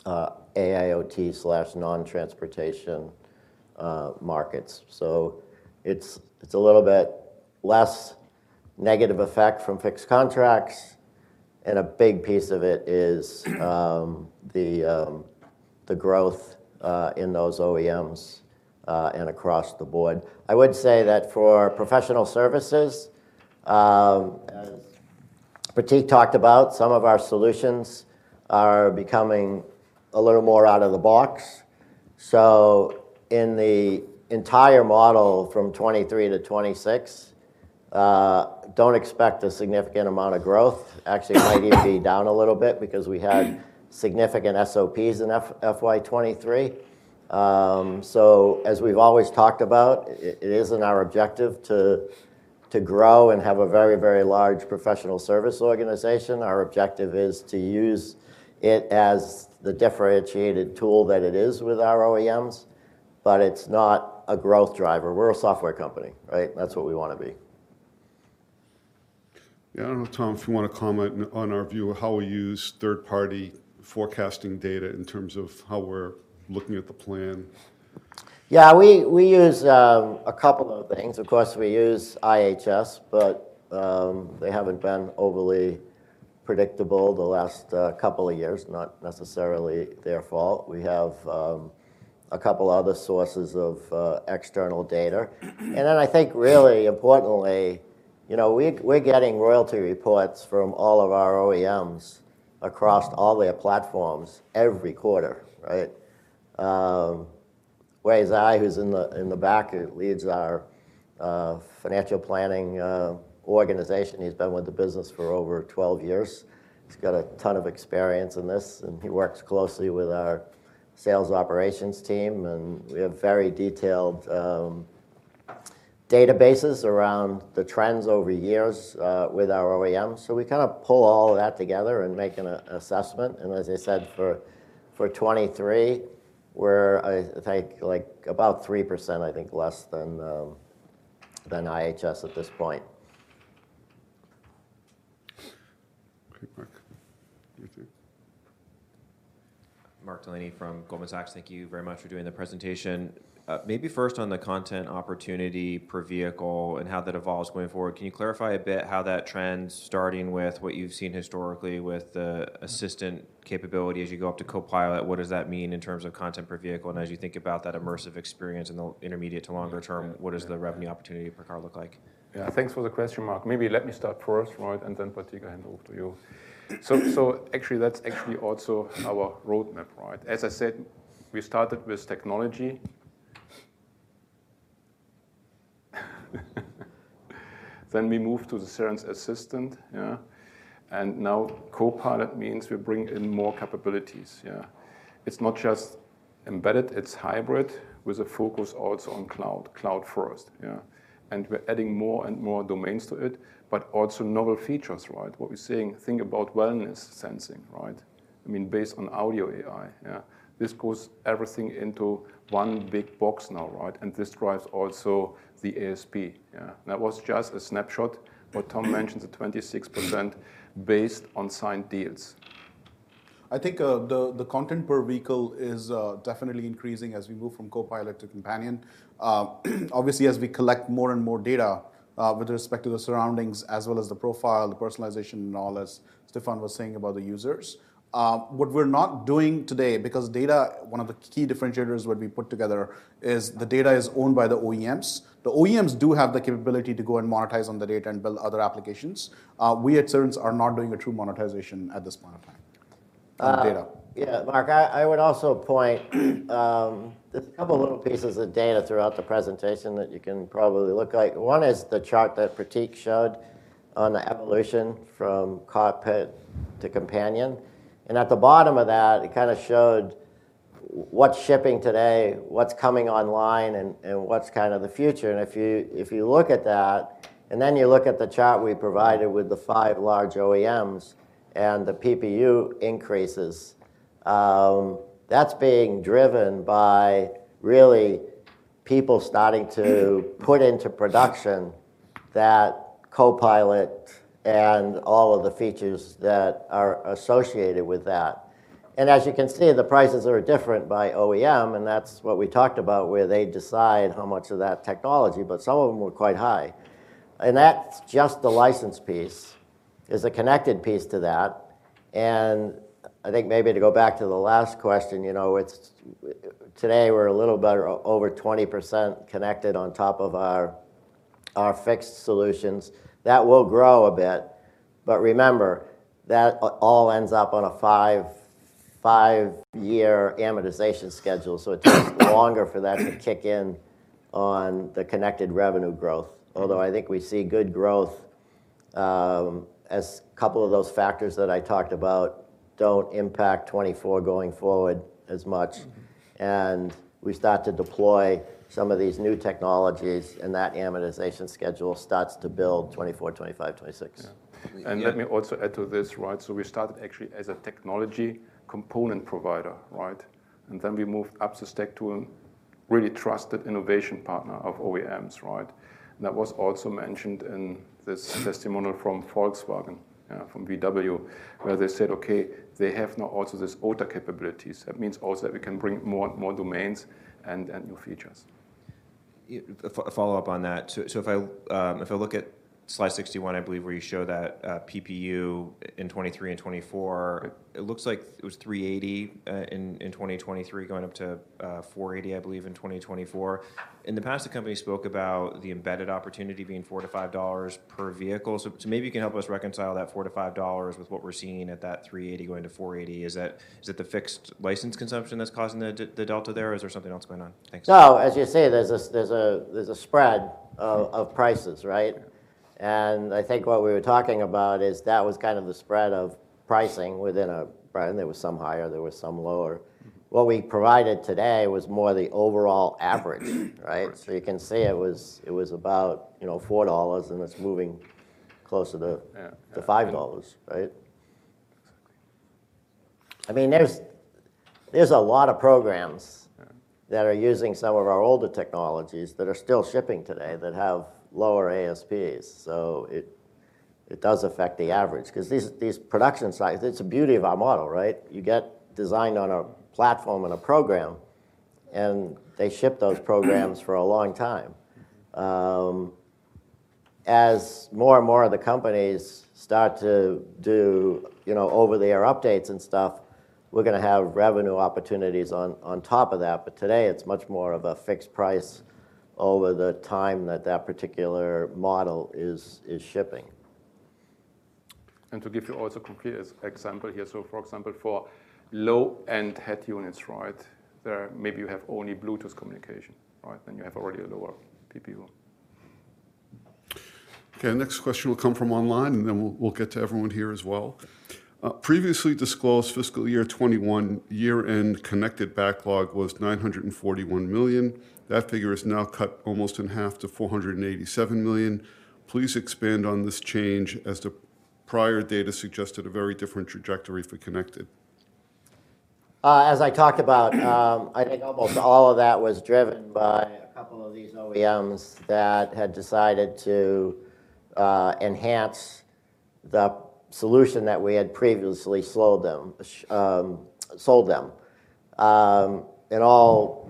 AIoT/non-transportation markets. It's, it's a little bit less negative effect from fixed contracts, and a big piece of it is the growth in those OEMs and across the board. I would say that for professional services, as Prateek talked about, some of our solutions are becoming a little more out of the box. In the entire model from 2023 to 2026, don't expect a significant amount of growth. Actually, it might even be down a little bit because we had significant SOPs in FY 2023. As we've always talked about, it isn't our objective to grow and have a very, very large professional service organization. Our objective is to use it as the differentiated tool that it is with our OEMs, but it's not a growth driver. We're a software company, right? That's what we wanna be. Yeah. I don't know, Tom, if you wanna comment on our view of how we use third-party forecasting data in terms of how we're looking at the plan. Yeah. We use a couple of things. Of course, we use IHS, but they haven't been overly predictable the last couple of years. Not necessarily their fault. We have a couple other sources of external data. Then I think really importantly, you know, we're getting royalty reports from all of our OEMs across all their platforms every quarter, right? Wei Zai, who's in the back, leads our financial planning organization. He's been with the business for over 12 years. He's got a ton of experience in this, and he works closely with our sales operations team, and we have very detailed databases around the trends over years with our OEMs. We kind of pull all of that together and make an assessment. As I said, for 23, we're, I think, like, about 3%, I think, less than IHS at this point. Okay. Mark, you too. Mark Delaney from Goldman Sachs. Thank you very much for doing the presentation. Maybe first on the content opportunity per vehicle and how that evolves going forward, can you clarify a bit how that trend starting with what you've seen historically with the assistant capability as you go up to Co-Pilot, what does that mean in terms of content per vehicle? As you think about that immersive experience in the intermediate to longer term, what does the revenue opportunity per car look like? Thanks for the question, Mark. Maybe let me start first, right, Prateek, I hand over to you. Actually, that's actually also our roadmap, right? As I said, we started with technology. We moved to the Cerence Assistant. Now Co-Pilot means we bring in more capabilities. It's not just embedded, it's hybrid with a focus also on cloud first. We're adding more and more domains to it, but also novel features, right? What we're seeing, think about wellness sensing, right? I mean, based on Audio AI. This puts everything into one big box now, right? This drives also the ASP. That was just a snapshot, but Tom mentioned the 26% based on signed deals. I think, the content per vehicle is definitely increasing as we move from Co-Pilot to Companion. Obviously, as we collect more and more data, with respect to the surroundings as well as the profile, the personalization, and all, as Stefan was saying about the users. What we're not doing today, because data, one of the key differentiators what we put together is the data is owned by the OEMs. The OEMs do have the capability to go and monetize on the data and build other applications. We at Cerence are not doing a true monetization at this point of time on data. Yeah. Mark, I would also point, there's a couple little pieces of data throughout the presentation that you can probably look at. One is the chart that Prateek showed on the evolution from cockpit to Companion. At the bottom of that, it kinda showed what's shipping today, what's coming online, and what's kind of the future. If you, if you look at that, and then you look at the chart we provided with the 5 large OEMs and the PPU increases, that's being driven by really people starting to put into production that Co-Pilot and all of the features that are associated with that. As you can see, the prices are different by OEM, and that's what we talked about, where they decide how much of that technology, but some of them were quite high. That's just the license piece. There's a connected piece to that. I think maybe to go back to the last question, you know, it's today we're a little better, over 20% connected on top of our fixed solutions. That will grow a bit. Remember, that all ends up on a 5-year amortization schedule, so it takes longer for that to kick in on the connected revenue growth. Although I think we see good growth, as a couple of those factors that I talked about don't impact 2024 going forward as much, and we start to deploy some of these new technologies, and that amortization schedule starts to build 2024, 2025, 2026. Yeah. Let me also add to this, right? We started actually as a technology component provider, right? Then we moved up the stack to a really trusted innovation partner of OEMs, right? Was also mentioned in this testimonial from Volkswagen, from VW, where they said, okay, they have now also this OTA capabilities. Means also that we can bring more, more domains and new features. A follow-up on that. If I look at slide 61, I believe, where you show that PPU in 2023 and 2024, it looks like it was $380 in 2023 going up to $480, I believe, in 2024. In the past, the company spoke about the embedded opportunity being $4 to $5 per vehicle. Maybe you can help us reconcile that $4 to $5 with what we're seeing at that $380 going to $480. Is it the fixed license consumption that's causing the delta there, or is there something else going on? Thanks. As you say, there's a spread of prices, right? I think what we were talking about is that was kind of the spread of pricing within a brand. There was some higher, there was some lower. What we provided today was more the overall average, right? You can see it was, it was about, you know, $4, and it's moving closer to Yeah. Yeah.... to $5, right? Exactly. I mean, there's a lot of programs. Yeah... that are using some of our older technologies that are still shipping today that have lower ASPs. It does affect the average, 'cause these production sizes, it's the beauty of our model, right? You get designed on a platform and a program, and they ship those programs for a long time. As more and more of the companies start to do, you know, over-the-air updates and stuff, we're gonna have revenue opportunities on top of that. Today it's much more of a fixed price over the time that that particular model is shipping. To give you also complete example here. For example, for low-end head units, right, there maybe you have only Bluetooth communication, right? You have already a lower PPU. Okay, next question will come from online, and then we'll get to everyone here as well. Previously disclosed fiscal year 2021 year-end connected backlog was $941 million. That figure is now cut almost in half to $487 million. Please expand on this change as the prior data suggested a very different trajectory for connected. I think almost all of that was driven by a couple of these OEMs that had decided to enhance the solution that we had previously sold them. It all,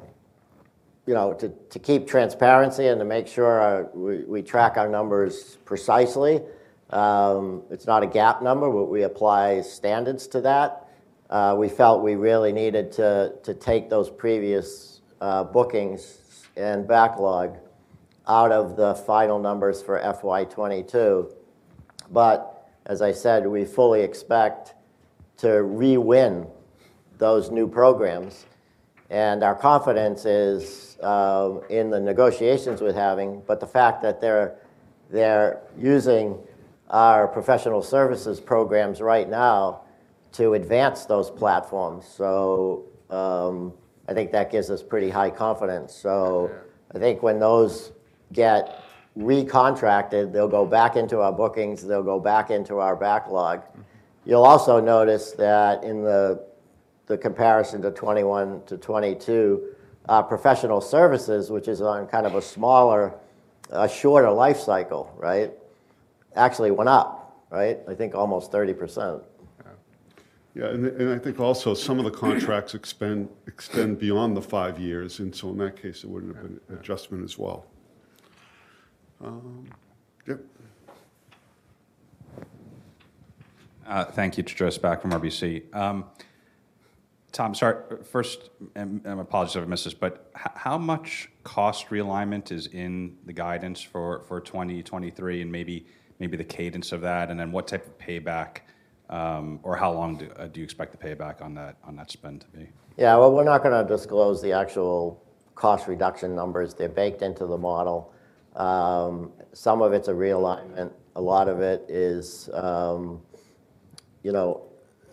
you know, to keep transparency and to make sure we track our numbers precisely, it's not a GAAP number, but we apply standards to that. We felt we really needed to take those previous bookings and backlog out of the final numbers for FY2022. As I said, we fully expect to re-win those new programs, and our confidence is in the negotiations we're having, but the fact that they're using our professional services programs right now to advance those platforms. I think that gives us pretty high confidence. Yeah I think when those get recontracted, they'll go back into our bookings, they'll go back into our backlog. You'll also notice that in the comparison to 2021 to 2022, professional services, which is on kind of a smaller, shorter life cycle, right, actually went up, right? I think almost 30%. Yeah. I think also some of the contracts extend beyond the 5 years, and so in that case, it wouldn't have been an adjustment as well. Yep. Thank you. It's Joseph Spak from RBC. Tom, sorry, first, apologies if I missed this, but how much cost realignment is in the guidance for 2023 and maybe the cadence of that, and then what type of payback, or how long do you expect the payback on that spend to be? Yeah, well, we're not gonna disclose the actual cost reduction numbers. They're baked into the model. Some of it's a realignment. A lot of it is, you know,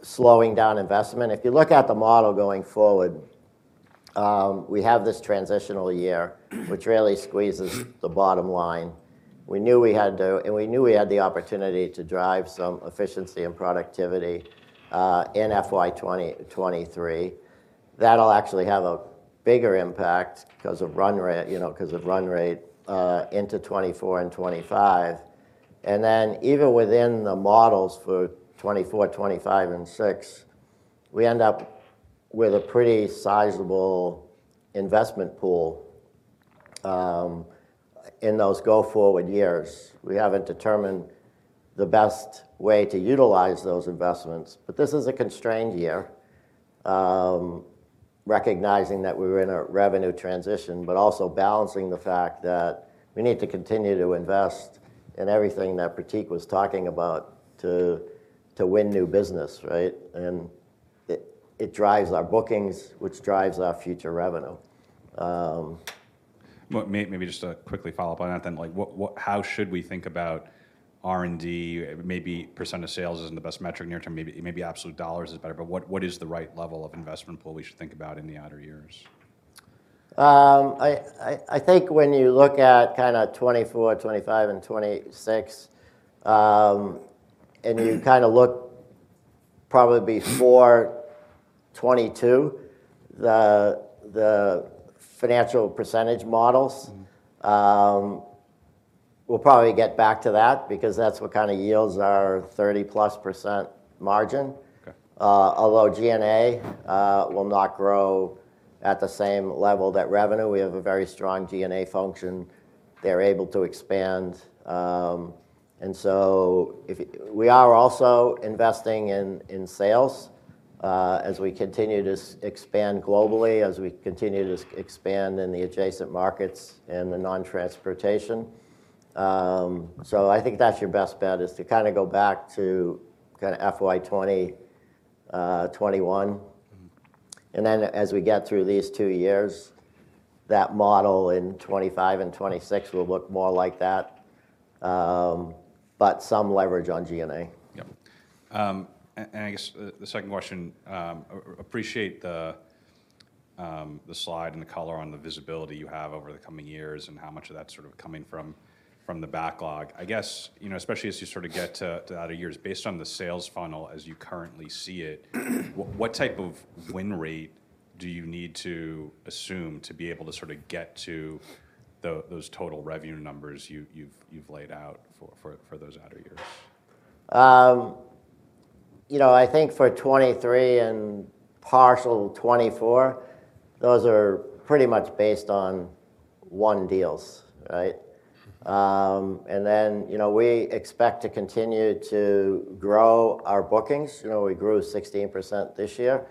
slowing down investment. If you look at the model going forward, we have this transitional year which really squeezes the bottom line. We knew we had to, and we knew we had the opportunity to drive some efficiency and productivity in FY 2023. That'll actually have a bigger impact because of run rate, you know, because of run rate into 2024 and 2025. Then even within the models for 2024, 2025 and 2026, we end up with a pretty sizable investment pool in those go-forward years. We haven't determined the best way to utilize those investments, but this is a constrained year. Recognizing that we were in a revenue transition, but also balancing the fact that we need to continue to invest in everything that Pratik was talking about to win new business, right? It drives our bookings, which drives our future revenue. Well, maybe just to quickly follow up on that then. Like what how should we think about R&D? Maybe % of sales isn't the best metric near term. Maybe absolute dollars is better, but what is the right level of investment pool we should think about in the outer years? I think when you look at 24, 25 and 26, and Probably before 2022, the financial percentage models, we'll probably get back to that because that's what kind of yields our 30+% margin. Okay. Although G&A will not grow at the same level that revenue, we have a very strong G&A function. They're able to expand. We are also investing in sales, as we continue to expand globally, as we continue to expand in the adjacent markets and the non-transportation. I think that's your best bet, is to go back to FY 2020, 2021. Mm-hmm. As we get through these 2 years, that model in 2025 and 2026 will look more like that, but some leverage on G&A. Yep. I guess the second question, appreciate the slide and the color on the visibility you have over the coming years and how much of that's sort of coming from the backlog. I guess, you know, especially as you sort of get to outer years, based on the sales funnel as you currently see it, what type of win rate do you need to assume to be able to sorta get to those total revenue numbers you've laid out for those outer years? You know, I think for 2023 and partial 2024, those are pretty much based on won deals, right? You know, we expect to continue to grow our bookings. You know, we grew 16% this year.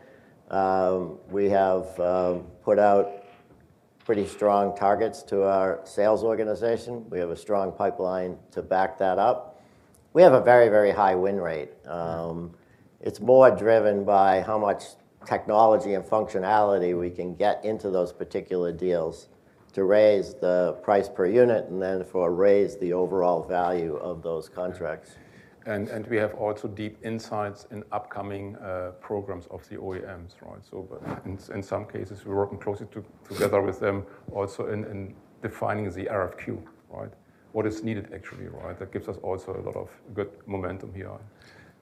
We have put out pretty strong targets to our sales organization. We have a strong pipeline to back that up. We have a very, very high win rate. It's more driven by how much technology and functionality we can get into those particular deals to raise the price per unit, and then therefore raise the overall value of those contracts. We have also deep insights in upcoming programs of the OEMs, right? But in some cases, we're working closely together with them also in defining the RFQ, right? What is needed actually, right? That gives us also a lot of good momentum here.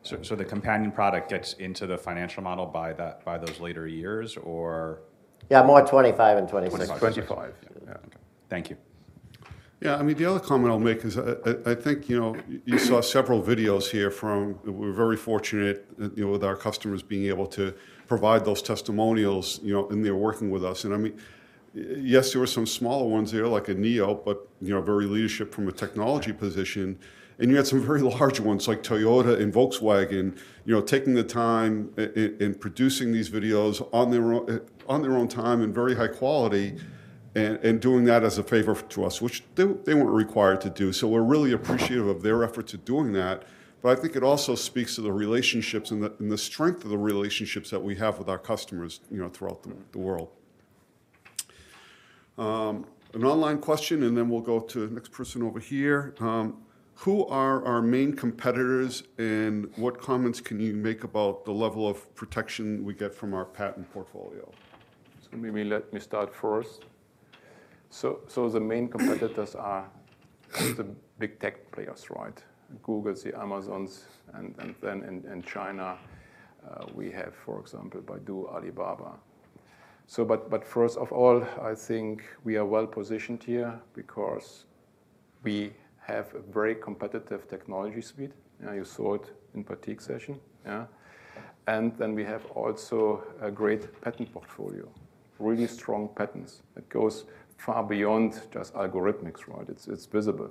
The companion product gets into the financial model by those later years or- Yeah, more 2025 and 2026. '25. '25. Yeah. Okay. Thank you. Yeah, I mean, the other comment I'll make is I think, you know, you saw several videos here. We're very fortunate, you know, with our customers being able to provide those testimonials, you know, and they're working with us. I mean, yes, there were some smaller ones there like a NIO, but you know, very leadership from a technology position. You had some very large ones like Toyota and Volkswagen, you know, taking the time in producing these videos on their own, on their own time and very high quality and doing that as a favor to us, which they weren't required to do. We're really appreciative of their efforts of doing that. I think it also speaks to the relationships and the strength of the relationships that we have with our customers, you know, throughout the world. An online question, and then we'll go to the next person over here. Who are our main competitors, and what comments can you make about the level of protection we get from our patent portfolio? Maybe let me start first. The main competitors are the big tech players, right? Google, the Amazons, and then in China, we have, for example, Baidu, Alibaba. First of all, I think we are well positioned here because we have a very competitive technology speed. You know, you saw it in Pratik's session. We have also a great patent portfolio, really strong patents. It goes far beyond just algorithmics, right? It's visible.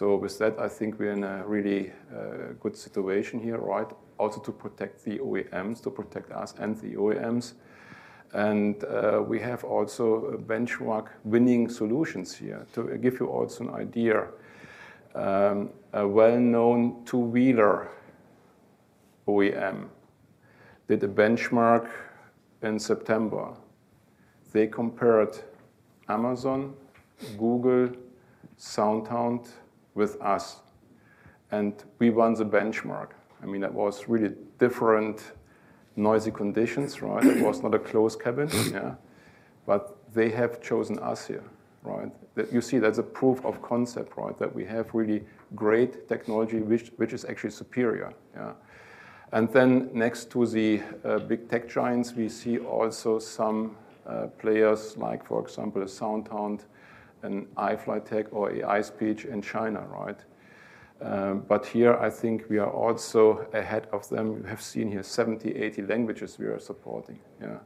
With that, I think we're in a really good situation here, right? Also to protect the OEMs, to protect us and the OEMs. We have also benchmark winning solutions here. To give you also an idea, a well-known two-wheeler OEM did a benchmark in September. They compared Amazon, Google, SoundHound with us, and we won the benchmark. I mean, that was really different noisy conditions, right? It was not a closed cabin. Yeah. They have chosen us here, right? You see that's a proof of concept, right? That we have really great technology which is actually superior. Yeah. Next to the big tech giants, we see also some players like, for example, SoundHound and iFLYTEK or iSpeech in China, right? Here I think we are also ahead of them. You have seen here 70, 80 languages we are supporting. Yeah.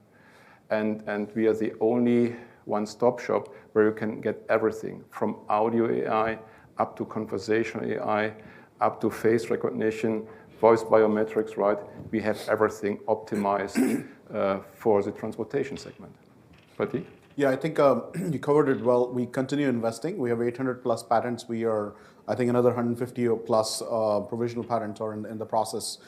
We are the only one-stop shop where you can get everything from Audio AI up to conversational AI up to face recognition, voice biometrics, right? We have everything optimized for the transportation segment. Pratik? I think, you covered it well. We continue investing. We have 800+ patents. We are, I think, another 150+ provisional patents are in the process.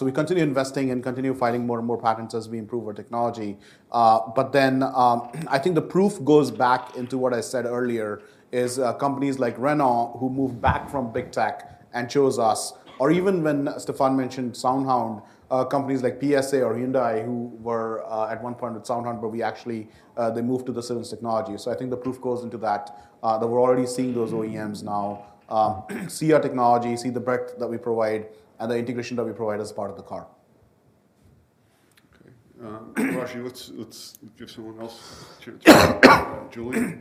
We continue investing and continue filing more and more patents as we improve our technology. I think the proof goes back into what I said earlier, is companies like Renault who moved back from big tech and chose us, or even when Stefan mentioned SoundHound, companies like PSA or Hyundai who were at one point with SoundHound, but we actually, they moved to the Cerence technology. I think the proof goes into that we're already seeing those OEMs now, see our technology, see the breadth that we provide and the integration that we provide as part of the car. Rashi, let's give someone else a chance.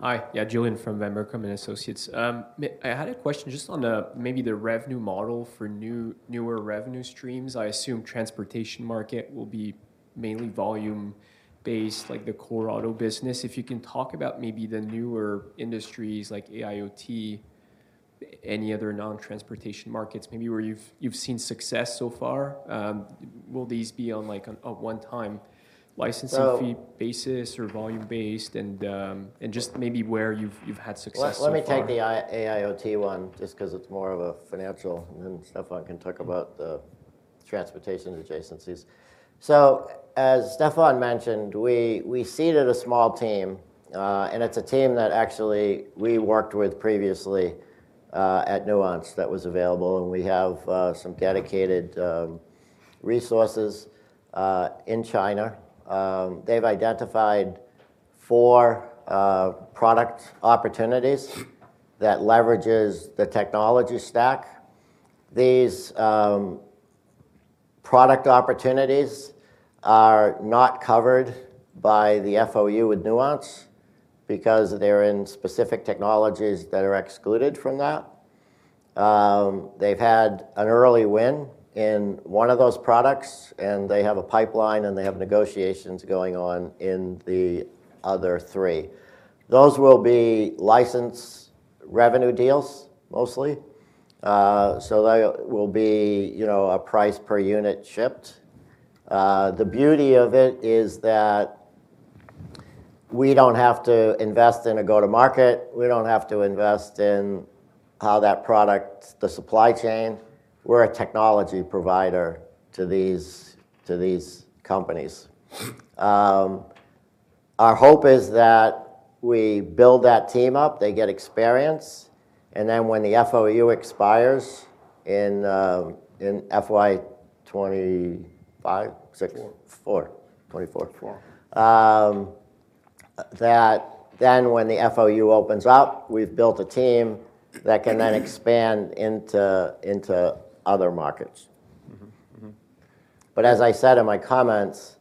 Julian? Hi. Yeah, Julian from Van Merk & Associates. I had a question just on maybe the revenue model for newer revenue streams. I assume transportation market will be mainly volume-based, like the core auto business. If you can talk about maybe the newer industries like AIoT, any other non-transportation markets, maybe where you've seen success so far. Will these be on, like, a one-time licensing- So- -fee basis or volume-based? Just maybe where you've had success so far. Let me take the AIoT one just 'cause it's more of a financial. Then Stefan can talk about the transportation adjacencies. As Stefan mentioned, we seeded a small team, and it's a team that actually we worked with previously at Nuance that was available, and we have some dedicated resources in China. They've identified four product opportunities that leverages the technology stack. These product opportunities are not covered by the FOU with Nuance because they're in specific technologies that are excluded from that. They've had an early win in one of those products, and they have a pipeline, and they have negotiations going on in the other three. Those will be license revenue deals mostly. They will be, you know, a price per unit shipped. The beauty of it is that we don't have to invest in a go-to-market. We don't have to invest in how that product, the supply chain. We're a technology provider to these, to these companies. Our hope is that we build that team up, they get experience, and then when the FOU expires in FY 2025, 2026? Four. 4. 24. Four. When the FOU opens up, we've built a team that can then expand into other markets. Mm-hmm. Mm-hmm. As I said in my comments,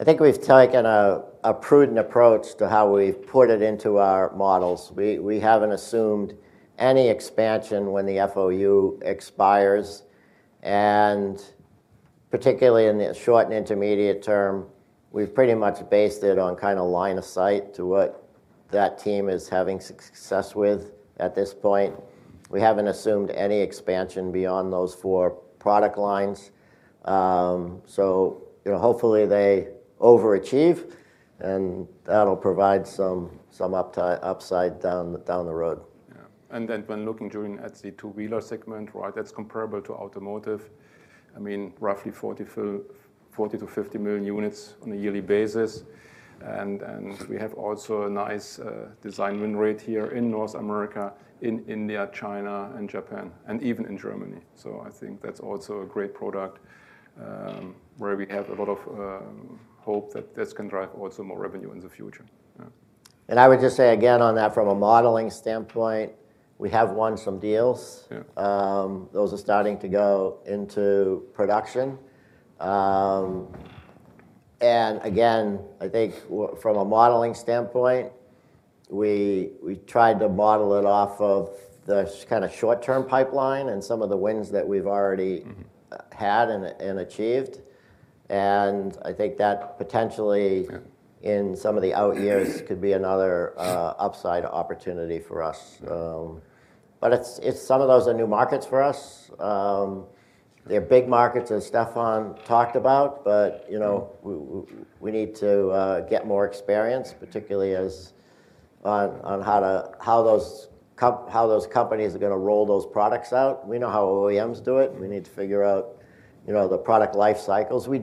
I think we've taken a prudent approach to how we've put it into our models. We haven't assumed any expansion when the FOU expires. Particularly in the short and intermediate term, we've pretty much based it on kinda line of sight to what that team is having success with at this point. We haven't assumed any expansion beyond those 4 product lines. You know, hopefully they overachieve, and that'll provide some upside down the road. When looking during at the two-wheeler segment, right, that's comparable to automotive. I mean, roughly 40-50 million units on a yearly basis. We have also a nice design win rate here in North America, in India, China, and Japan, and even in Germany. I think that's also a great product, where we have a lot of hope that this can drive also more revenue in the future. I would just say again on that from a modeling standpoint, we have won some deals. Yeah. Those are starting to go into production. Again, I think from a modeling standpoint, we tried to model it off of the kinda short-term pipeline and some of the wins that we've already... Mm-hmm... had and achieved. I think that Yeah in some of the out years could be another upside opportunity for us. It's some of those are new markets for us. They're big markets as Stefan talked about, but, you know, we need to get more experience, particularly on how those companies are gonna roll those products out. We know how OEMs do it. We need to figure out, you know, the product life cycles. I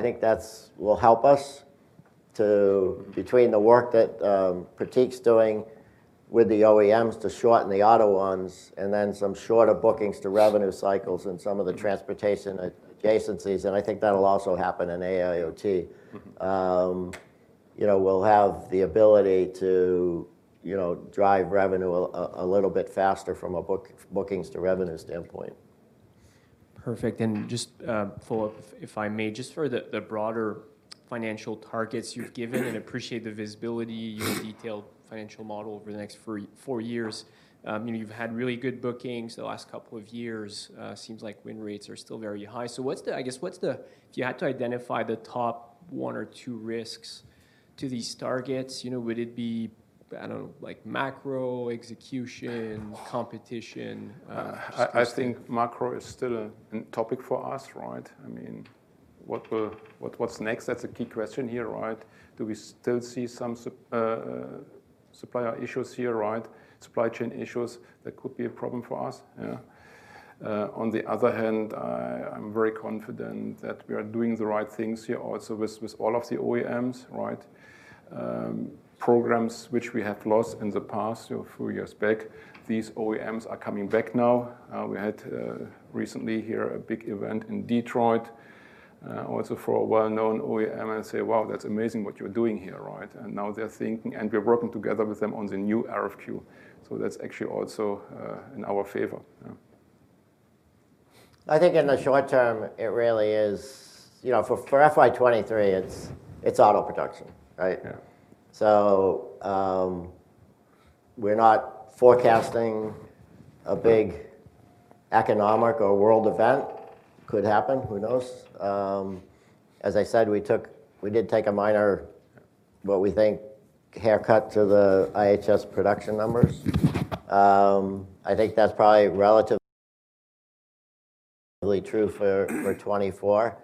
think that's will help us to, between the work that Pratik's doing with the OEMs to shorten the auto ones and then some shorter bookings to revenue cycles in some of the transportation adjacencies, and I think that'll also happen in AIoT. Mm-hmm. You know, we'll have the ability to, you know, drive revenue a little bit faster from a bookings to revenue standpoint. Perfect. Just follow up, if I may. Just for the broader financial targets you've given, and appreciate the visibility, your detailed financial model over the next 4 years. You know, you've had really good bookings the last couple of years. Seems like win rates are still very high. What's the, I guess, if you had to identify the top one or two risks to these targets, you know, would it be, I don't know, like macro, execution, competition? I think macro is still a topic for us, right? I mean, what's next? That's a key question here, right? Do we still see some supplier issues here, right? Supply chain issues, that could be a problem for us. Yeah. On the other hand, I'm very confident that we are doing the right things here also with all of the OEMs, right? Programs which we have lost in the past, you know, four years back, these OEMs are coming back now. We had recently here a big event in Detroit. Also for a well-known OEM and say, "Wow, that's amazing what you're doing here," right? Now they're thinking, and we're working together with them on the new RFQ. That's actually also, in our favor. Yeah. I think in the short term it really is, you know, for FY 23 it's auto production, right? Yeah. We're not forecasting a big economic or world event. Could happen, who knows. As I said, we did take a minor, what we think, haircut to the IHS production numbers. I think that's probably relatively true for 24.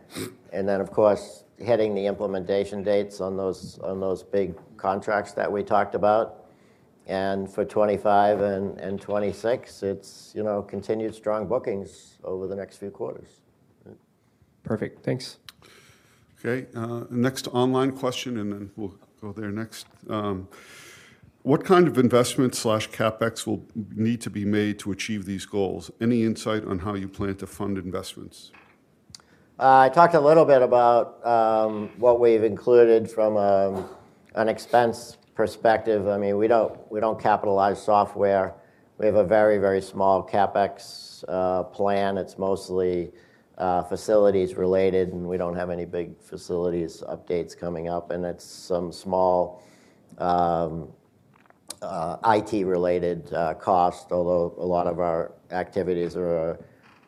Of course hitting the implementation dates on those big contracts that we talked about. For 25 and 26 it's, you know, continued strong bookings over the next few quarters. Perfect. Thanks. Okay. Next online question and then we'll go there next. What kind of investment slash CapEx will need to be made to achieve these goals? Any insight on how you plan to fund investments? I talked a little bit about what we've included from an expense perspective. I mean, we don't, we don't capitalize software. We have a very, very small CapEx plan. It's mostly facilities related, and we don't have any big facilities updates coming up, and it's some small IT related costs, although a lot of our activities are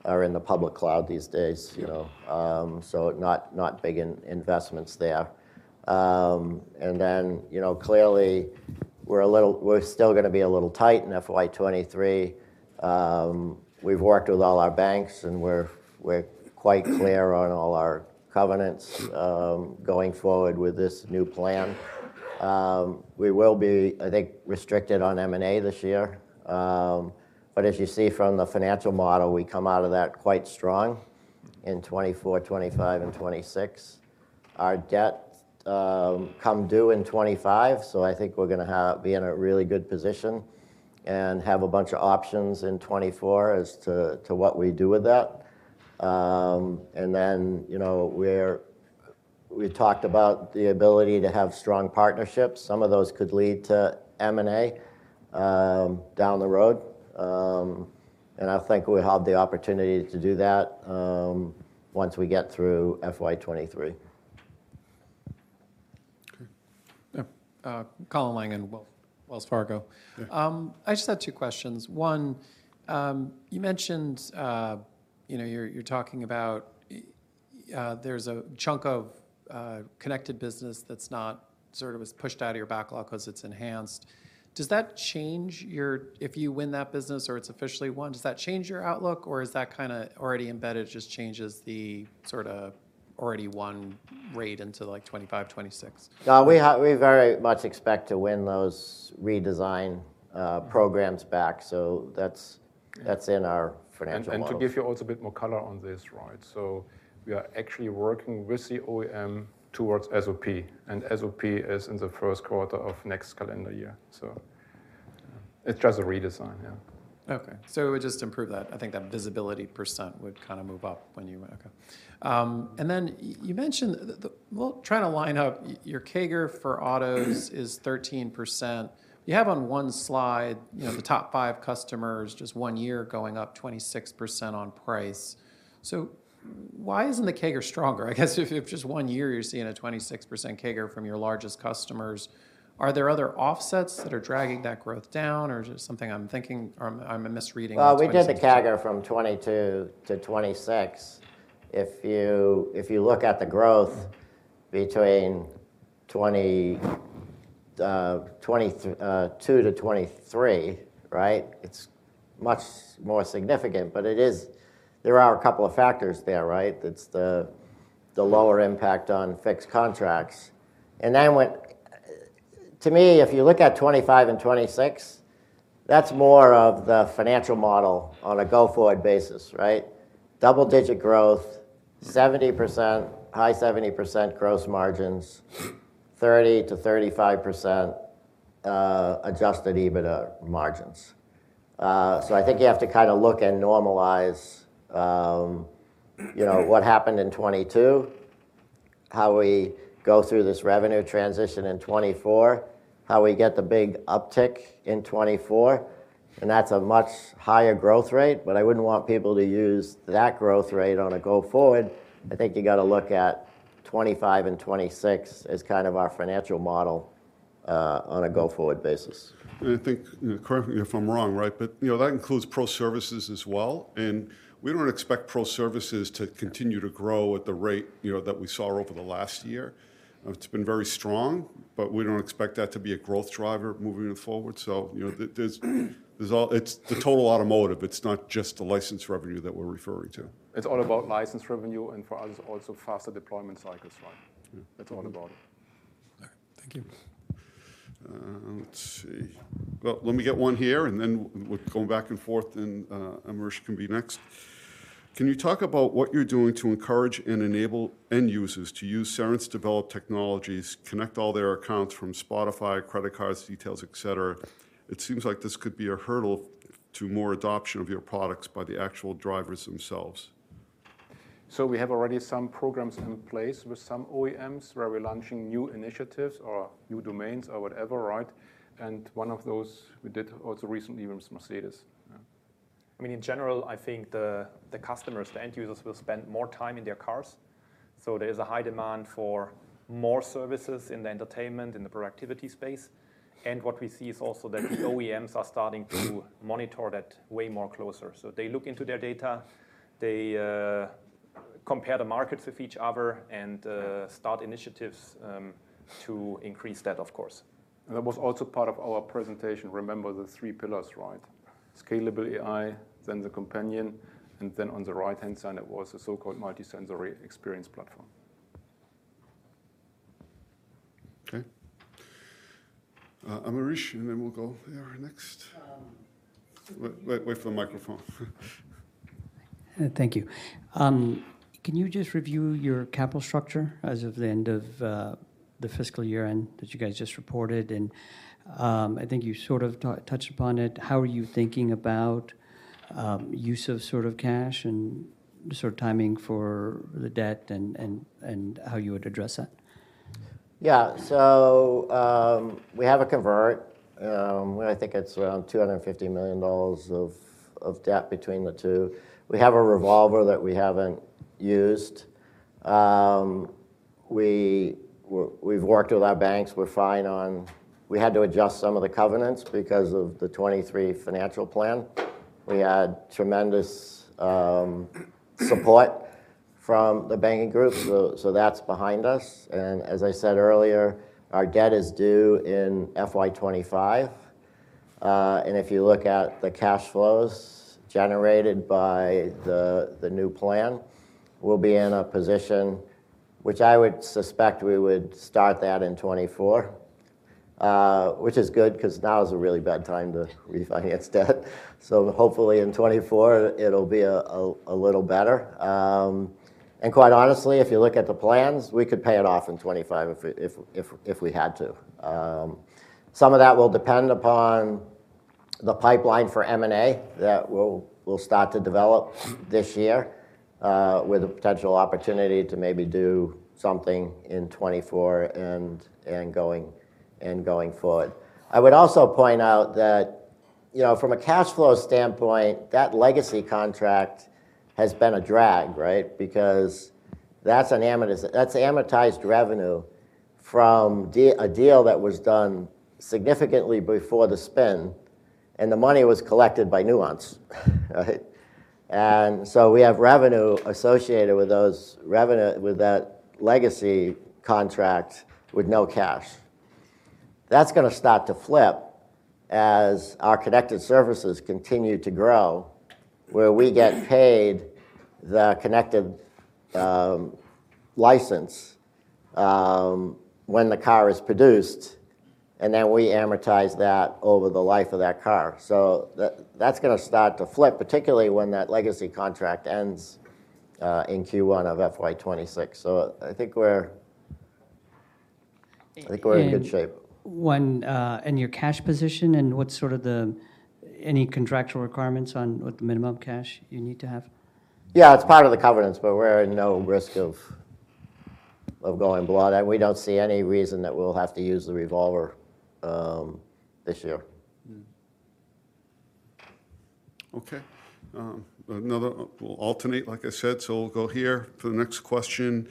in the public cloud these days, you know. Not big investments there. You know, clearly we're still gonna be a little tight in FY 23. We've worked with all our banks and we're quite clear on all our covenants going forward with this new plan. We will be, I think, restricted on M&A this year. As you see from the financial model, we come out of that quite strong in 2024, 2025 and 2026. Our debt come due in 2025, I think we're gonna be in a really good position and have a bunch of options in 2024 as to what we do with that. You know, we talked about the ability to have strong partnerships. Some of those could lead to M&A down the road. I think we have the opportunity to do that once we get through FY 2023. Okay. Yeah. Colin Langan, Wells Fargo. Yeah. I just had 2 questions. One, you mentioned, you're talking about, there's a chunk of connected business that's not sort of as pushed out of your backlog 'cause it's enhanced. Does that change your If you win that business or it's officially won, does that change your outlook or is that kinda already embedded, it just changes the sorta already won rate into like 2025, 2026? We very much expect to win those redesign programs back. that's-. Yeah ...that's in our financial model. To give you also a bit more color on this, right? We are actually working with the OEM towards SOP, and SOP is in the first quarter of next calendar year. It's just a redesign. Yeah. It would just improve that. I think that visibility percent would kinda move up when you. Okay. You mentioned the. Well, trying to line up your CAGR for autos is 13%. You have on one slide, you know, the top five customers, just one year going up 26% on price. Why isn't the CAGR stronger? I guess if just one year you're seeing a 26% CAGR from your largest customers, are there other offsets that are dragging that growth down or is it something I'm thinking or I'm misreading the 26? We did the CAGR from 2022 to 2026. If you look at the growth between 2022 to 2023, right? It's much more significant. There are a couple of factors there, right? It's the lower impact on fixed contracts. To me, if you look at 2025 and 2026, that's more of the financial model on a go forward basis, right? Double digit growth, 70%, high 70% gross margins, 30%-35% adjusted EBITDA margins. I think you have to kinda look and normalize, you know, what happened in 2022, how we go through this revenue transition in 2024, how we get the big uptick in 2024, and that's a much higher growth rate. I wouldn't want people to use that growth rate on a go forward. I think you gotta look at 2025 and 2026 as kind of our financial model, on a go forward basis. I think, correct me if I'm wrong, right? You know, that includes pro services as well, and we don't expect pro services to continue to grow at the rate, you know, that we saw over the last year. It's been very strong, but we don't expect that to be a growth driver moving forward. You know, It's the total automotive, it's not just the license revenue that we're referring to. It's all about license revenue and for us also faster deployment cycles, right? Yeah. That's all about it. All right. Thank you. Let's see. Well, let me get one here and then we're going back and forth, and Amrish can be next. Can you talk about what you're doing to encourage and enable end users to use Cerence developed technologies, connect all their accounts from Spotify, credit cards, details, et cetera? It seems like this could be a hurdle to more adoption of your products by the actual drivers themselves. We have already some programs in place with some OEMs where we're launching new initiatives or new domains or whatever, right? One of those we did also recently was Mercedes, yeah. I mean, in general, I think the customers, the end users will spend more time in their cars. There is a high demand for more services in the entertainment, in the productivity space. What we see is also that OEMs are starting to monitor that way more closer. They look into their data, they compare the markets with each other and start initiatives to increase that, of course. That was also part of our presentation. Remember the three pillars, right? Scalable AI, then the companion, and then on the right-hand side, it was a so-called multisensory experience platform. Okay. Amaresh, then we'll go there next. Wait for the microphone. Thank you. Can you just review your capital structure as of the end of the fiscal year-end that you guys just reported? I think you sort of touched upon it. How are you thinking about use of sort of cash and sort of timing for the debt and how you would address that? Yeah. We have a convert, I think it's around $250 million of debt between the two. We have a revolver that we haven't used. We've worked with our banks. We're fine on... We had to adjust some of the covenants because of the 23 financial plan. We had tremendous support from the banking group, so that's behind us. As I said earlier, our debt is due in FY 2025. If you look at the cash flows generated by the new plan, we'll be in a position which I would suspect we would start that in 2024, which is good because now is a really bad time to refinance debt. Hopefully in 2024 it'll be a little better. Quite honestly, if you look at the plans, we could pay it off in 25 if we had to. Some of that will depend upon the pipeline for M&A that we'll start to develop this year, with a potential opportunity to maybe do something in 24 and going forward. I would also point out that, you know, from a cash flow standpoint, that legacy contract has been a drag, right? Because that's amortized revenue from a deal that was done significantly before the spin, and the money was collected by Nuance, right? We have revenue associated with that legacy contract with no cash. That's gonna start to flip as our connected services continue to grow, where we get paid the connected license when the car is produced, and then we amortize that over the life of that car. That's gonna start to flip, particularly when that legacy contract ends in Q1 of FY 2026. I think we're in good shape. when, in your cash position and what's sort of the, any contractual requirements on what the minimum cash you need to have? It's part of the covenants, but we're in no risk of going below that. We don't see any reason that we'll have to use the revolver this year. Okay. We'll alternate, like I said, so we'll go here for the next question.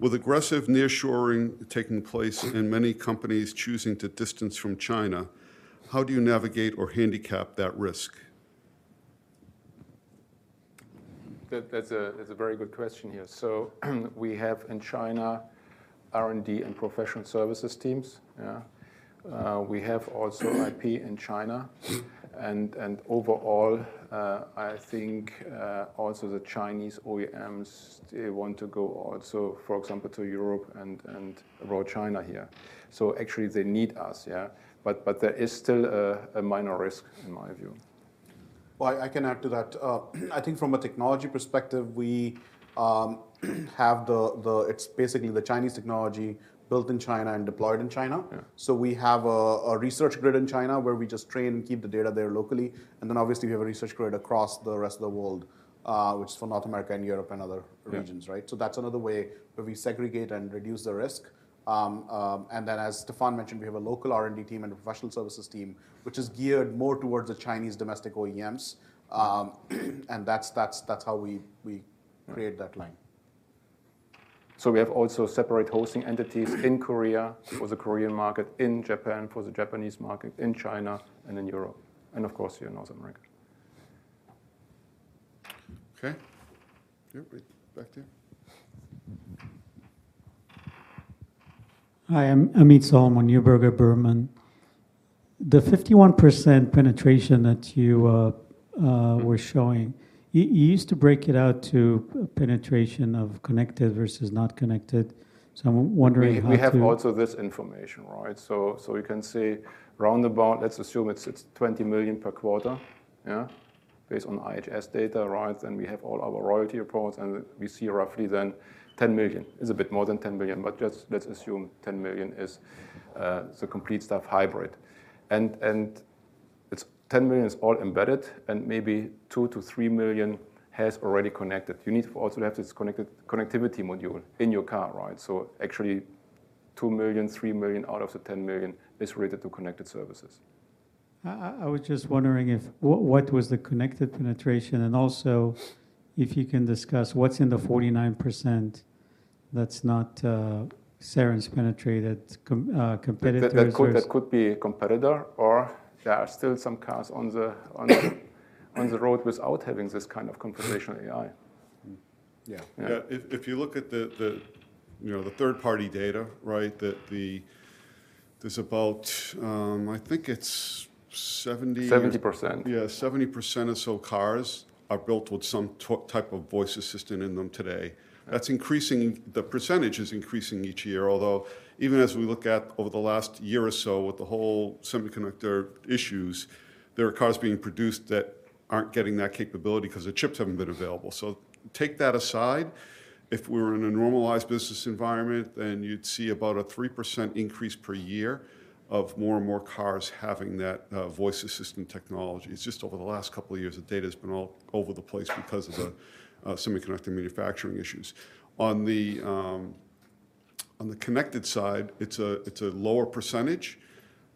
With aggressive nearshoring taking place and many companies choosing to distance from China, how do you navigate or handicap that risk? That's a very good question here. We have in China, R&D and professional services teams. Yeah. We have also IP in China. Overall, I think also the Chinese OEMs, they want to go also, for example, to Europe and rural China here. Actually they need us, yeah. There is still a minor risk in my view. Well, I can add to that. I think from a technology perspective, we have it's basically the Chinese technology built in China and deployed in China. Yeah. We have a research grid in China where we just train and keep the data there locally. Obviously, we have a research grid across the rest of the world, which is for North America and Europe and other regions, right? Yeah. That's another way where we segregate and reduce the risk. As Stefan mentioned, we have a local R&D team and a professional services team, which is geared more towards the Chinese domestic OEMs. That's how we create that line. We have also separate hosting entities in Korea for the Korean market, in Japan for the Japanese market, in China and in Europe, and of course, here in North America. Okay. Yeah, back there. Hi, I'm Amit Solomon, Neuberger Berman. The 51% penetration that you were showing, you used to break it out to penetration of connected versus not connected. I'm wondering. We have also this information, right? We can say roundabout, let's assume it's $20 million per quarter. Based on IHS data, right? We have all our royalty reports, and we see roughly then $10 million. It's a bit more than $10 million, but just let's assume $10 million is the complete staff hybrid. It's $10 million is all embedded, and maybe $2 million-$3 million has already connected. You need also to have this connectivity module in your car, right? Actually, $2 million, $3 million out of the $10 million is related to connected services. I was just wondering if what was the connected penetration, and also if you can discuss what's in the 49% that's not Cerence penetrated competitors or. That could be a competitor. There are still some cars on the road without having this kind of conversational AI. Yeah. Yeah. Yeah. If you look at the, you know, the third-party data, right, there's about, I think it's seventy- 70%. 70% or so cars are built with some type of voice assistant in them today. That's increasing. The percentage is increasing each year, although even as we look at over the last year or so with the whole semiconductor issues, there are cars being produced that aren't getting that capability 'cause the chips haven't been available. Take that aside. If we were in a normalized business environment, you'd see about a 3% increase per year of more and more cars having that voice assistant technology. It's just over the last couple of years, the data's been all over the place because of the semiconductor manufacturing issues. On the connected side, it's a, it's a lower percentage.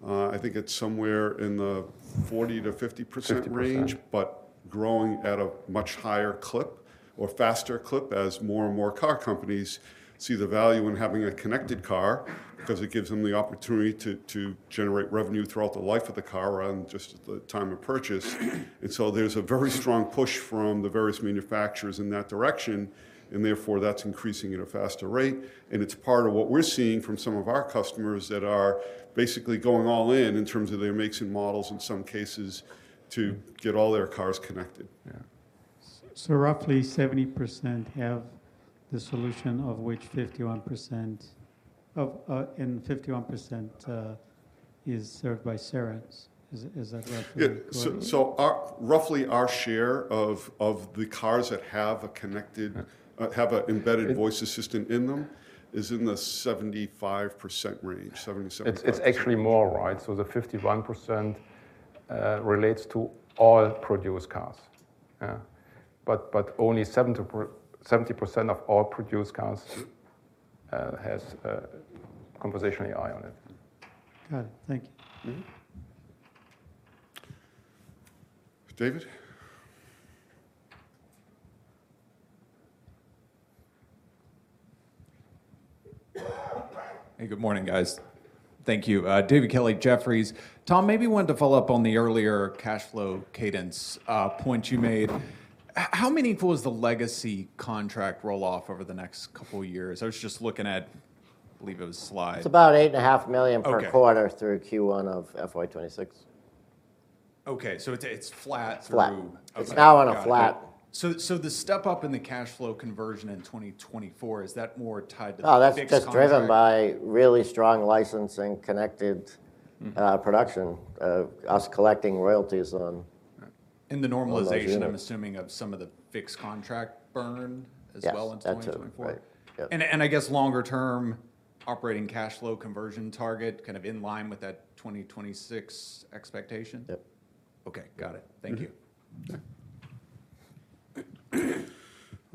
I think it's somewhere in the 40%-50% range- 50%.... growing at a much higher clip or faster clip as more and more car companies see the value in having a connected car 'cause it gives them the opportunity to generate revenue throughout the life of the car rather than just at the time of purchase. There's a very strong push from the various manufacturers in that direction, and therefore, that's increasing at a faster rate. It's part of what we're seeing from some of our customers that are basically going all in in terms of their makes and models in some cases to get all their cars connected. Yeah. Roughly 70% have the solution of which 51% of, and 51%, is served by Cerence. Is that roughly correct? Yeah. Our, roughly our share of the cars that have a connected, embedded voice assistant in them is in the 75% range, 77.5%, 76%. It's actually more, right? The 51% relates to all produced cars. Yeah. only 70% of all produced cars has conversational AI on it. Got it. Thank you. David? Hey, good morning, guys. Thank you. David Kelley, Jefferies. Tom, maybe wanted to follow up on the earlier cash flow cadence, point you made. How meaningful is the legacy contract roll-off over the next couple years? I was just looking at, believe it was slide- It's about $ eight and a half million per quarter- Okay... through Q1 of FY 2026. Okay. It's flat through- Flat. Okay. Got it. It's now on a flat- The step up in the cash flow conversion in 2024, is that more tied to the fixed contract-? No, that's just driven by really strong licensing connected-. Mm-hmm... production, us collecting royalties. Right on those units. The normalization, I'm assuming, of some of the fixed contract burn as well. Yes. That too.... in 2024? Right. Yeah. I guess longer term operating cash flow conversion target kind of in line with that 2026 expectation? Yep. Okay. Got it. Thank you.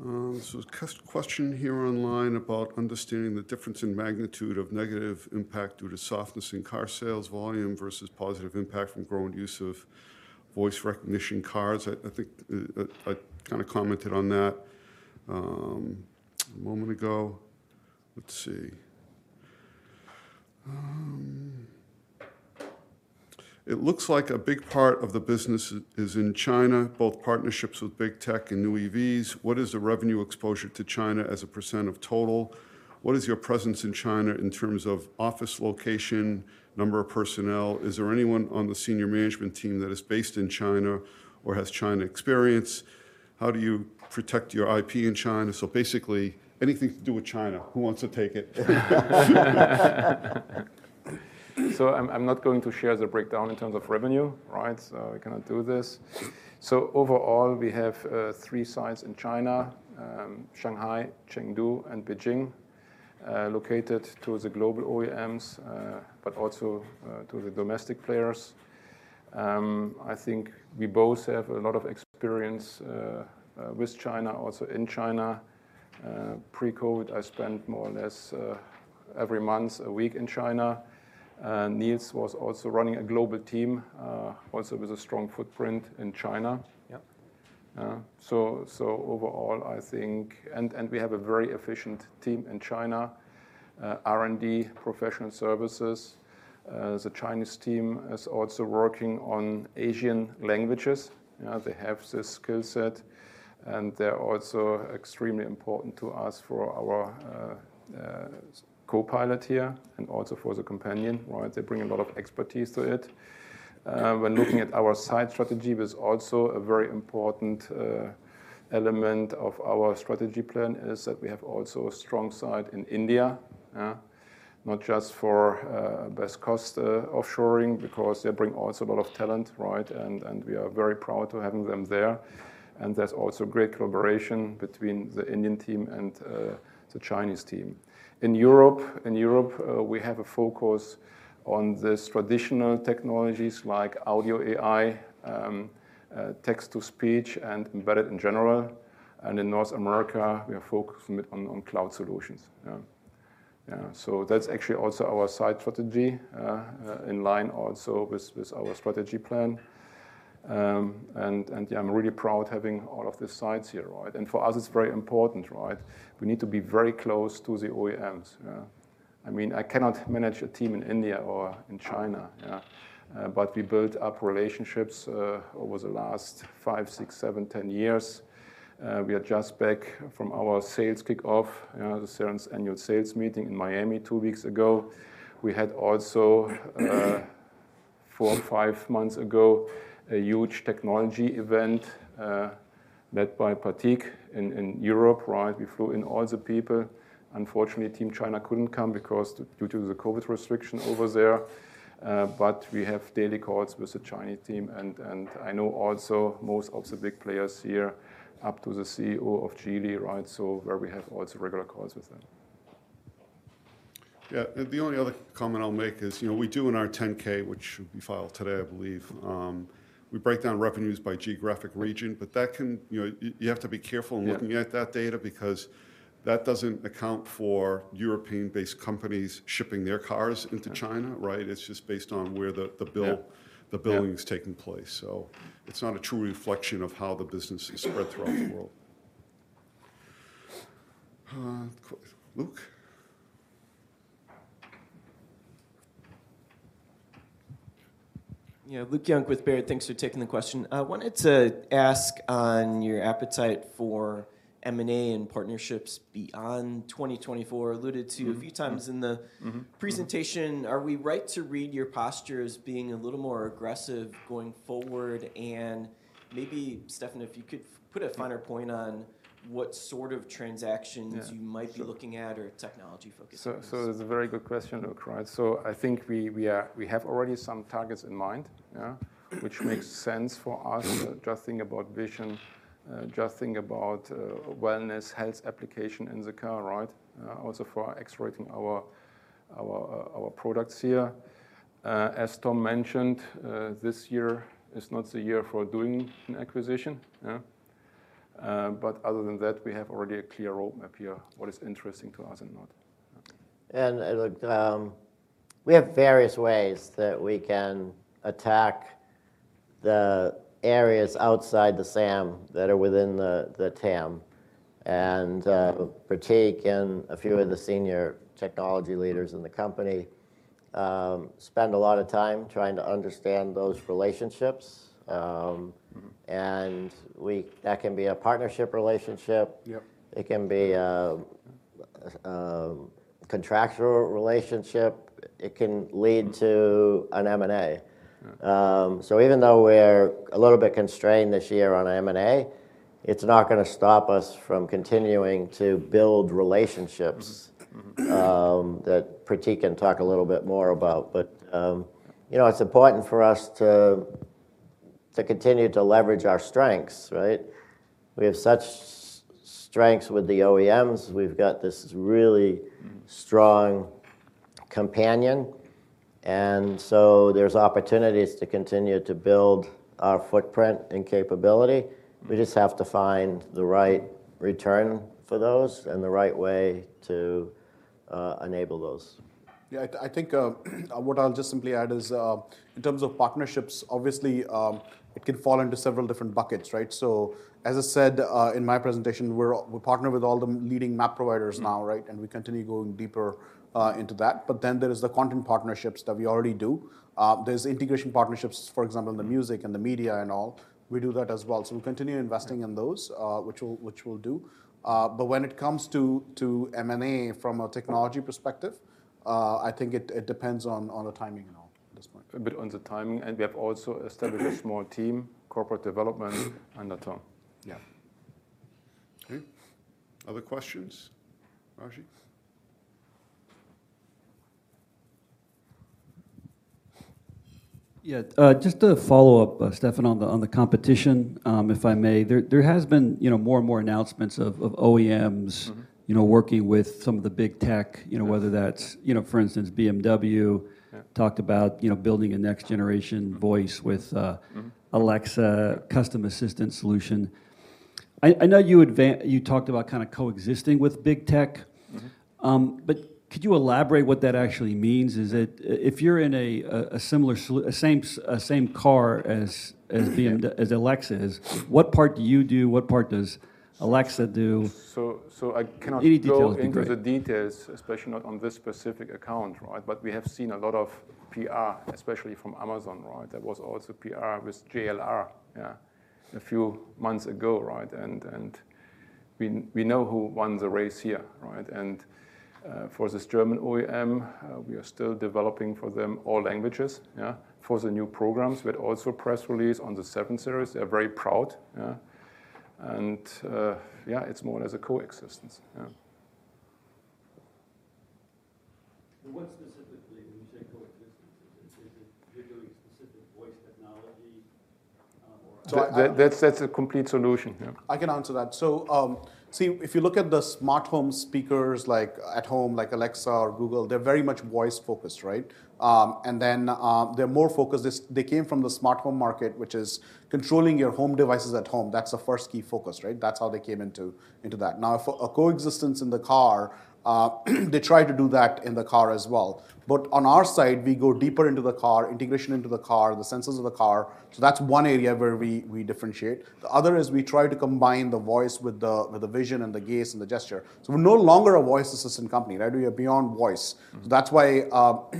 Mm-hmm. Yeah. So question here online about understanding the difference in magnitude of negative impact due to softness in car sales volume versus positive impact from growing use of voice recognition cars? I think I kinda commented on that a moment ago. Let's see. It looks like a big part of the business is in China, both partnerships with big tech and new EVs. What is the revenue exposure to China as a percent of total? What is your presence in China in terms of office location, number of personnel? Is there anyone on the senior management team that is based in China or has China experience? How do you protect your IP in China? Basically anything to do with China, who wants to take it? I'm not going to share the breakdown in terms of revenue, right? I cannot do this. Overall, we have three sites in China, Shanghai, Chengdu, and Beijing, located to the global OEMs, but also to the domestic players. I think we both have a lot of experience with China, also in China. Pre-COVID, I spent more or less every month, a week in China. Nils was also running a global team, also with a strong footprint in China. Yeah. Overall, I think. We have a very efficient team in China, R&D, professional services. The Chinese team is also working on Asian languages. You know, they have the skill set, and they're also extremely important to us for our Co-Pilot here and also for the Companion, right? They bring a lot of expertise to it. When looking at our site strategy, there's also a very important element of our strategy plan, is that we have also a strong side in India. Not just for best cost offshoring because they bring also a lot of talent, right? We are very proud to having them there. There's also great collaboration between the Indian team and the Chinese team. In Europe, we have a focus on this traditional technologies like Audio AI, text-to-speech and embedded in general. In North America, we are focusing it on cloud solutions. Yeah. Yeah. That's actually also our site strategy in line also with our strategy plan. And, yeah, I'm really proud having all of the sites here, right? For us it's very important, right? We need to be very close to the OEMs, yeah. I mean, I cannot manage a team in India or in China, yeah. We built up relationships over the last five, six, seven, 10 years. We are just back from our sales kickoff, the Cerence annual sales meeting in Miami two weeks ago. We had also, four, five months ago, a huge technology event, led by Pratik in Europe, right? We flew in all the people. Unfortunately, team China couldn't come because due to the COVID restriction over there. We have daily calls with the Chinese team and I know also most of the big players here up to the CEO of Geely, right? Where we have also regular calls with them. Yeah. The only other comment I'll make is, you know, we do in our 10-K, which we filed today, I believe, we break down revenues by geographic region, but you know, you have to be careful... Yeah... in looking at that data because that doesn't account for European-based companies shipping their cars into China, right? It's just based on where the bill. Yeah. Yeah. the billing is taking place. It's not a true reflection of how the business is spread throughout the world. Luke? Yeah. Luke Junk with Baird. Thanks for taking the question. I wanted to ask on your appetite for M&A and partnerships beyond 2024. Mm-hmm a few times in the. Mm-hmm... presentation. Are we right to read your posture as being a little more aggressive going forward? Maybe Stefan, if you could put a finer point on what sort of transactions... Yeah, sure.... you might be looking at or technology focuses. It's a very good question, Luke. Right. I think we have already some targets in mind, yeah, which makes sense for us. Just think about vision, just think about wellness, health application in the car, right? Also for X-rating our products here. As Tom mentioned, this year is not the year for doing an acquisition. Yeah. Other than that, we have already a clear roadmap here, what is interesting to us and not. We have various ways that we can attack the areas outside the SAM that are within the TAM. Pratik and a few of the senior technology leaders in the company, spend a lot of time trying to understand those relationships. Mm-hmm That can be a partnership relationship. Yep. It can be, contractual relationship. It can lead to an M&A. Even though we're a little bit constrained this year on M&A, it's not gonna stop us from continuing to build relationships. Mm-hmm that Pratik can talk a little bit more about. You know, it's important for us to continue to leverage our strengths, right? We have such strengths with the OEMs. We've got this really strong companion, and so there's opportunities to continue to build our footprint and capability. We just have to find the right return for those and the right way to enable those. Yeah, I think, what I'll just simply add is, in terms of partnerships, obviously, it can fall into several different buckets, right? As I said, in my presentation, we partner with all the leading map providers now, right? We continue going deeper into that. There is the content partnerships that we already do. There's integration partnerships, for example, in the music and the media and all. We do that as well. We'll continue investing in those, which we'll do. When it comes to M&A from a technology perspective, I think it depends on the timing and all at this point. A bit on the timing, we have also established a small team, corporate development under Tom. Yeah. Okay. Other questions? Rajeev? Just to follow up, Stefan, on the competition, if I may. There has been, you know, more and more announcements of OEMs- Mm-hmm... you know, working with some of the big tech, you know, whether that's... You know, for instance, BMW- Yeah ... talked about, you know, building a next generation voice with. Mm-hmm... Alexa custom assistant solution. I know you talked about kinda coexisting with big tech. Mm-hmm. could you elaborate what that actually means? Is it if you're in a same car as Alexa is, what part do you do? What part does Alexa do? I cannot. Any details would be great.... into the details, especially not on this specific account, right? We have seen a lot of PR, especially from Amazon, right? There was also PR with JLR, a few months ago, right? We know who won the race here, right? For this German OEM, we are still developing for them all languages, for the new programs, but also press release on the seven series. They are very proud. It's more as a coexistence. What specifically when you say coexistence? Is it you're doing specific voice technology? That's a complete solution. Yeah. I can answer that. If you look at the smartphone speakers, like at home, like Alexa or Google, they're very much voice-focused, right? They came from the smartphone market, which is controlling your home devices at home. That's the first key focus, right? That's how they came into that. For a coexistence in the car, they try to do that in the car as well. On our side, we go deeper into the car, integration into the car, the sensors of the car. That's one area where we differentiate. The other is we try to combine the voice with the vision and the gaze and the gesture. We're no longer a voice assistant company, right? We are beyond voice. Mm-hmm. That's why,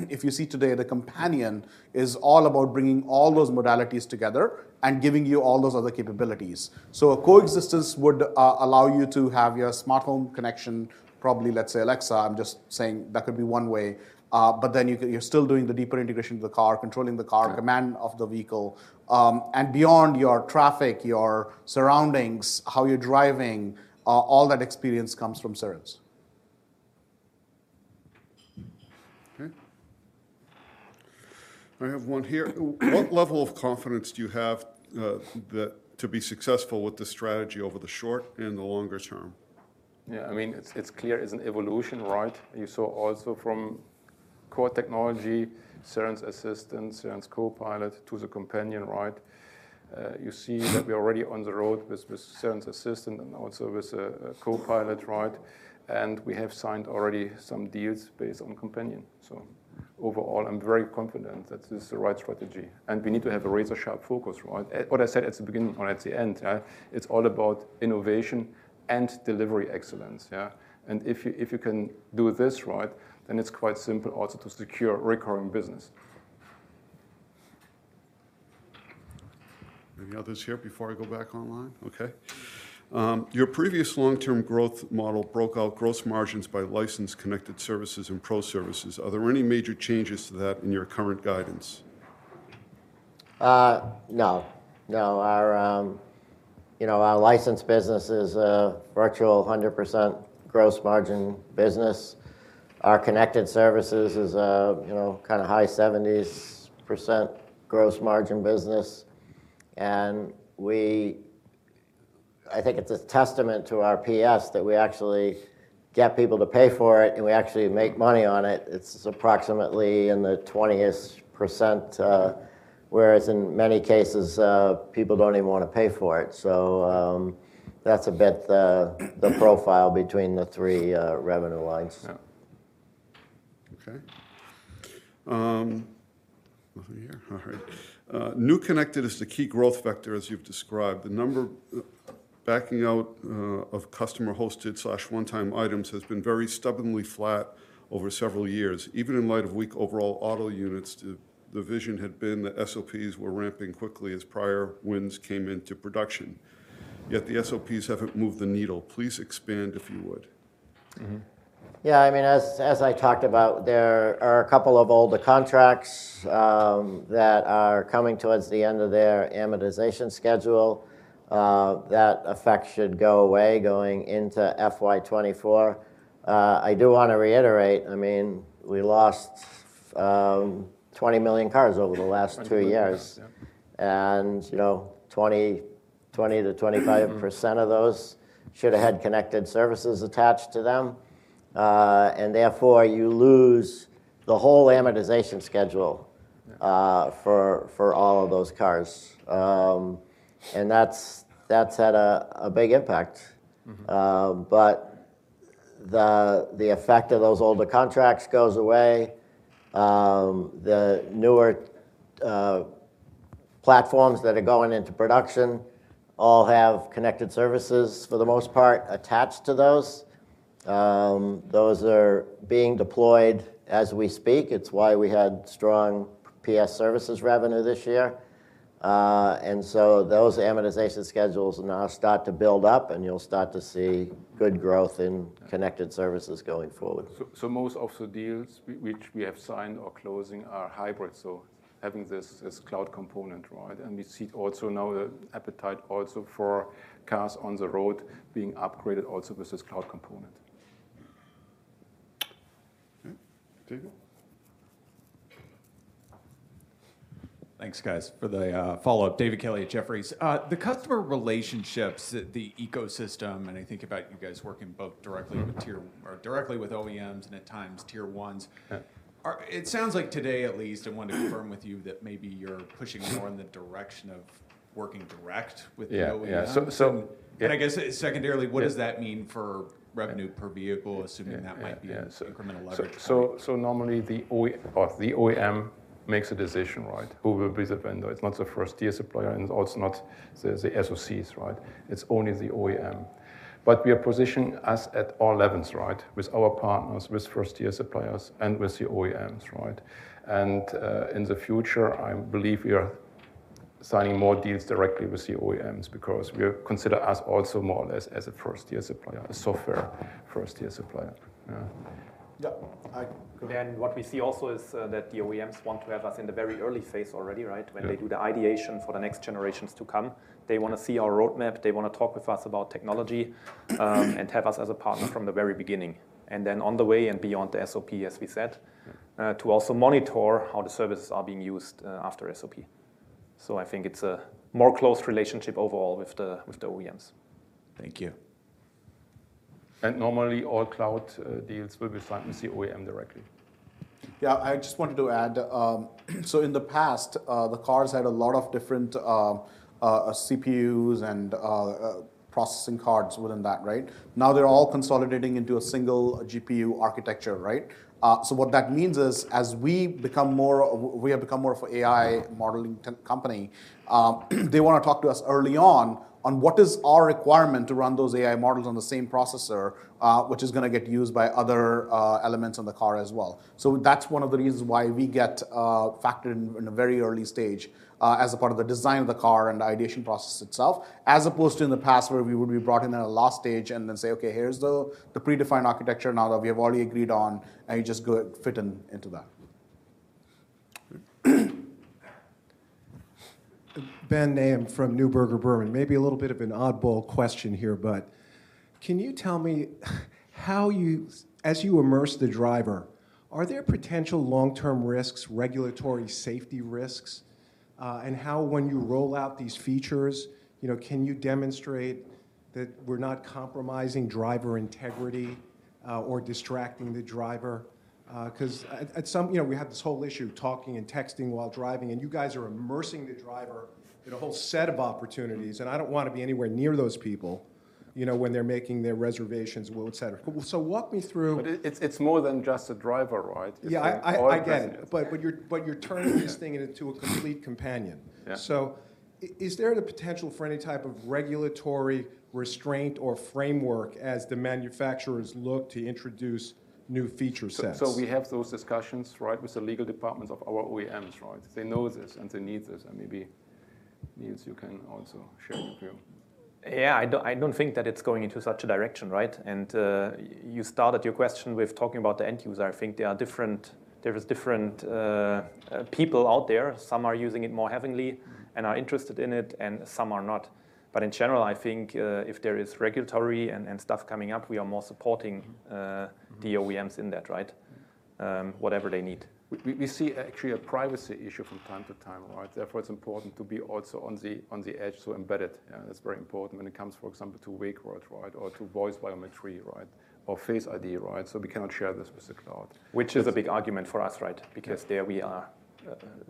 if you see today, the Companion is all about bringing all those modalities together and giving you all those other capabilities. A coexistence would allow you to have your smartphone connection, probably, let's say, Alexa. I'm just saying that could be one way. But then you're still doing the deeper integration of the car, controlling the car. Yeah. command of the vehicle, beyond your traffic, your surroundings, how you're driving, all that experience comes from Cerence. Okay. I have one here. What level of confidence do you have that to be successful with the strategy over the short and the longer term? I mean, it's clear it's an evolution, right? You saw also from core technology, Cerence Assistant, Cerence Co-Pilot to the Companion, right? You see that we are already on the road with Cerence Assistant and also with Co-Pilot, right? We have signed already some deals based on Companion. Overall, I'm very confident that this is the right strategy, and we need to have a razor-sharp focus, right? What I said at the beginning or at the end, it's all about innovation and delivery excellence. If you can do this right, then it's quite simple also to secure recurring business. Any others here before I go back online? Okay. Your previous long-term growth model broke out gross margins by licensed connected services and pro services. Are there any major changes to that in your current guidance? No. No. Our, you know, our licensed business is a virtual 100% gross margin business. Our connected services is, you know, kind of high 70s% gross margin business. I think it's a testament to our PS that we actually get people to pay for it, and we actually make money on it. It's approximately in the 20s%, whereas in many cases, people don't even want to pay for it. That's a bit the profile between the 3 revenue lines. Yeah. Okay. Nothing here. All right. New connected is the key growth vector as you've described. The number backing out of customer-hosted/one-time items has been very stubbornly flat over several years. Even in light of weak overall auto units, the vision had been that SOPs were ramping quickly as prior wins came into production. Yet the SOPs haven't moved the needle. Please expand, if you would. I mean, as I talked about, there are a couple of older contracts that are coming towards the end of their amortization schedule. That effect should go away going into FY 24. I do wanna reiterate, I mean, we lost 20 million cars over the last 2 years. 20 million cars, yep. And, you know, twenty, twenty to twenty-five- Mm-hmm. % of those should've had connected services attached to them. Therefore, you lose the whole amortization schedule. Yeah. for all of those cars. That's had a big impact. Mm-hmm. The effect of those older contracts goes away. The newer platforms that are going into production all have connected services for the most part attached to those. Those are being deployed as we speak. It's why we had strong PS services revenue this year. Those amortization schedules now start to build up, and you'll start to see good growth in connected services going forward. Most of the deals which we have signed or closing are hybrid, so having this as cloud component, right? We see also now the appetite also for cars on the road being upgraded also with this cloud component. Okay. David. Thanks, guys, for the follow-up. David Kelley at Jefferies. The customer relationships, the ecosystem. I think about you guys working both directly with OEMs and at times tier ones. Yeah. It sounds like today at least, I want to confirm with you that maybe you're pushing more in the direction of working direct with the OEM. Yeah. Yeah. And I guess secondarily- Yeah. What does that mean for revenue per vehicle, assuming that might be an incremental leverage point? Normally, the OEM makes a decision, right? Who will be the vendor? It's not the first-tier supplier, and it's not the SoCs, right? It's only the OEM. We are positioning us at all levels, right? With our partners, with first-tier suppliers, and with the OEMs, right? In the future, I believe we are signing more deals directly with the OEMs because we are consider us also more or less as a first-tier supplier, a software first-tier supplier. Yeah. Yeah. What we see also is that the OEMs want to have us in the very early phase already, right? Yeah. When they do the ideation for the next generations to come, they wanna see our roadmap, they wanna talk with us about technology, and have us as a partner from the very beginning, and then on the way and beyond the SOP, as we said, to also monitor how the services are being used, after SOP. I think it's a more close relationship overall with the, with the OEMs. Thank you. Normally all cloud deals will be signed with the OEM directly. Yeah. I just wanted to add, in the past, the cars had a lot of different CPUs and processing cards within that, right? Now they're all consolidating into a single GPU architecture, right? What that means is, as we have become more of AI modeling company, they wanna talk to us early on what is our requirement to run those AI models on the same processor, which is gonna get used by other elements on the car as well. That's one of the reasons why we get factored in a very early stage, as a part of the design of the car and the ideation process itself, as opposed to in the past where we would be brought in at a last stage and then say, "Okay, here's the predefined architecture now that we have already agreed on, and you just go fit into that. Benjamin Nahum from Neuberger Berman. Maybe a little bit of an oddball question here, but can you tell me as you immerse the driver, are there potential long-term risks, regulatory safety risks? How when you roll out these features, you know, can you demonstrate that we're not compromising driver integrity or distracting the driver? 'Cause, you know, we have this whole issue of talking and texting while driving, and you guys are immersing the driver in a whole set of opportunities, and I don't wanna be anywhere near those people, you know, when they're making their reservations, well, et cetera. Walk me through- It's more than just a driver, right? Yeah. I get it. It's all passengers. You're turning this thing into a complete companion. Yeah. Is there the potential for any type of regulatory restraint or framework as the manufacturers look to introduce new feature sets? We have those discussions, right, with the legal departments of our OEMs, right? They know this, and they need this. Maybe, Nils, you can also share your view. Yeah. I don't think that it's going into such a direction, right? You started your question with talking about the end user. I think there is different people out there. Some are using it more heavily and are interested in it, and some are not. In general, I think, if there is regulatory and stuff coming up, we are more supporting the OEMs in that, right? Whatever they need. We see actually a privacy issue from time to time, right? It's important to be also on the edge, so embedded. That's very important when it comes, for example, to wake word, right, or to voice biometrics, right, or face ID, right? We cannot share this with the cloud. Which is a big argument for us, right? Because there we are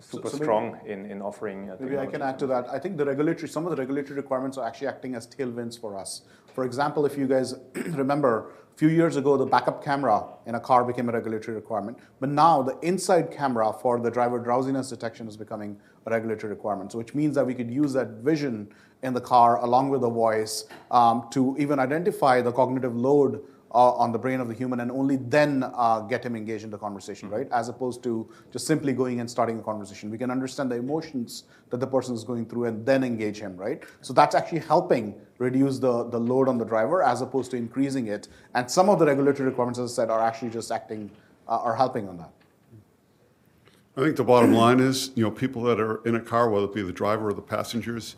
super strong in offering a technology- Maybe I can add to that. I think the regulatory, some of the regulatory requirements are actually acting as tailwinds for us. For example, if you guys remember, few years ago, the backup camera in a car became a regulatory requirement. Now the inside camera for the driver drowsiness detection is becoming a regulatory requirement, which means that we could use that vision in the car along with the voice to even identify the cognitive load on the brain of the human and only then get him engaged in the conversation, right? As opposed to just simply going and starting a conversation. We can understand the emotions that the person is going through and then engage him, right? That's actually helping reduce the load on the driver as opposed to increasing it. Some of the regulatory requirements, as I said, are actually just helping on that. I think the bottom line is, you know, people that are in a car, whether it be the driver or the passengers,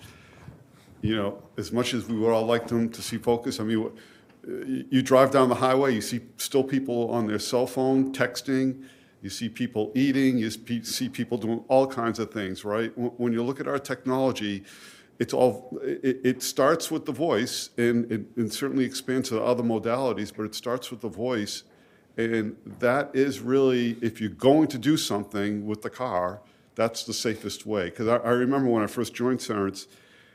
you know, as much as we would all like them to see focus, I mean, you drive down the highway, you see still people on their cell phone texting, you see people eating, you see people doing all kinds of things, right? When you look at our technology, it starts with the voice and certainly expands to the other modalities, but it starts with the voice and that is really, if you're going to do something with the car, that's the safest way. 'Cause I remember when I first joined Cerence,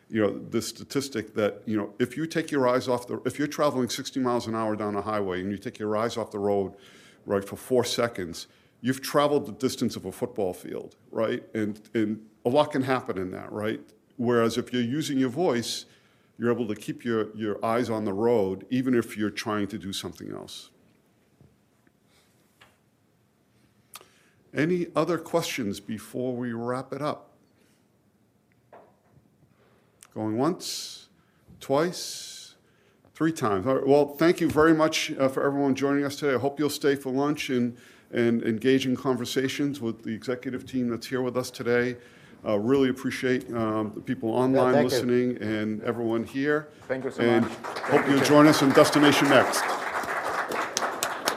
you know, the statistic that, you know, if you take your eyes off the... If you're traveling 60 miles an hour down a highway, and you take your eyes off the road, right, for seven seconds, you've traveled the distance of a football field, right? A lot can happen in that, right? Whereas if you're using your voice, you're able to keep your eyes on the road, even if you're trying to do something else. Any other questions before we wrap it up? Going once, twice, three times. All right. Well, thank you very much, for everyone joining us today. I hope you'll stay for lunch and engage in conversations with the executive team that's here with us today. really appreciate the people online listening- Yeah. Thank you. and everyone here. Thank you so much. Hope you'll join us on Destination Next.